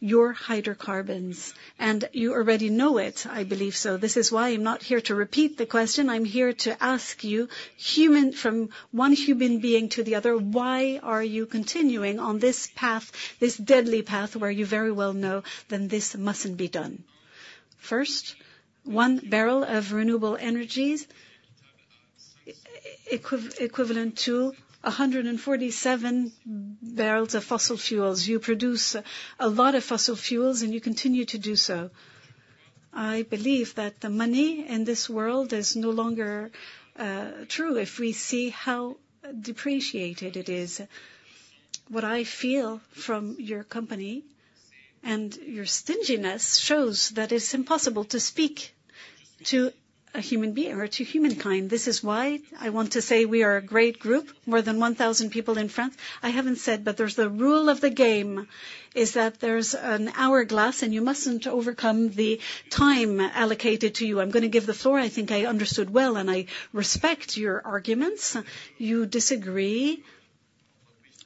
your hydrocarbons, and you already know it, I believe so. This is why I'm not here to repeat the question. I'm here to ask you, human, from one human being to the other, why are you continuing on this path, this deadly path, where you very well know that this mustn't be done? First, one barrel of renewable energies equivalent to 147 barrels of fossil fuels. You produce a lot of fossil fuels, and you continue to do so. I believe that the money in this world is no longer true, if we see how depreciated it is. What I feel from your company and your stinginess shows that it's impossible to speak to a human being or to humankind. This is why I want to say we are a great group, more than 1,000 people in France. I haven't said, but there's the rule of the game, is that there's an hourglass, and you mustn't overcome the time allocated to you. I'm going to give the floor. I think I understood well, and I respect your arguments. You disagree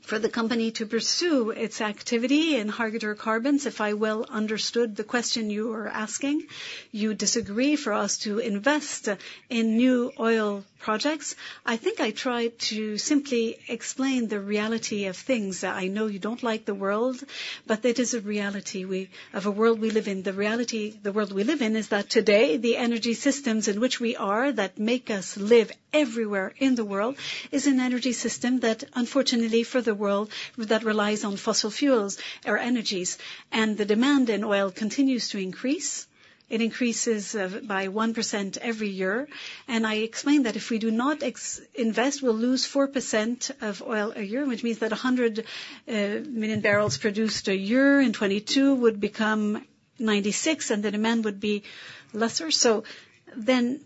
for the company to pursue its activity in hydrocarbons. If I well understood the question you are asking, you disagree for us to invest in new oil projects. I think I tried to simply explain the reality of things. I know you don't like the world, but it is a reality we, of a world we live in. The reality, the world we live in, is that today, the energy systems in which we are, that make us live everywhere in the world, is an energy system that, unfortunately for the world, that relies on fossil fuels or energies, and the demand in oil continues to increase. It increases by 1% every year, and I explained that if we do not invest, we'll lose 4% of oil a year, which means that 100 million barrels produced a year in 2022 would become 96, and the demand would be lesser. So then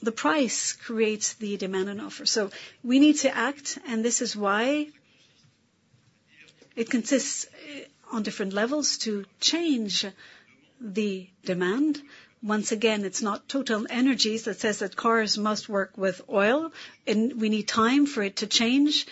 the price creates the demand and offer. So we need to act, and this is why it consists on different levels to change the demand. Once again, it's not TotalEnergies that says that cars must work with oil, and we need time for it to change.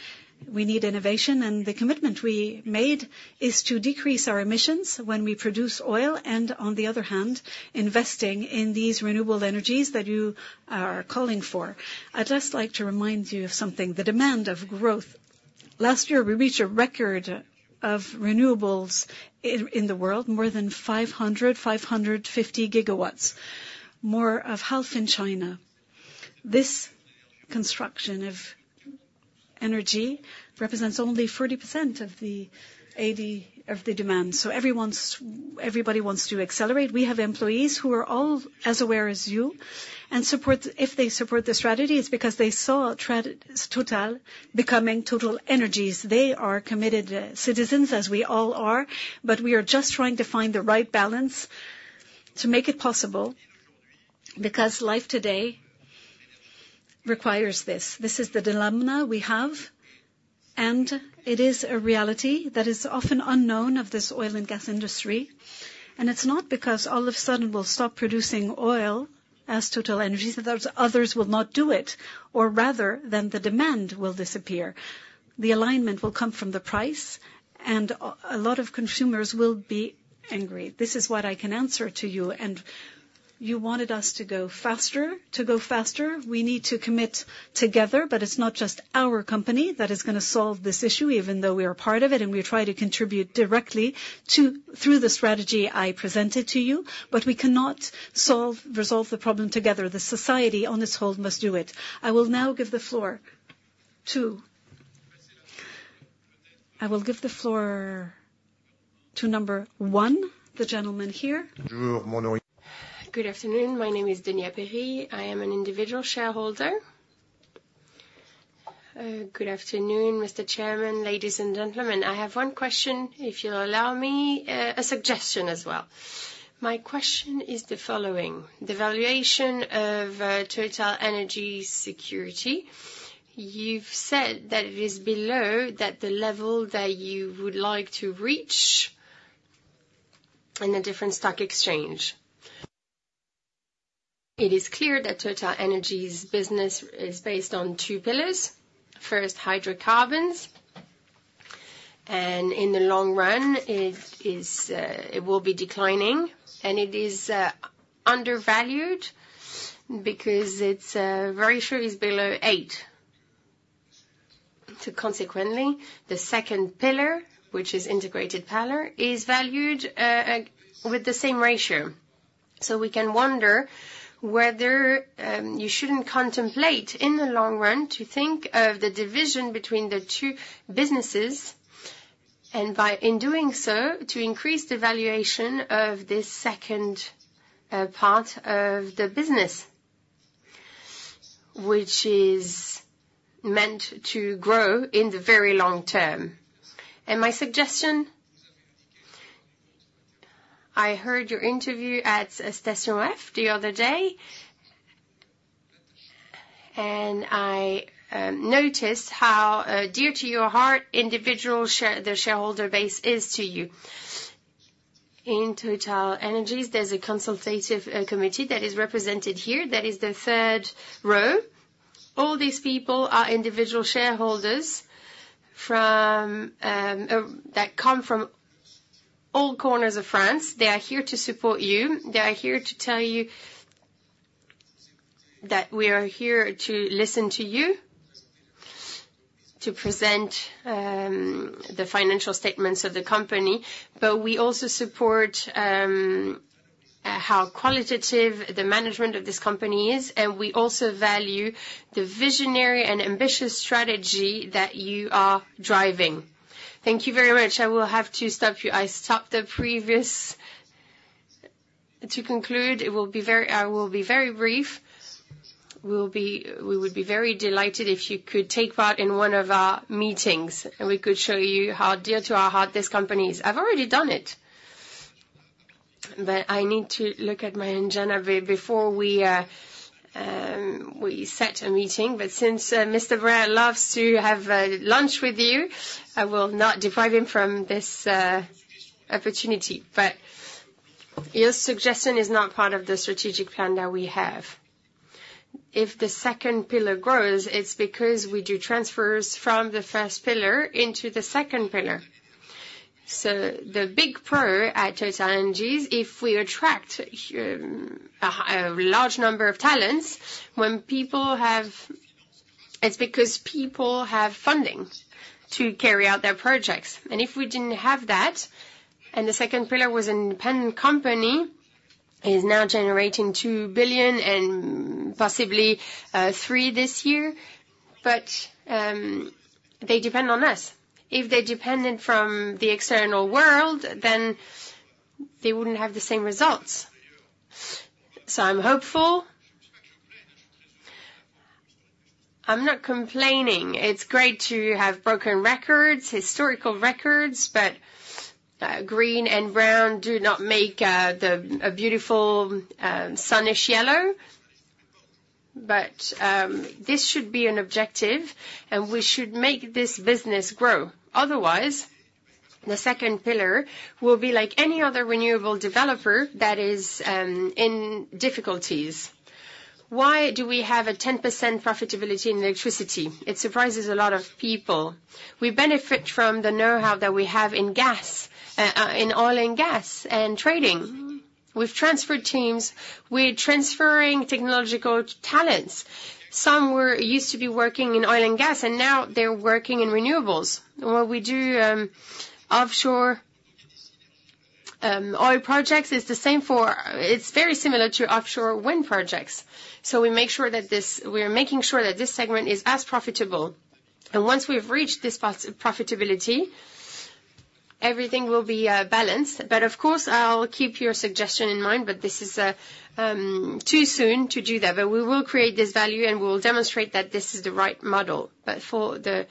We need innovation, and the commitment we made is to decrease our emissions when we produce oil, and on the other hand, investing in these renewable energies that you are calling for. I'd just like to remind you of something, the demand of growth. Last year, we reached a record of renewables in the world, more than 550 GW, more than half in China. This construction of energy represents only 40% of the 80% of the demand. So everybody wants to accelerate. We have employees who are all as aware as you and support, if they support the strategy, it's because they saw Total becoming TotalEnergies. They are committed, citizens, as we all are, but we are just trying to find the right balance to make it possible, because life today requires this. This is the dilemma we have, and it is a reality that is often unknown of this oil and gas industry. And it's not because all of a sudden we'll stop producing oil as TotalEnergies, that others will not do it, or rather than the demand will disappear. The alignment will come from the price, and a lot of consumers will be angry. This is what I can answer to you, and you wanted us to go faster. To go faster, we need to commit together, but it's not just our company that is gonna solve this issue, even though we are part of it, and we try to contribute directly to... through the strategy I presented to you, but we cannot solve, resolve the problem together. The society on this whole must do it. I will now give the floor to-... I will give the floor to number one, the gentleman here. Good afternoon. My name is Denis Perry. I am an individual shareholder. Good afternoon, Mr. Chairman, ladies and gentlemen. I have one question, if you'll allow me, a suggestion as well. My question is the following: the valuation of TotalEnergies security, you've said that it is below that the level that you would like to reach in a different stock exchange. It is clear that TotalEnergies's business is based on two pillars. First, hydrocarbons, and in the long run, it will be declining, and it is undervalued because its ratio is below eight. So consequently, the second pillar, which is integrated pillar, is valued with the same ratio. So we can wonder whether you shouldn't contemplate, in the long run, to think of the division between the two businesses, and by in doing so, to increase the valuation of this second, part of the business, which is meant to grow in the very long term. And my suggestion, I heard your interview at Station F the other day, and I noticed how dear to your heart, individual shareholder base is to you. In TotalEnergies, there's a consultative committee that is represented here. That is the third row. All these people are individual shareholders from that come from all corners of France. They are here to support you. They are here to tell you that we are here to listen to you, to present, the financial statements of the company, but we also support, how qualitative the management of this company is, and we also value the visionary and ambitious strategy that you are driving. Thank you very much. I will have to stop you. To conclude, I will be very brief. We would be very delighted if you could take part in one of our meetings, and we could show you how dear to our heart this company is. I've already done it, but I need to look at my agenda before we set a meeting. But since, Mr. Verre loves to have, lunch with you, I will not deprive him from this, opportunity. Your suggestion is not part of the strategic plan that we have. If the second pillar grows, it's because we do transfers from the first pillar into the second pillar. So the big pro at TotalEnergies, if we attract a large number of talents, when people have. It's because people have funding to carry out their projects. And if we didn't have that, and the second pillar was an independent company, is now generating $2 billion and possibly $3 billion this year, but they depend on us. If they depended from the external world, then they wouldn't have the same results. So I'm hopeful. I'm not complaining. It's great to have broken records, historical records, but green and brown do not make a beautiful sunish yellow. But this should be an objective, and we should make this business grow. Otherwise, the second pillar will be like any other renewable developer that is in difficulties. Why do we have a 10% profitability in electricity? It surprises a lot of people. We benefit from the know-how that we have in gas in oil and gas, and trading. We've transferred teams. We're transferring technological talents. Some were used to be working in oil and gas, and now they're working in renewables. Well, we do offshore oil projects. It's the same, it's very similar to offshore wind projects. So we make sure that this, we are making sure that this segment is as profitable. And once we've reached this profitability, everything will be balanced. But of course, I'll keep your suggestion in mind, but this is too soon to do that. But we will create this value, and we will demonstrate that this is the right model. But for the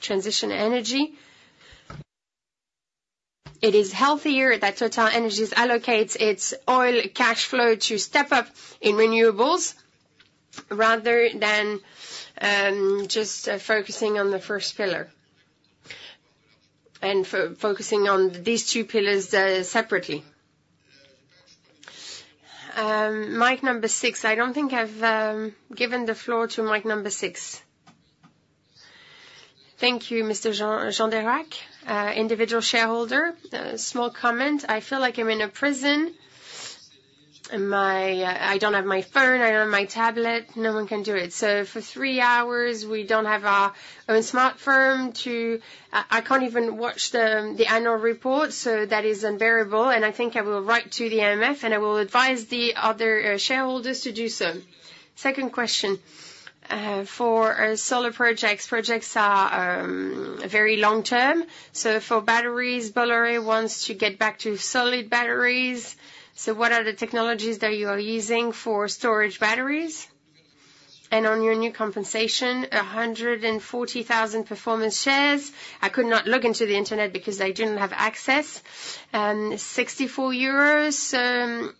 transition energy, it is healthier that TotalEnergies allocates its oil cash flow to step up in renewables rather than just focusing on the first pillar and focusing on these two pillars separately. Mic number six. I don't think I've given the floor to mic number six. Thank you, Mr. Jean Derac, individual shareholder. A small comment. I feel like I'm in a prison. My... I don't have my phone, I don't have my tablet. No one can do it. So for three hours, we don't have our smartphone to... I can't even watch the annual report, so that is unbearable, and I think I will write to the AMF, and I will advise the other shareholders to do so. Second question. For our solar projects, projects are very long term. So for batteries, Bolloré wants to get back to solid batteries. So what are the technologies that you are using for storage batteries? And on your new compensation, 140,000 performance shares. I could not log into the internet because I didn't have access. 64 euros,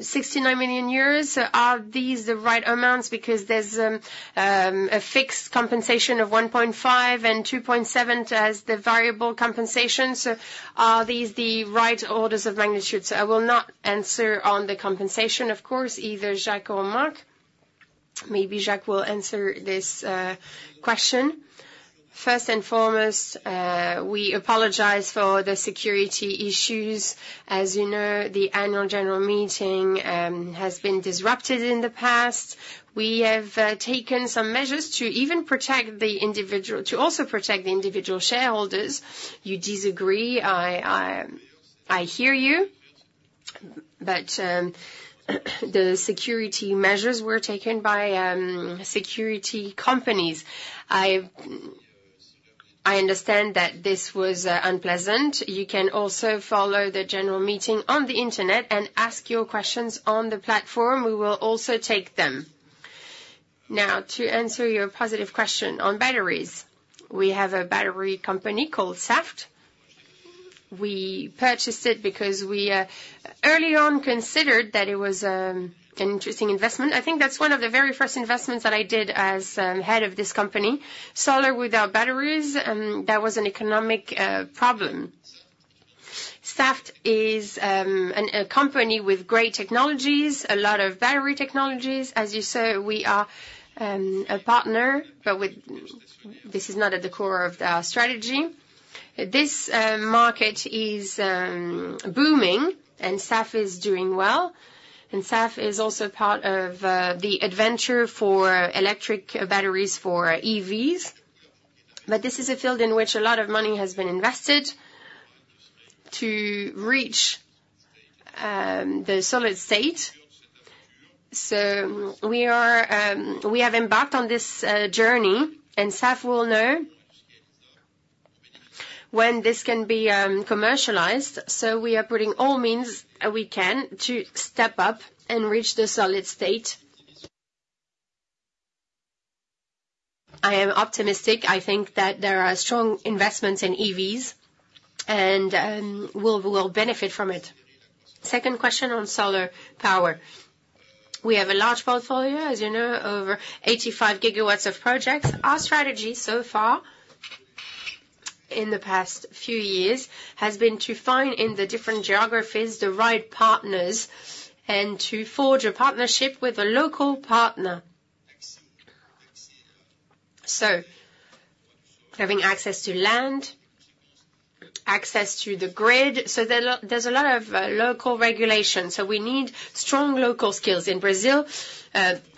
69 million euros. Are these the right amounts? Because there's a fixed compensation of 1.5 and 2.7 as the variable compensation. So are these the right orders of magnitude? I will not answer on the compensation, of course, either Jacques or Mark. Maybe Jacques will answer this question. First and foremost, we apologize for the security issues. As you know, the annual general meeting has been disrupted in the past. We have taken some measures to even protect the individual to also protect the individual shareholders. You disagree? I hear you, but the security measures were taken by security companies. I understand that this was unpleasant. You can also follow the general meeting on the Internet and ask your questions on the platform. We will also take them. Now, to answer your positive question on batteries. We have a battery company called Saft. We purchased it because we early on considered that it was an interesting investment. I think that's one of the very first investments that I did as head of this company. Solar without batteries, that was an economic problem. Saft is a company with great technologies, a lot of battery technologies. As you saw, we are a partner, but, this is not at the core of our strategy. This market is booming, and Saft is doing well, and Saft is also part of the adventure for electric batteries for EVs. But this is a field in which a lot of money has been invested to reach the solid state. So we are, we have embarked on this journey, and Saft will know when this can be commercialized. So we are putting all means we can to step up and reach the solid state. I am optimistic. I think that there are strong investments in EVs, and we'll benefit from it. Second question on solar power. We have a large portfolio, as you know, over 85 GW of projects. Our strategy so far, in the past few years, has been to find, in the different geographies, the right partners, and to forge a partnership with a local partner. So having access to land, access to the grid, so there's a lot of local regulation, so we need strong local skills. In Brazil,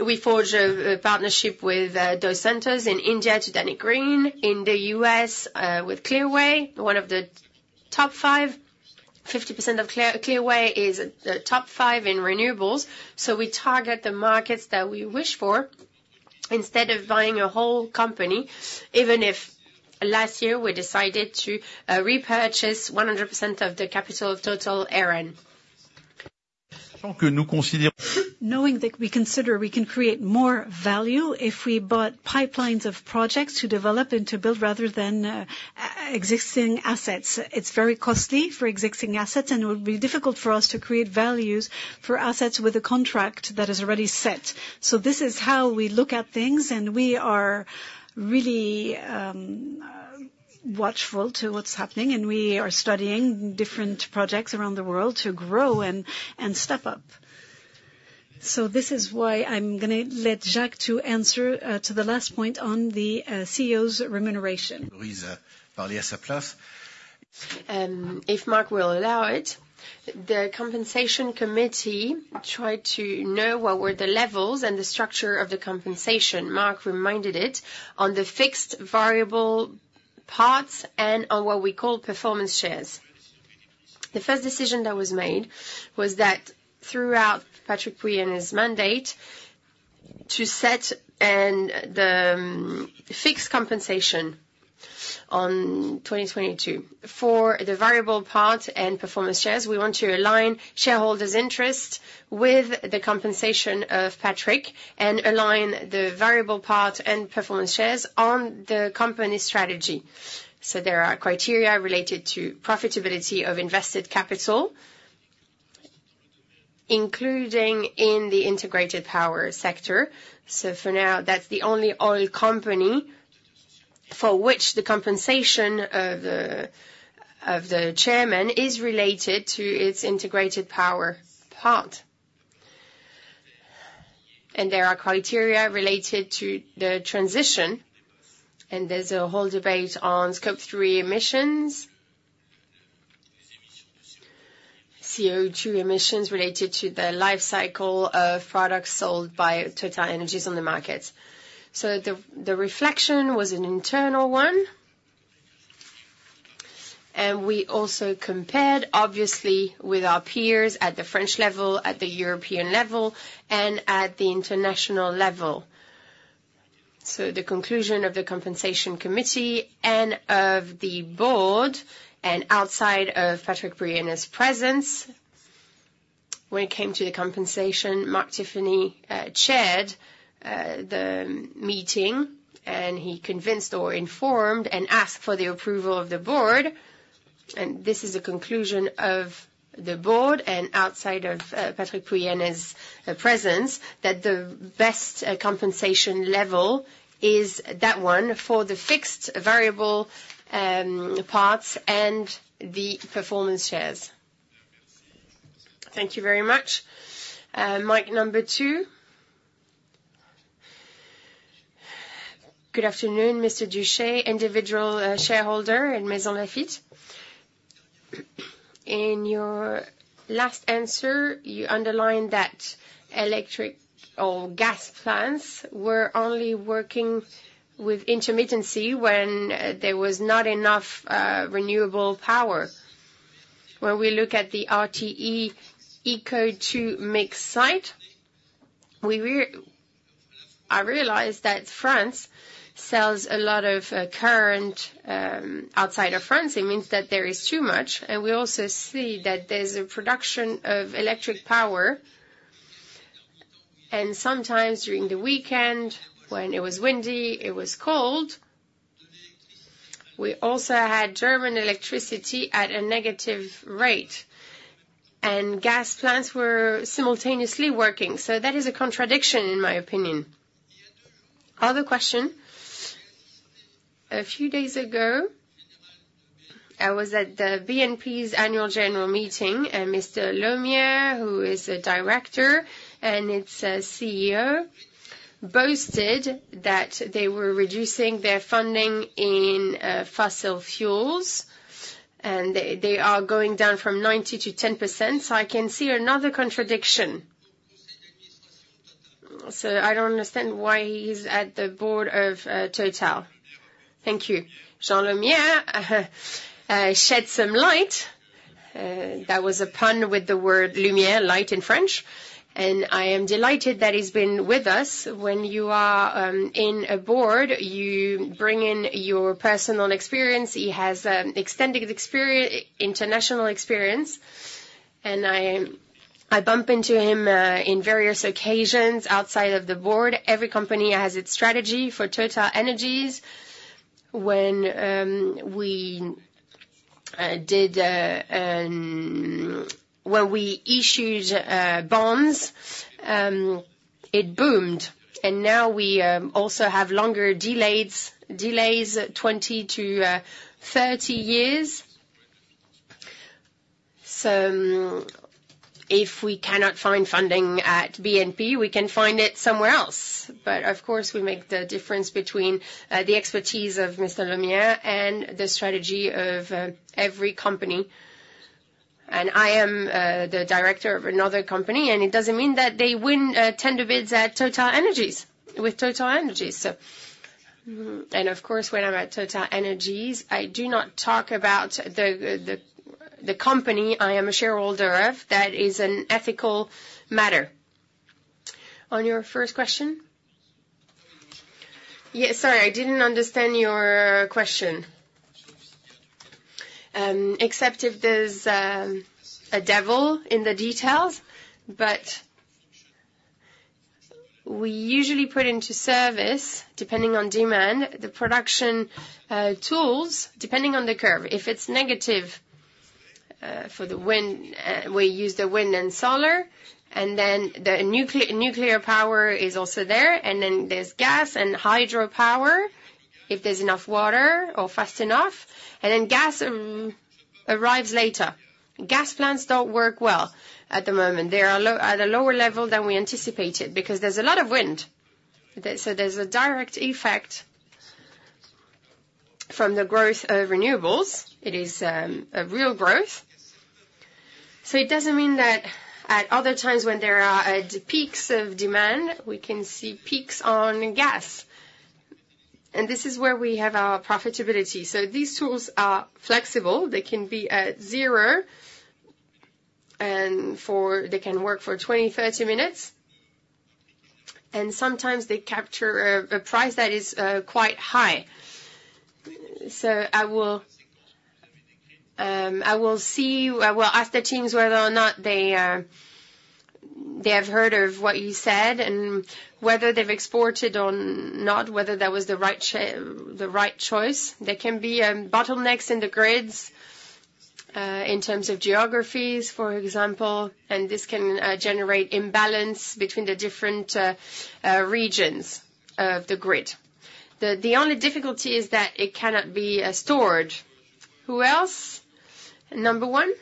we forged a partnership with Casa dos Ventos; in India, Adani Green; in the US, with Clearway, one of the top five. 50% of Clearway is the top five in renewables. So we target the markets that we wish for instead of buying a whole company, even if last year we decided to repurchase 100% of the capital of Total Eren. Knowing that we consider we can create more value if we bought pipelines of projects to develop and to build rather than existing assets. It's very costly for existing assets, and it would be difficult for us to create values for assets with a contract that is already set. So this is how we look at things, and we are really watchful to what's happening, and we are studying different projects around the world to grow and step up. So this is why I'm gonna let Jacques to answer to the last point on the CEO's remuneration. If Mark will allow it, the compensation committee tried to know what were the levels and the structure of the compensation. Mark reminded it on the fixed variable parts and on what we call performance shares. The first decision that was made was that throughout Patrick Pouyanné's mandate, to set and the fixed compensation on 2022. For the variable part and performance shares, we want to align shareholders' interest with the compensation of Patrick and align the variable part and performance shares on the company's strategy. So there are criteria related to profitability of invested capital, including in the integrated power sector. So for now, that's the only oil company for which the compensation of the Chairman is related to its integrated power part. And there are criteria related to the transition, and there's a whole debate on Scope three emissions. CO2 emissions related to the life cycle of products sold by TotalEnergies on the market. So the reflection was an internal one. And we also compared, obviously, with our peers at the French level, at the European level, and at the international level. So the conclusion of the compensation committee and of the board, and outside of Patrick Pouyanné's presence, when it came to the compensation, Mark Cutifani chaired the meeting, and he convinced or informed and asked for the approval of the board. And this is the conclusion of the board, and outside of Patrick Pouyanné's presence, that the best compensation level is that one for the fixed variable parts and the performance shares. Thank you very much. Mic number two? Good afternoon, Mr. Duché, individual shareholder in Maisons-Laffitte. In your last answer, you underlined that electric or gas plants were only working with intermittency when there was not enough renewable power. When we look at the RTE Eco2mix site, I realized that France sells a lot of current outside of France. It means that there is too much, and we also see that there's a production of electric power, and sometimes during the weekend, when it was windy, it was cold, we also had German electricity at a negative rate, and gas plants were simultaneously working. So that is a contradiction, in my opinion. Other question: A few days ago, I was at the BNP's annual general meeting, and Mr. Lemierre, who is a Director and its CEO, boasted that they were reducing their funding in fossil fuels, and they are going down from 90% to 10%, so I can see another contradiction. So, I don't understand why he's at the board of Total. Thank you. Jean Lemierre shed some light. That was a pun with the word lumière, light in French, and I am delighted that he's been with us. When you are in a board, you bring in your personal experience. He has international experience, and I bump into him in various occasions outside of the board. Every company has its strategy. For TotalEnergies, when we issued bonds, it boomed, and now we also have longer delays, 20-30 years. So if we cannot find funding at BNP, we can find it somewhere else. But of course, we make the difference between the expertise of Mr. Lemierre and the strategy of every company. And I am the Director of another company, and it doesn't mean that they win tender bids at TotalEnergies, with TotalEnergies, so. Mm, and of course, when I'm at TotalEnergies, I do not talk about the company I am a shareholder of. That is an ethical matter. On your first question? Yes, sorry, I didn't understand your question. Except if there's a devil in the details, but we usually put into service, depending on demand, the production tools, depending on the curve. If it's negative for the wind, we use the wind and solar, and then the nuclear, nuclear power is also there, and then there's gas and hydropower, if there's enough water or fast enough, and then gas arrives later. Gas plants don't work well at the moment. They are at a lower level than we anticipated, because there's a lot of wind there, so there's a direct effect from the growth of renewables. It is a real growth. So it doesn't mean that at other times when there are peaks of demand, we can see peaks on gas, and this is where we have our profitability. So these tools are flexible. They can be at zero, and they can work for 20, 30 minutes, and sometimes they capture a price that is quite high. So I will see, I will ask the teams whether or not they have heard of what you said and whether they've exported or not, whether that was the right choice. There can be bottlenecks in the grids in terms of geographies, for example, and this can generate imbalance between the different regions of the grid. The only difficulty is that it cannot be stored. Who else? Number one.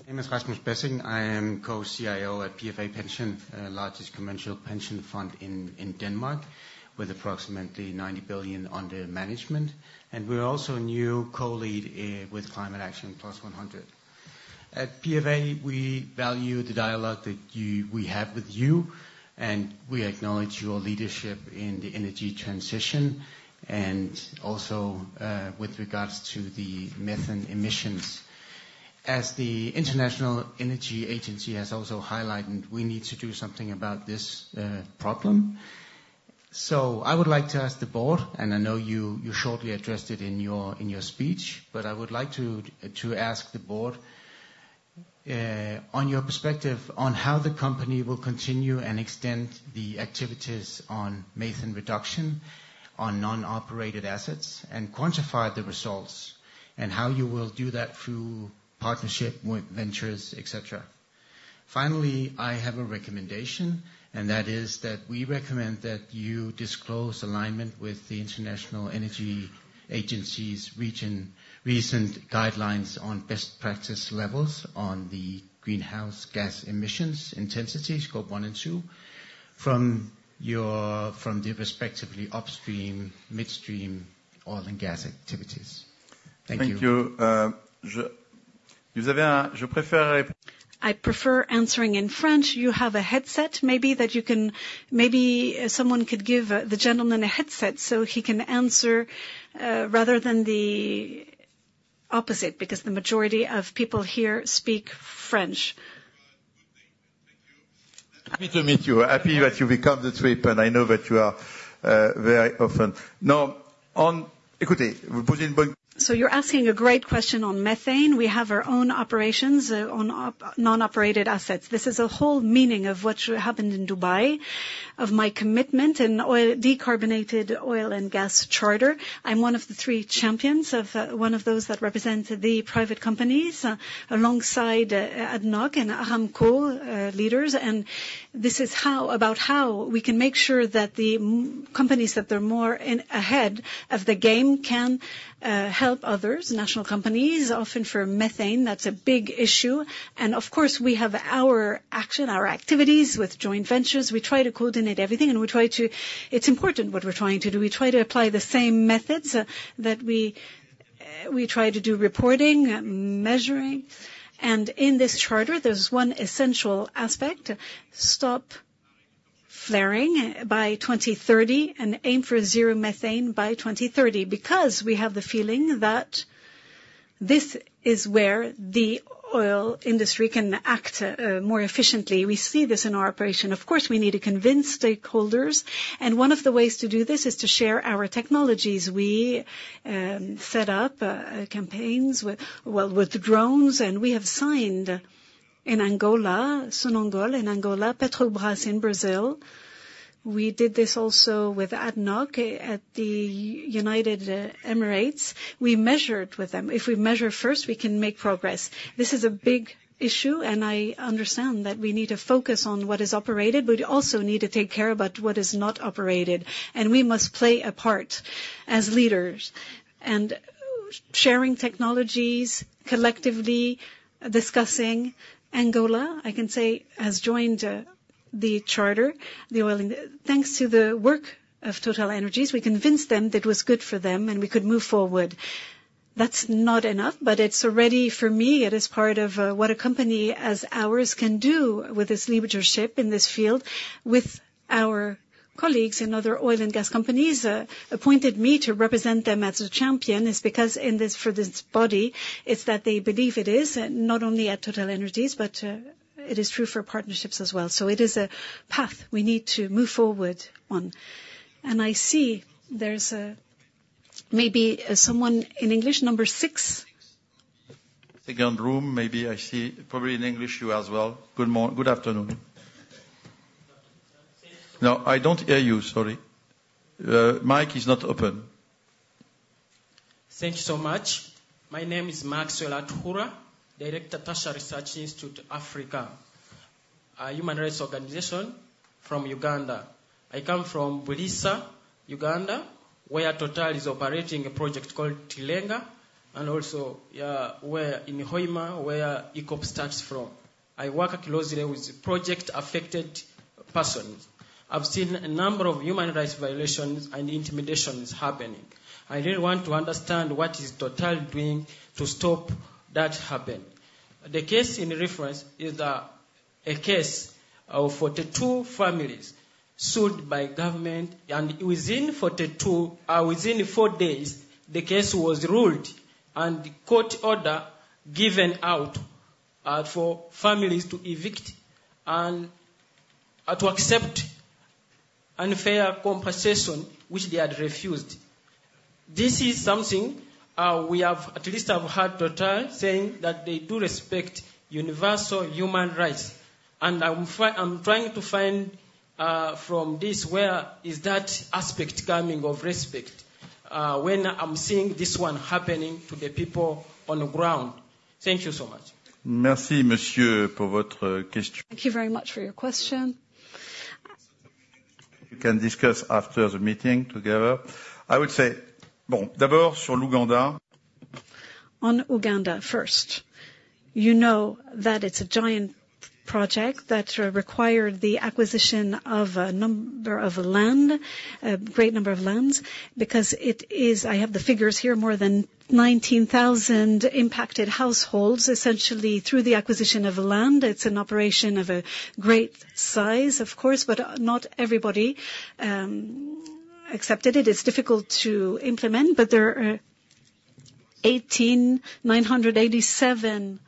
My name is Rasmus Bessing. I am Co-CIO at PFA Pension, largest commercial pension fund in, in Denmark, with approximately 90 billion under management, and we're also a new co-lead, with Climate Action 100+.... At PFA, we value the dialogue that you, we have with you, and we acknowledge your leadership in the energy transition, and also, with regards to the methane emissions. As the International Energy Agency has also highlighted, we need to do something about this, problem. So I would like to ask the board, and I know you, you shortly addressed it in your, in your speech, but I would like to, to ask the board, on your perspective on how the company will continue and extend the activities on methane reduction, on non-operated assets, and quantify the results, and how you will do that through partnership, joint ventures, et cetera. Finally, I have a recommendation, and that is that we recommend that you disclose alignment with the International Energy Agency's recent guidelines on best practice levels on the greenhouse gas emissions intensity, Scope one and two, from the respective upstream, midstream, oil and gas activities. Thank you. Thank you. You said, je préfère- I prefer answering in French. You have a headset maybe that you can... Maybe someone could give the gentleman a headset so he can answer rather than the opposite, because the majority of people here speak French. Thank you. Happy to meet you. Happy that you become the trip, and I know that you are very often. Now, on- So you're asking a great question on methane. We have our own operations on operated, non-operated assets. This is a whole meaning of what happened in Dubai, of my commitment in Oil Decarbonization oil and gas charter. I'm one of the three champions of, one of those that represent the private companies, alongside, ADNOC and Aramco, leaders. And this is how, about how we can make sure that the companies that they're more in ahead of the game can, help others, national companies, often for methane. That's a big issue. And of course, we have our action, our activities with joint ventures. We try to coordinate everything, and we try to. It's important what we're trying to do. We try to apply the same methods, that we, we try to do reporting, measuring. In this charter, there's one essential aspect, stop flaring by 2030 and aim for zero methane by 2030, because we have the feeling that this is where the oil industry can act more efficiently. We see this in our operation. Of course, we need to convince stakeholders, and one of the ways to do this is to share our technologies. We set up campaigns with, well, with drones, and we have signed in Angola, Sonangol in Angola, Petrobras in Brazil. We did this also with ADNOC at the United Emirates. We measured with them. If we measure first, we can make progress. This is a big issue, and I understand that we need to focus on what is operated, but we also need to take care about what is not operated, and we must play a part as leaders. And sharing technologies, collectively discussing. Angola, I can say, has joined the charter, the oil... Thanks to the work of TotalEnergies, we convinced them that it was good for them and we could move forward. That's not enough, but it's already, for me, it is part of what a company as ours can do with this leadership in this field, with our colleagues in other oil and gas companies appointed me to represent them as a champion. It's because in this, for this body, it's that they believe it is not only at TotalEnergies, but it is true for partnerships as well. So it is a path we need to move forward on. And I see there's maybe someone in English, number six? Second room, maybe I see probably in English, you as well. Good afternoon. Thank you so- No, I don't hear you. Sorry. Mic is not open. Thank you so much. My name is Maxwell Atuhura, Director, Tasha Research Institute, Africa, a human rights organization from Uganda. I come from Bulisa, Uganda, where Total is operating a project called Tilenga, and also where in Hoima, where ECOP starts from. I work closely with project-affected persons. I've seen a number of human rights violations and intimidations happening. I really want to understand what is Total doing to stop that happen. The case in reference is a case of 42 families sued by government, and within four days, the case was ruled and court order given out for families to evict and to accept unfair compensation, which they had refused. This is something we have at least have heard Total saying that they do respect universal human rights. I'm trying to find, from this, where is that aspect coming of respect, when I'm seeing this one happening to the people on the ground? Thank you so much. Merci, monsieur, pour votre question. Thank you very much for your question. You can discuss after the meeting together. I would say, bon, d'abord sur l'Ouganda. On Uganda first, you know that it's a giant project that required the acquisition of a number of land, a great number of lands, because it is, I have the figures here, more than 19,000 impacted households, essentially through the acquisition of land. It's an operation of a great size, of course, but not everybody accepted it. It's difficult to implement, but there are 18,987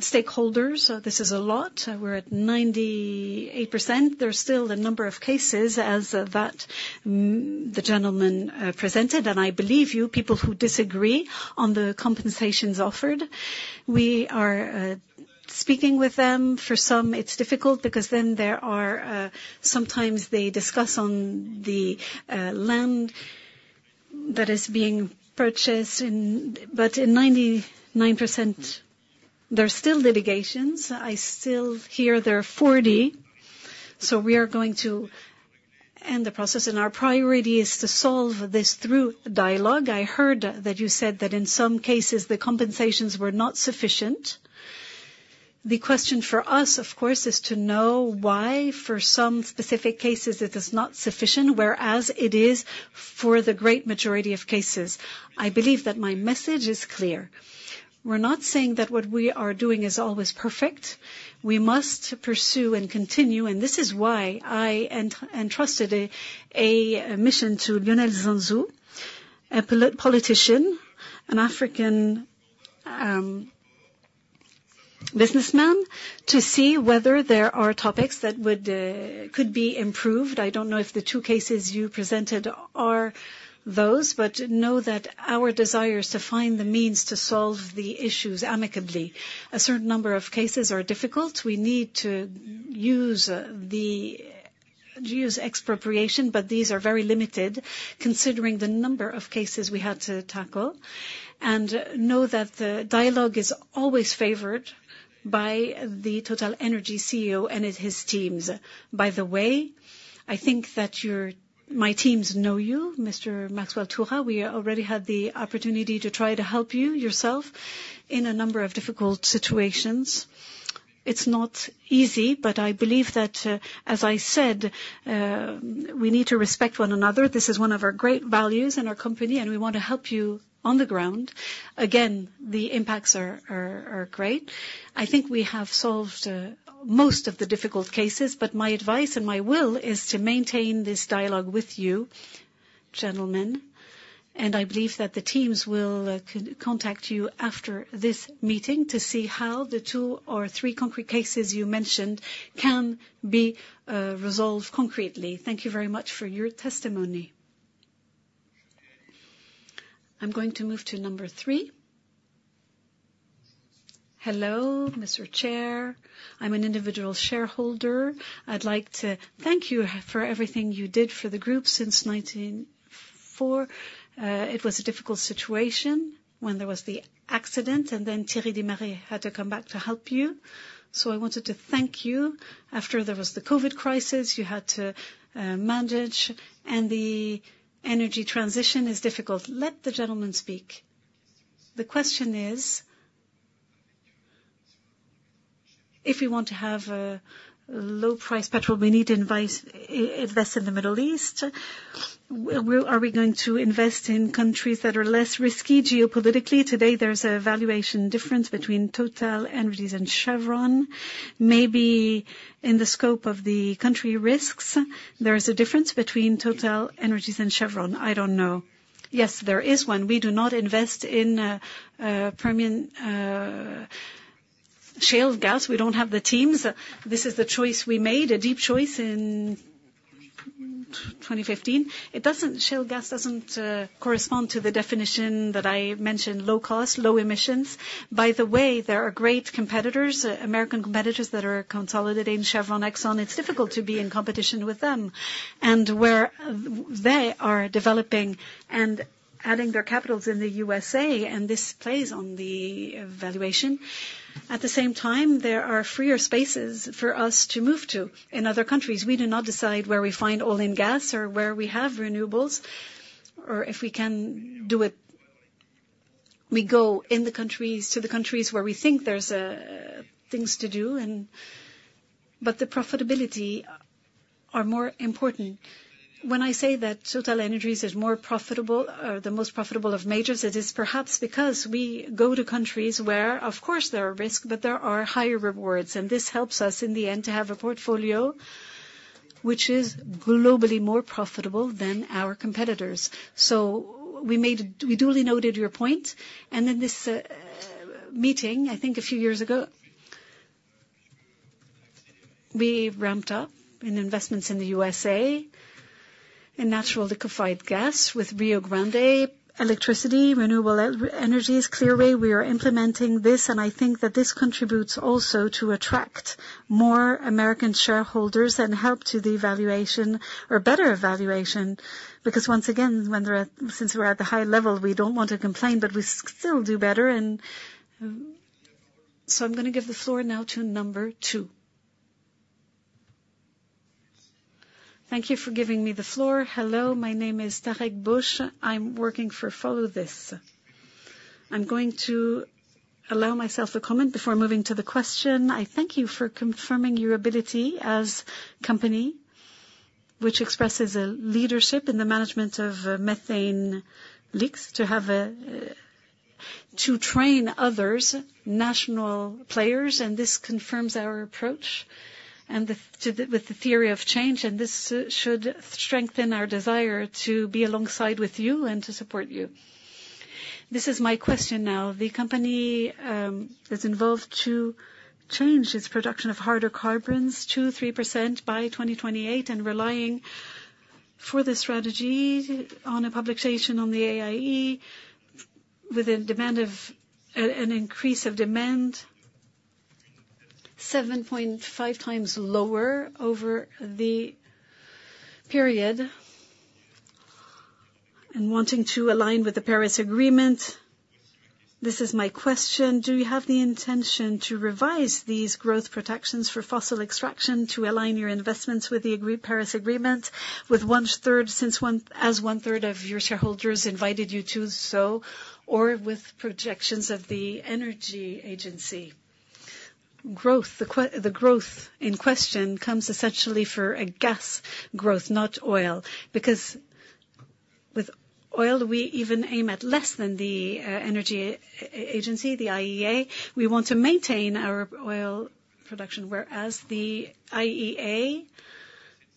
stakeholders. So this is a lot. We're at 98%. There's still a number of cases as that the gentleman presented, and I believe you, people who disagree on the compensations offered. We are speaking with them. For some, it's difficult because then there are sometimes they discuss on the land that is being purchased, but in 99%, there are still litigations. I still hear there are 40, so we are going to end the process, and our priority is to solve this through dialogue. I heard that you said that in some cases, the compensations were not sufficient. The question for us, of course, is to know why for some specific cases, it is not sufficient, whereas it is for the great majority of cases. I believe that my message is clear. We're not saying that what we are doing is always perfect. We must pursue and continue, and this is why I entrusted a mission to Lionel Zinzou, a politician, an African businessman, to see whether there are topics that could be improved. I don't know if the two cases you presented are those, but know that our desire is to find the means to solve the issues amicably. A certain number of cases are difficult. We need to use expropriation, but these are very limited considering the number of cases we had to tackle, and know that the dialogue is always favored by the TotalEnergies CEO and his teams. By the way, I think that my teams know you, Mr. Maxwell Atuhura. We already had the opportunity to try to help you, yourself, in a number of difficult situations. It's not easy, but I believe that, as I said, we need to respect one another. This is one of our great values in our company, and we want to help you on the ground. Again, the impacts are great. I think we have solved most of the difficult cases, but my advice and my will is to maintain this dialogue with you, gentlemen, and I believe that the teams will contact you after this meeting to see how the two or three concrete cases you mentioned can be resolved concretely. Thank you very much for your testimony. I'm going to move to number three. Hello, Mr. Chair. I'm an individual shareholder. I'd like to thank you for everything you did for the group since 1944. It was a difficult situation when there was the accident, and then Thierry Desmarest had to come back to help you. So I wanted to thank you. After there was the COVID crisis, you had to manage, and the energy transition is difficult. Let the gentleman speak. The question is, if we want to have a low-price petrol, we need to invest in the Middle East. Are we going to invest in countries that are less risky geopolitically? Today, there's a valuation difference between TotalEnergies and Chevron. Maybe in the scope of the country risks, there is a difference between TotalEnergies and Chevron. I don't know. Yes, there is one. We do not invest in Permian shale gas. We don't have the teams. This is the choice we made, a deep choice in 2015. It doesn't. Shale gas doesn't correspond to the definition that I mentioned, low cost, low emissions. By the way, there are great competitors, American competitors that are consolidating Chevron, Exxon. It's difficult to be in competition with them. Where they are developing and adding their capitals in the USA, and this plays on the valuation. At the same time, there are freer spaces for us to move to in other countries. We do not decide where we find oil and gas or where we have renewables, or if we can do it. We go in the countries, to the countries where we think there's things to do. But the profitability are more important. When I say that TotalEnergies is more profitable, the most profitable of majors, it is perhaps because we go to countries where, of course, there are risk, but there are higher rewards, and this helps us in the end, to have a portfolio which is globally more profitable than our competitors. So we duly noted your point, and in this meeting, I think a few years ago, we ramped up investments in the USA, in natural liquefied gas with Rio Grande, electricity, renewable energies. Clearly, we are implementing this, and I think that this contributes also to attract more American shareholders and help to the valuation or better valuation. Because once again, since we're at the high level, we don't want to complain, but we still do better and... So I'm going to give the floor now to number two. Thank you for giving me the floor. Hello, my name is Tarek Bouhouch. I'm working for Follow This. I'm going to allow myself to comment before moving to the question. I thank you for confirming your ability as company, which expresses a leadership in the management of methane leaks, to train others, national players, and this confirms our approach and the theory of change, and this should strengthen our desire to be alongside with you and to support you. This is my question now. The company is involved to change its production of hyrocarbons to 3% by 2028, and relying for the strategy on a publication on the IEA, with a demand of an increase of demand 7.5 times lower over the period, and wanting to align with the Paris Agreement. This is my question: Do you have the intention to revise these growth protections for fossil extraction to align your investments with the agreed Paris Agreement, with one-third, since one—as one-third of your shareholders invited you to so, or with projections of the Energy Agency? Growth, the growth in question comes essentially for a gas growth, not oil. Because with oil, we even aim at less than the energy agency, the IEA. We want to maintain our oil production, whereas the IEA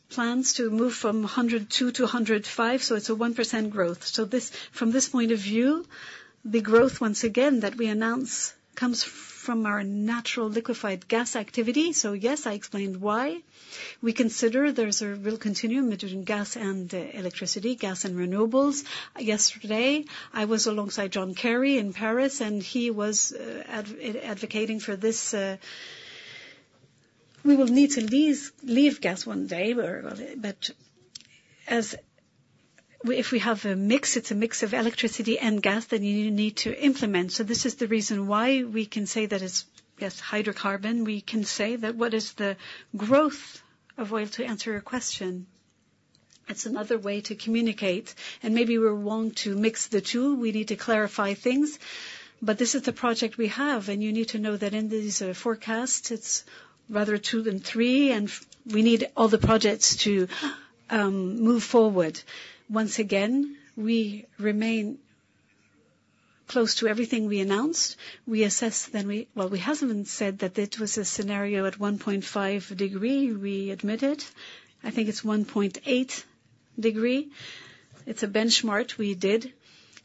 plans to move from 102 to 105, so it's a 1% growth. So this—from this point of view, the growth, once again, that we announce comes from our natural liquefied gas activity. So yes, I explained why. We consider there's a real continuum between gas and electricity, gas and renewables. Yesterday, I was alongside John Kerry in Paris, and he was advocating for this. We will need to leave gas one day, but as if we have a mix, it's a mix of electricity and gas, then you need to implement. So this is the reason why we can say that it's yes, hydrocarbon. We can say that what is the growth of oil, to answer your question. It's another way to communicate, and maybe we're wrong to mix the two. We need to clarify things, but this is the project we have, and you need to know that in these forecasts, it's rather two than three, and we need all the projects to move forward. Once again, we remain close to everything we announced. We assess, then we... Well, we haven't said that it was a scenario at 1.5 degree. We admit it. I think it's 1.8 degree. It's a benchmark we did.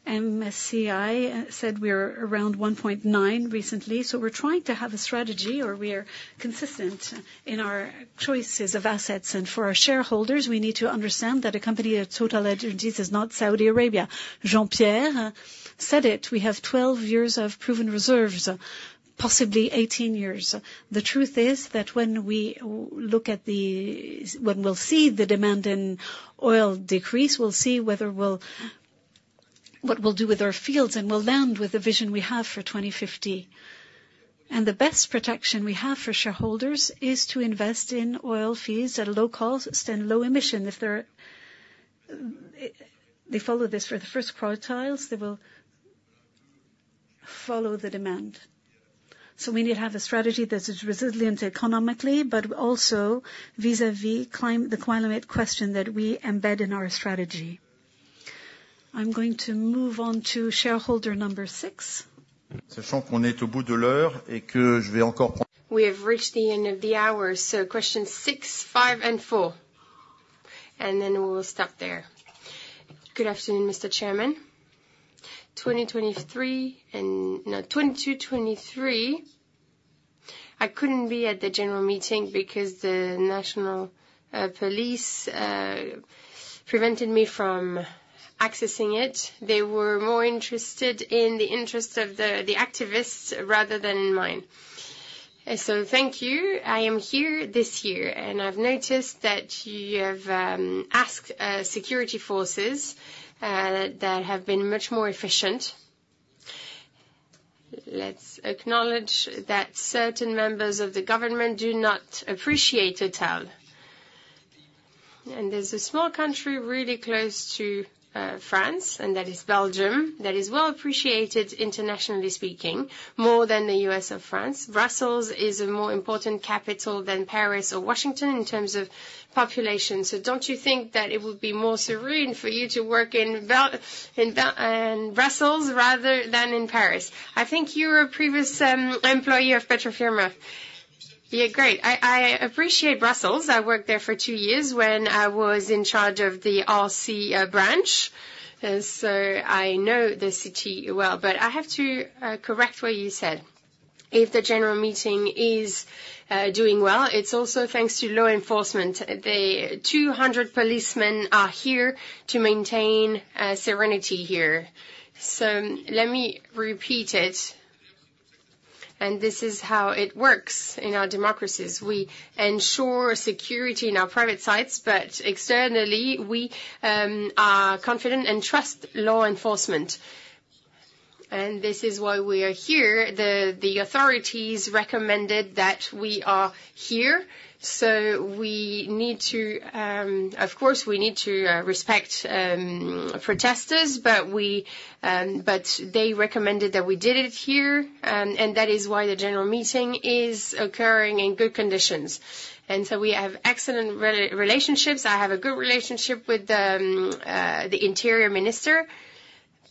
MSCI said we are around 1.9 recently. We're trying to have a strategy, or we are consistent in our choices of assets. For our shareholders, we need to understand that a company at TotalEnergies is not Saudi Arabia. Jean-Pierre said it, we have 12 years of proven reserves, possibly 18 years. The truth is that when we look at when we'll see the demand in oil decrease, we'll see whether what we'll do with our fields, and we'll land with the vision we have for 2050. The best protection we have for shareholders is to invest in oil fields at a low cost and low emission. If they're, they follow this for the first quarterlies, they will follow the demand. So we need to have a strategy that is resilient economically, but also vis-à-vis the climate question that we embed in our strategy. I'm going to move on to shareholder number six. We have reached the end of the hour, so question six, five, and four, and then we will stop there. Good afternoon, Mr. Chairman. 2023. No, 2023, I couldn't be at the general meeting because the national police prevented me from accessing it. They were more interested in the interests of the activists rather than mine. So thank you. I am here this year, and I've noticed that you have asked security forces that have been much more efficient. Let's acknowledge that certain members of the government do not appreciate Total. There's a small country really close to France, and that is Belgium, that is well appreciated, internationally speaking, more than the U.S. or France. Brussels is a more important capital than Paris or Washington in terms of population. So don't you think that it would be more serene for you to work in Brussels rather than in Paris? I think you're a previous employee of Petrofina. Yeah, great. I appreciate Brussels. I worked there for two years when I was in charge of the RC branch, and so I know the city well. But I have to correct what you said. If the general meeting is doing well, it's also thanks to law enforcement. The 200 policemen are here to maintain serenity here. So let me repeat it, and this is how it works in our democracies. We ensure security in our private sites, but externally, we are confident and trust law enforcement. And this is why we are here. The authorities recommended that we are here, so we need to, of course, we need to respect protesters. But they recommended that we did it here, and that is why the general meeting is occurring in good conditions. And so we have excellent relationships. I have a good relationship with the interior minister.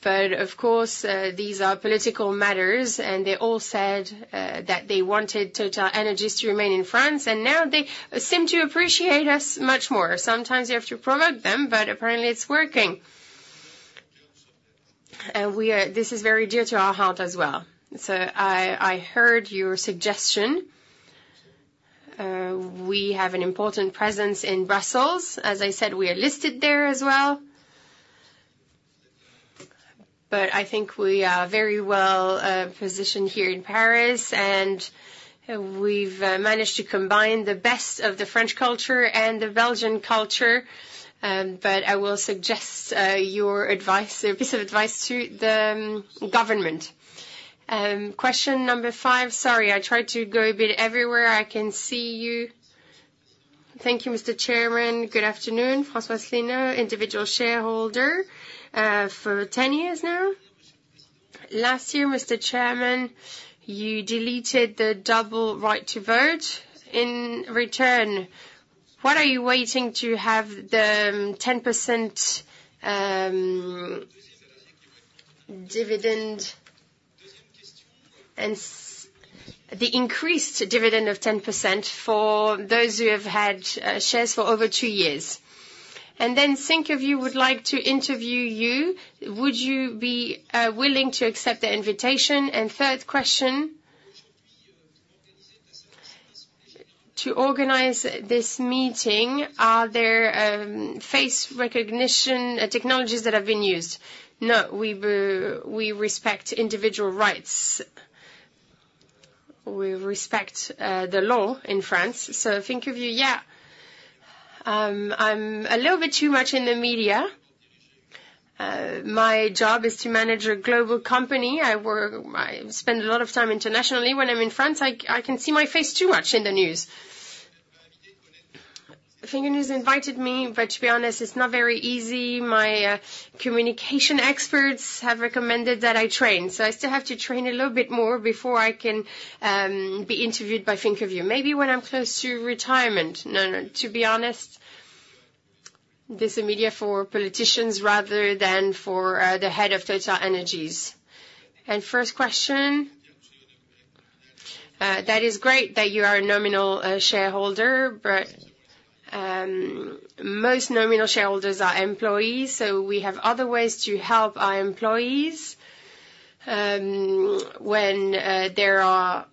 But of course, these are political matters, and they all said that they wanted TotalEnergies to remain in France, and now they seem to appreciate us much more. Sometimes you have to provoke them, but apparently, it's working. This is very dear to our heart as well. So I heard your suggestion. We have an important presence in Brussels. As I said, we are listed there as well. But I think we are very well positioned here in Paris, and we've managed to combine the best of the French culture and the Belgian culture. But I will suggest your advice, a piece of advice to the government. Question number five, sorry, I tried to go a bit everywhere I can see you. Thank you, Mr. Chairman. Good afternoon, Françoise Lino, individual shareholder for 10 years now. Last year, Mr. Chairman, you deleted the double right to vote. In return, what are you waiting to have the 10% dividend and the increased dividend of 10% for those who have had shares for over two years? And then Thinkerview would like to interview you. Would you be willing to accept the invitation? And third question: to organize this meeting, are there face recognition technologies that have been used? No, we respect individual rights. We respect the law in France. So Thinkerview, yeah, I'm a little bit too much in the media. My job is to manage a global company. I work... I spend a lot of time internationally. When I'm in France, I can see my face too much in the news. ThinkVews invited me, but to be honest, it's not very easy. My communication experts have recommended that I train, so I still have to train a little bit more before I can be interviewed by Thinkerview. Maybe when I'm close to retirement. No, no. To be honest, this is a media for politicians rather than for the head of TotalEnergies. And first question, that is great that you are a nominative shareholder, but most nominative shareholders are employees, so we have other ways to help our employees when there are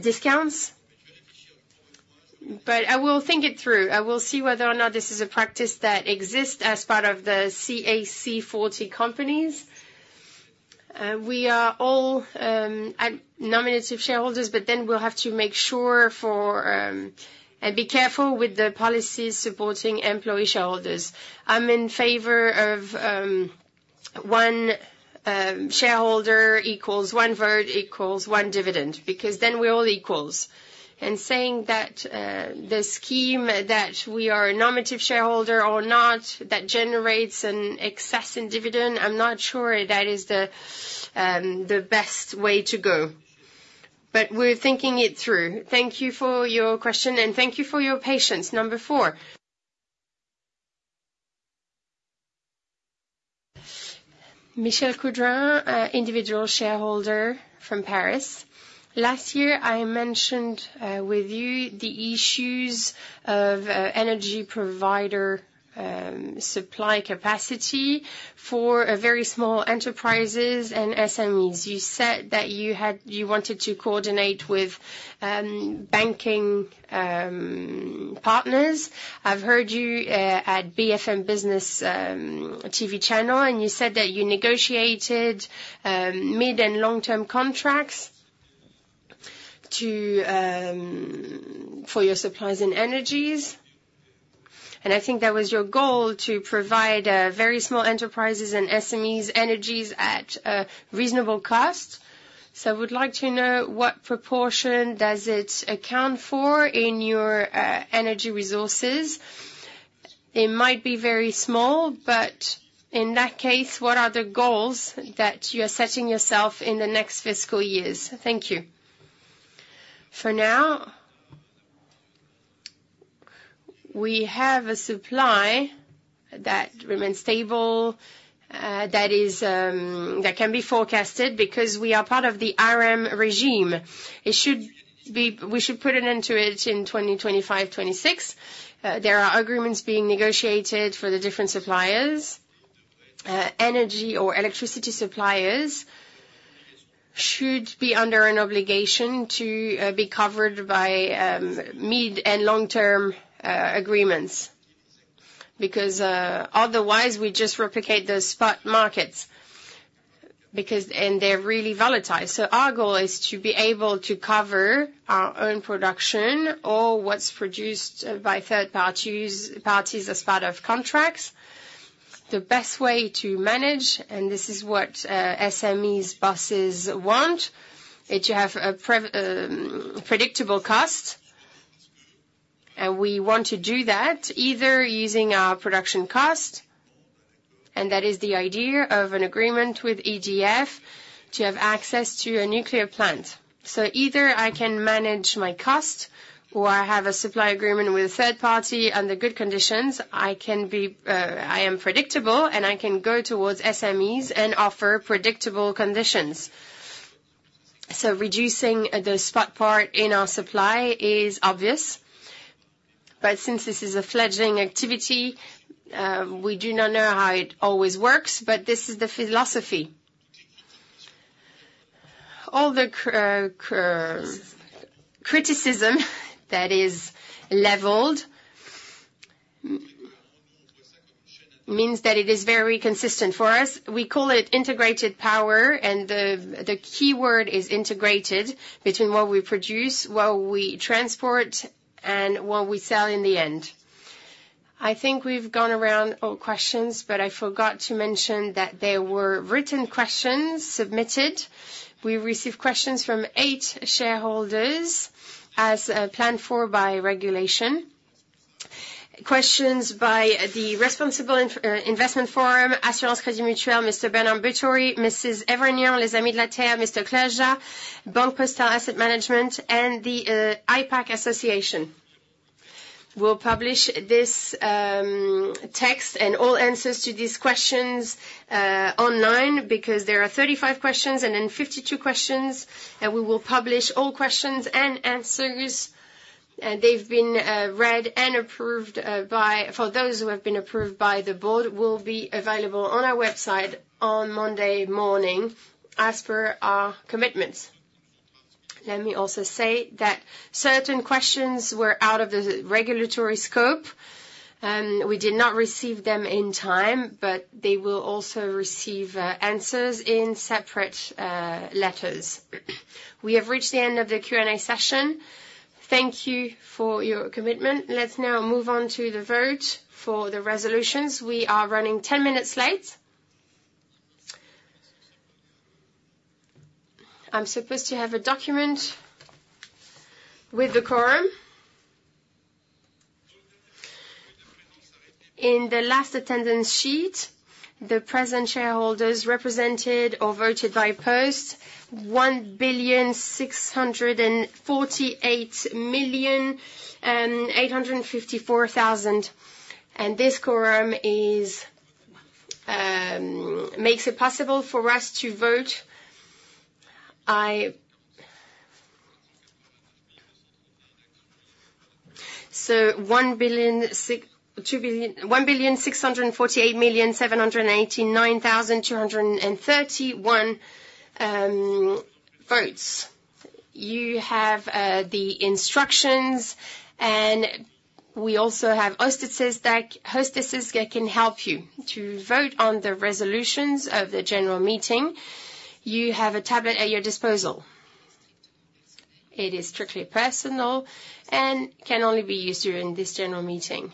discounts. But I will think it through. I will see whether or not this is a practice that exists as part of the CAC 40 companies. We are all nominative shareholders, but then we'll have to make sure for... and be careful with the policies supporting employee shareholders. I'm in favor of one shareholder equals one vote, equals one dividend, because then we're all equals. And saying that, the scheme that we are a nominative shareholder or not, that generates an excess in dividend, I'm not sure that is the best way to go. But we're thinking it through. Thank you for your question, and thank you for your patience. Number four. Michelle Coudrin, individual shareholder from Paris. Last year, I mentioned with you the issues of energy provider supply capacity for a very small enterprises and SMEs. You said that you wanted to coordinate with banking partners. I've heard you at BFM Business TV channel, and you said that you negotiated mid- and long-term contracts to for your suppliers in energies. And I think that was your goal, to provide very small enterprises and SMEs energies at a reasonable cost. So I would like to know what proportion does it account for in your energy resources? It might be very small, but in that case, what are the goals that you are setting yourself in the next fiscal years? Thank you. For now, we have a supply that remains stable, that can be forecasted because we are part of the ARENH regime. We should put an end to it in 2025, 2026. There are agreements being negotiated for the different suppliers. Energy or electricity suppliers should be under an obligation to be covered by mid and long-term agreements, because otherwise, we just replicate those spot markets, because... And they're really volatile. So our goal is to be able to cover our own production or what's produced by third parties as part of contracts.... The best way to manage, and this is what SMEs bosses want, is to have a predictable cost. We want to do that either using our production cost, and that is the idea of an agreement with EDF to have access to a nuclear plant. So either I can manage my cost, or I have a supply agreement with a third party under good conditions. I can be, I am predictable, and I can go towards SMEs and offer predictable conditions. So reducing the spot part in our supply is obvious, but since this is a fledgling activity, we do not know how it always works, but this is the philosophy. All the criticism that is leveled means that it is very consistent for us. We call it integrated power, and the key word is integrated between what we produce, what we transport, and what we sell in the end. I think we've gone around all questions, but I forgot to mention that there were written questions submitted. We received questions from eight shareholders as planned for by regulation. Questions by the Responsible Investment Forum, Assurance Crédit Mutuel, Mr. Bernard Butory, Mrs. Evernier, Les Amis de la Terre, Mr. Clajad, Banque Postale Asset Management, and the IPAC Association. We'll publish this text and all answers to these questions online, because there are 35 questions, and then 52 questions. And we will publish all questions and answers, and they've been read and approved by... for those who have been approved by the board, will be available on our website on Monday morning, as per our commitments. Let me also say that certain questions were out of the regulatory scope, and we did not receive them in time, but they will also receive answers in separate letters. We have reached the end of the Q&A session. Thank you for your commitment. Let's now move on to the vote for the resolutions. We are running 10 minutes late. I'm supposed to have a document with the quorum. In the last attendance sheet, the present shareholders represented or voted by post, 1,648,854,000, and this quorum is makes it possible for us to vote. So 1,648,789,231 votes. You have the instructions, and we also have hostesses that can help you. To vote on the resolutions of the general meeting, you have a tablet at your disposal. It is strictly personal and can only be used during this general meeting.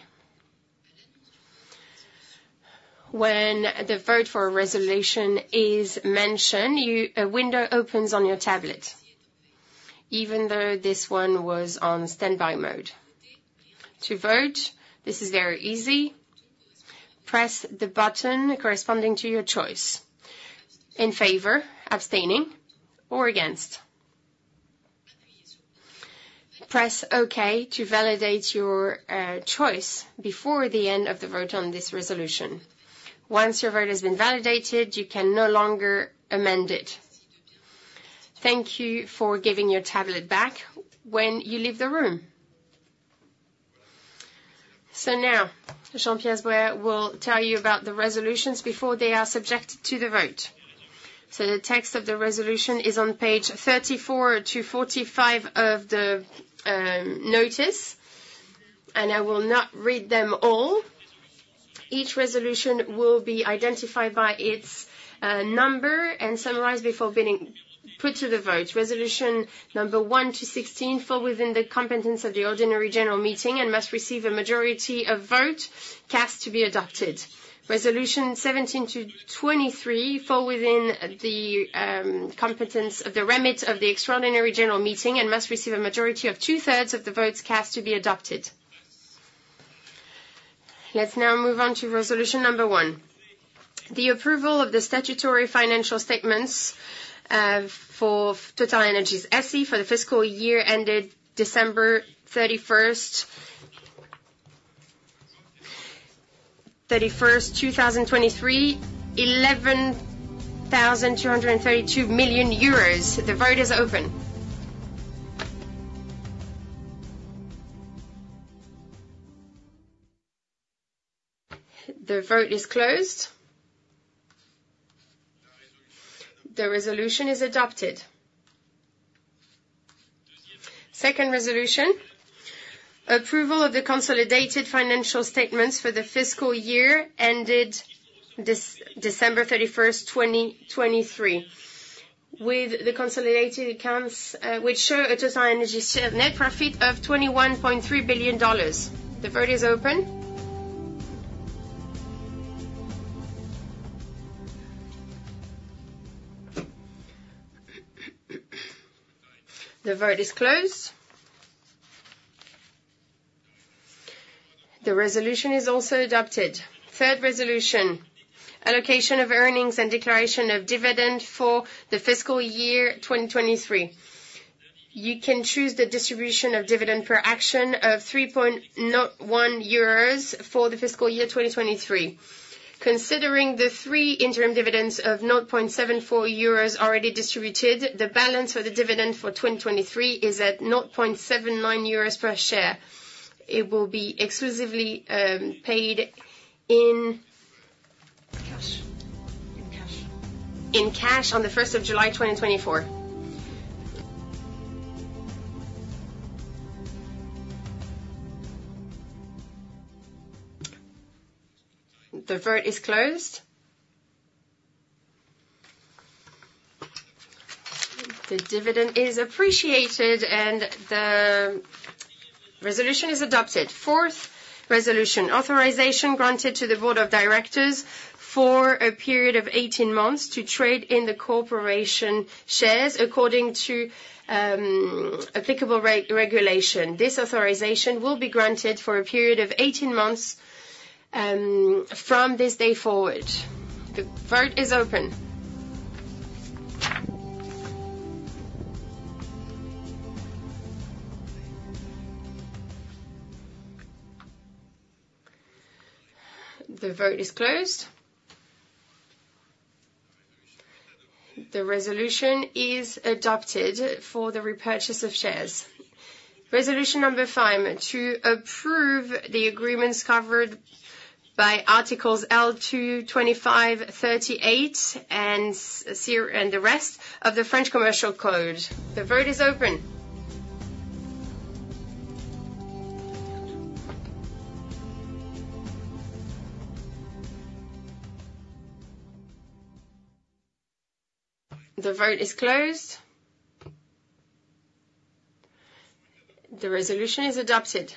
When the vote for a resolution is mentioned, a window opens on your tablet, even though this one was on standby mode. To vote, this is very easy. Press the button corresponding to your choice: in favor, abstaining, or against. Press Okay to validate your choice before the end of the vote on this resolution. Once your vote has been validated, you can no longer amend it. Thank you for giving your tablet back when you leave the room. So now, Jean-Pierre Sbraire will tell you about the resolutions before they are subjected to the vote. So, the text of the resolution is on page 34-45 of the notice, and I will not read them all. Each resolution will be identified by its number and summarized before being put to the vote. Resolution number 1-16 fall within the competence of the ordinary general meeting and must receive a majority of vote cast to be adopted. Resolution 17-23 fall within the competence of the remit of the extraordinary general meeting and must receive a majority of two-thirds of the votes cast to be adopted. Let's now move on to resolution number one. The approval of the statutory financial statements for TotalEnergies SE for the fiscal year ended December 31, 2023, 11,232 million euros. The vote is open. The vote is closed. The resolution is adopted. Second resolution, approval of the consolidated financial statements for the fiscal year ended December 31st, 2023...with the consolidated accounts, which show a TotalEnergies net profit of $21.3 billion. The vote is open. The vote is closed. The resolution is also adopted. Third resolution: allocation of earnings and declaration of dividend for the fiscal year 2023. You can choose the distribution of dividend per action of 3.01 euros for the fiscal year 2023. Considering the three interim dividends of 0.74 euros already distributed, the balance for the dividend for 2023 is at 0.79 euros per share. It will be exclusively paid in- Cash. In cash. In cash on July 1, 2024. The vote is closed. The dividend is appreciated, and the resolution is adopted. Fourth resolution: authorization granted to the Board of Directors for a period of 18 months to trade in the corporation shares according to applicable regulation. This authorization will be granted for a period of 18 months from this day forward. The vote is open. The vote is closed. The resolution is adopted for the repurchase of shares. Resolution number five: to approve the agreements covered by articles L. 225-38 and the rest of the French Commercial Code. The vote is open. The vote is closed. The resolution is adopted.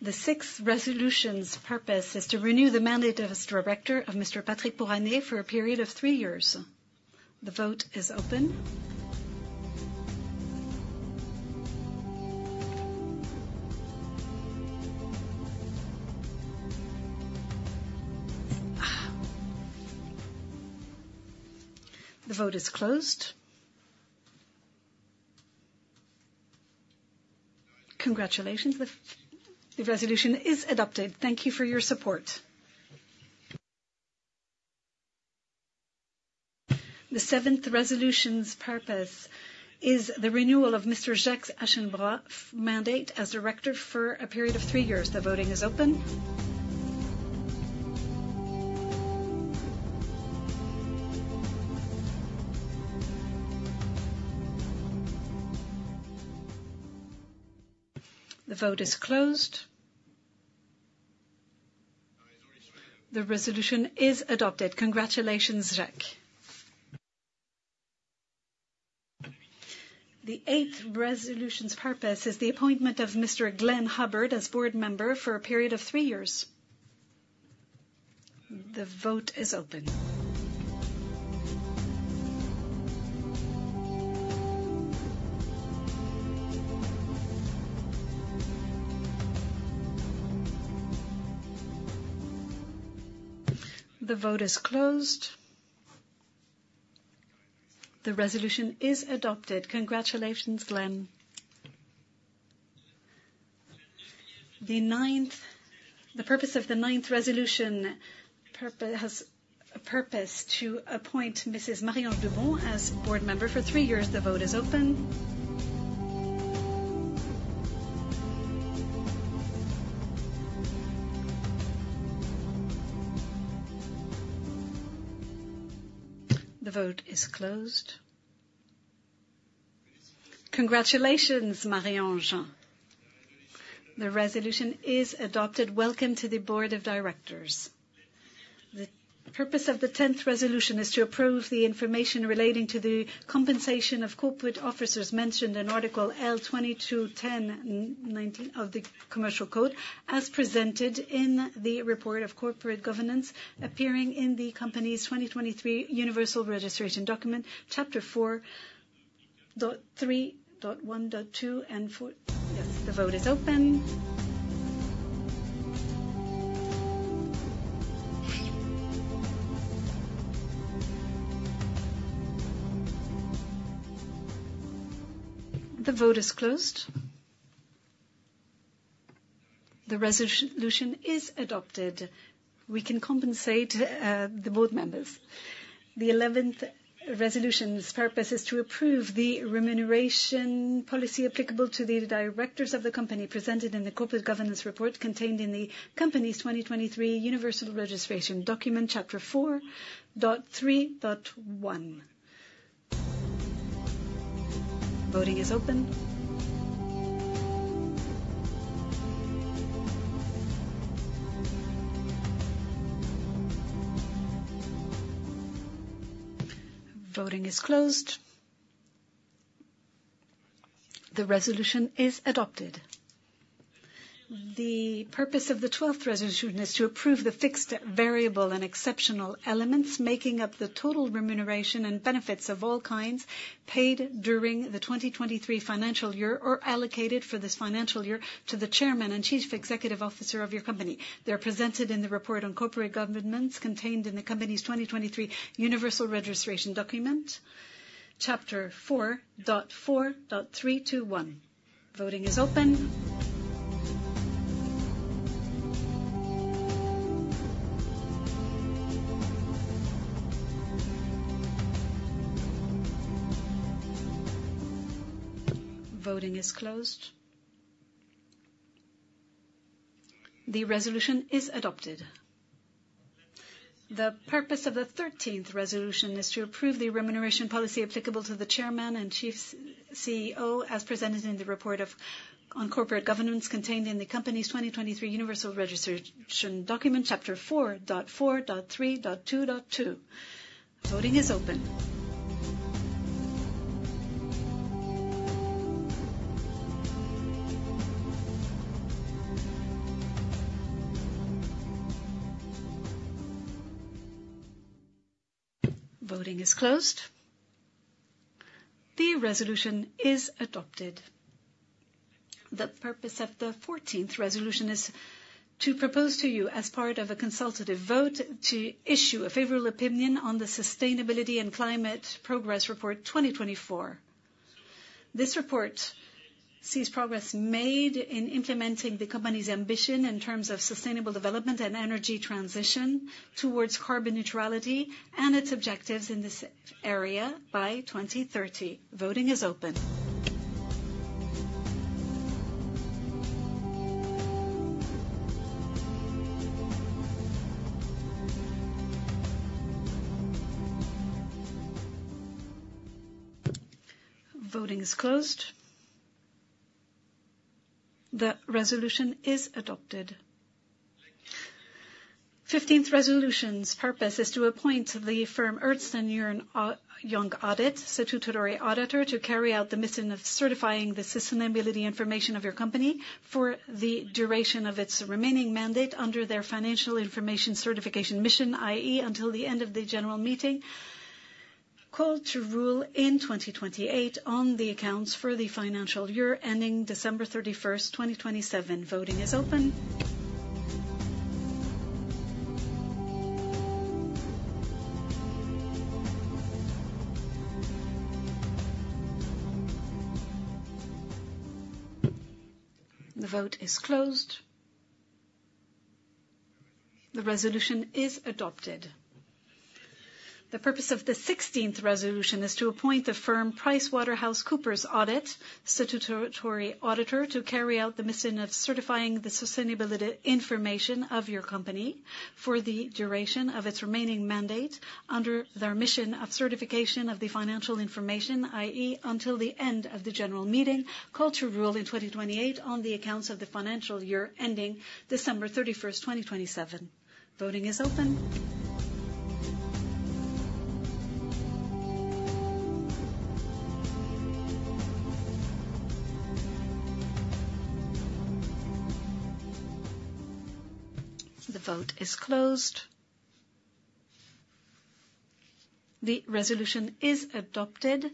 The sixth resolution's purpose is to renew the mandate as Director of Mr. Patrick Pouyanné for a period of three years. The vote is open. The vote is closed. Congratulations. The resolution is adopted. Thank you for your support. The seventh resolution's purpose is the renewal of Mr. Jacques Aschenbroich's mandate as Director for a period of three years. The voting is open. The vote is closed. The resolution is adopted. Congratulations, Jacques. The eighth resolution's purpose is the appointment of Mr. Glenn Hubbard as board member for a period of three years. The vote is open. The vote is closed. The resolution is adopted. Congratulations, Glenn. The purpose of the ninth resolution has a purpose to appoint Mrs. Marie-Ange Dubon as board member for three years. The vote is open. The vote is closed. Congratulations, Marie-Ange. The resolution is adopted. Welcome to the Board of Directors. The purpose of the 10th resolution is to approve the information relating to the compensation of corporate officers mentioned in Article L. 22-10-19 of the Commercial Code, as presented in the Report of Corporate Governance, appearing in the company's 2023 Universal Registration document, Chapter 4.3.1.2 and four. Yes, the vote is open. The vote is closed. The resolution is adopted. We can compensate the board members. The 11th resolution's purpose is to approve the remuneration policy applicable to the Directors of the company, presented in the Corporate Governance Report, contained in the company's 2023 Universal Registration document, chapter 4.3.1. Voting is open. Voting is closed. The resolution is adopted. The purpose of the twelfth resolution is to approve the fixed, variable, and exceptional elements, making up the total remuneration and benefits of all kinds paid during the 2023 financial year, or allocated for this financial year to the Chairman and chief executive officer of your company. They're presented in the report on corporate governance, contained in the company's 2023 universal registration document, chapter 4.4.321. Voting is open. Voting is closed. The resolution is adopted. The purpose of the thirteenth resolution is to approve the remuneration policy applicable to the Chairman and chief CEO, as presented in the report on corporate governance contained in the company's 2023 universal registration document, chapter 4.4.3.2.2. Voting is open. Voting is closed. The resolution is adopted. The purpose of the 14th resolution is to propose to you, as part of a consultative vote, to issue a favorable opinion on the sustainability and climate progress report 2024. This report sees progress made in implementing the company's ambition in terms of sustainable development and energy transition towards carbon neutrality and its objectives in this area by 2030. Voting is open. Voting is closed. The resolution is adopted. The 15th resolution's purpose is to appoint the firm Ernst & Young, Young Audit, statutory auditor, to carry out the mission of certifying the sustainability information of your company for the duration of its remaining mandate under their financial information certification mission, i.e., until the end of the general meeting, called to rule in 2028 on the accounts for the financial year, ending December 31st, 2027. Voting is open. The vote is closed. The resolution is adopted. The purpose of the 16th resolution is to appoint the firm PricewaterhouseCoopers Audit, statutory auditor, to carry out the mission of certifying the sustainability information of your company for the duration of its remaining mandate under their mission of certification of the financial information, i.e., until the end of the general meeting, called to rule in 2028 on the accounts of the financial year ending December 31st, 2027. Voting is open. The vote is closed. The resolution is adopted.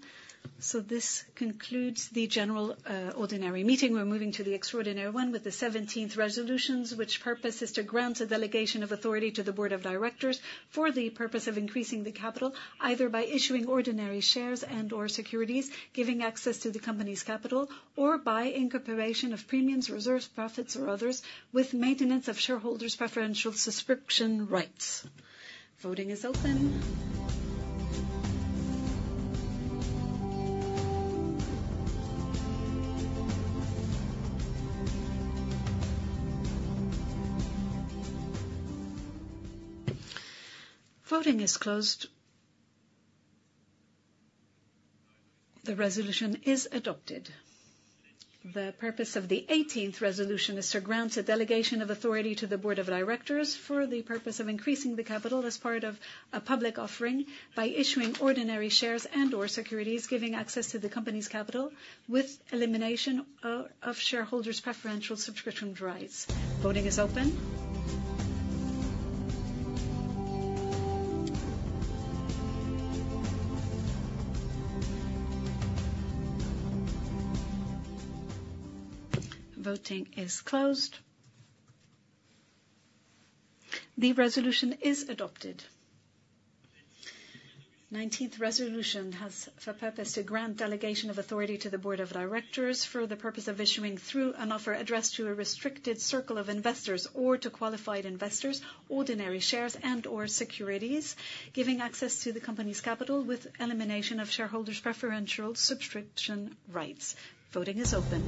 So this concludes the general, ordinary meeting. We're moving to the extraordinary one with the 17th resolutions, which purpose is to grant a delegation of authority to the Board of Directors for the purpose of increasing the capital, either by issuing ordinary shares and/or securities, giving access to the company's capital, or by incorporation of premiums, reserves, profits or others, with maintenance of shareholders' preferential subscription rights. Voting is open. Voting is closed. The resolution is adopted. The purpose of the eighteenth resolution is to grant a delegation of authority to the Board of Directors for the purpose of increasing the capital as part of a public offering, by issuing ordinary shares and/or securities, giving access to the company's capital, with elimination of shareholders' preferential subscription rights. Voting is open. Voting is closed. The resolution is adopted. Nineteenth resolution has the purpose to grant delegation of authority to the Board of Directors for the purpose of issuing through an offer addressed to a restricted circle of investors or to qualified investors, ordinary shares and/or securities, giving access to the company's capital with elimination of shareholders' preferential subscription rights. Voting is open.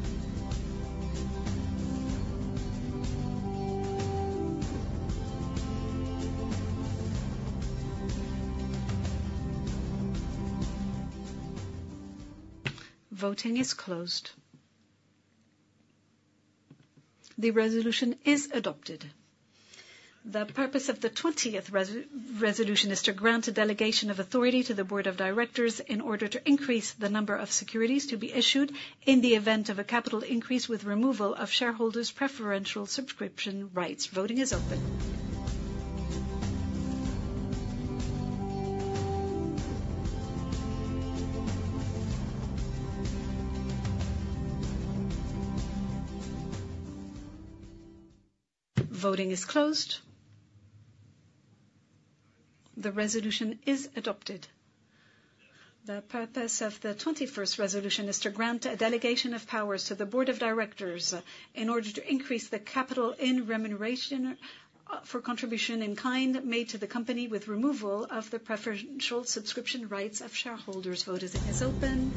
Voting is closed. The resolution is adopted. The purpose of the 20th resolution is to grant a delegation of authority to the Board of Directors in order to increase the number of securities to be issued in the event of a capital increase with removal of shareholders' preferential subscription rights. Voting is open. Voting is closed. The resolution is adopted. The purpose of the 21st resolution is to grant a delegation of powers to the Board of Directors in order to increase the capital in remuneration for contribution in kind made to the company with removal of the preferential subscription rights of shareholders. Voting is open.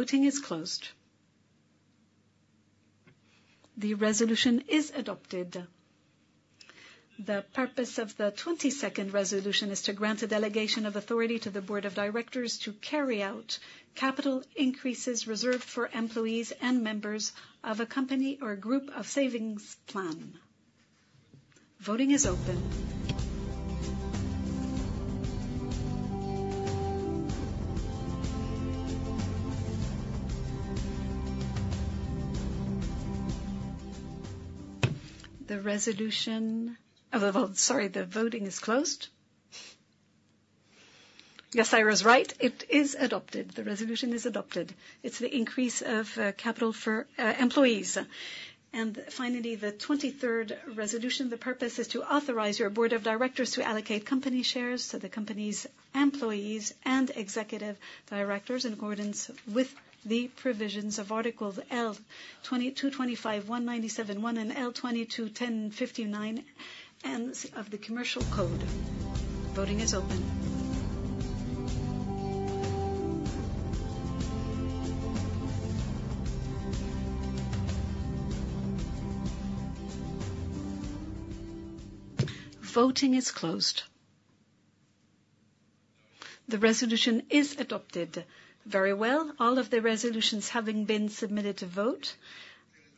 Voting is closed. The resolution is adopted. The purpose of the 22nd resolution is to grant a delegation of authority to the Board of Directors to carry out capital increases reserved for employees and members of a company or a group of savings plan. Voting is open. The resolution of the vote, sorry, the voting is closed. Yes, I was right, it is adopted. The resolution is adopted. It's the increase of capital for employees. And finally, the 23rd resolution, the purpose is to authorize your Board of Directors to allocate company shares to the company's employees and executive Directors in accordance with the provisions of articles L. 22-25-197-1 and L.22-10-59 N of the Commercial Code. Voting is open. Voting is closed. The resolution is adopted. Very well. All of the resolutions having been submitted to vote,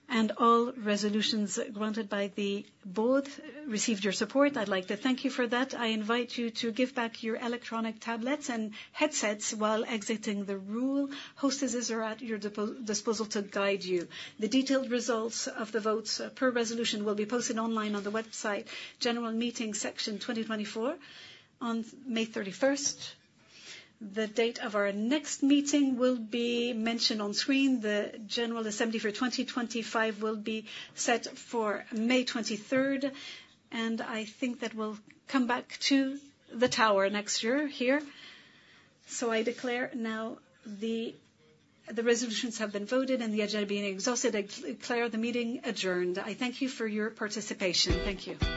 and all resolutions granted by the board received your support. I'd like to thank you for that. I invite you to give back your electronic tablets and headsets while exiting the room. Hostesses are at your disposal to guide you. The detailed results of the votes per resolution will be posted online on the website, General Meeting Section 2024 on May 31st. The date of our next meeting will be mentioned on screen. The general assembly for 2025 will be set for May 23rd, and I think that we'll come back to the tower next year, here. So, I declare now the resolutions have been voted, and the agenda being exhausted, I declare the meeting adjourned. I thank you for your participation. Thank you.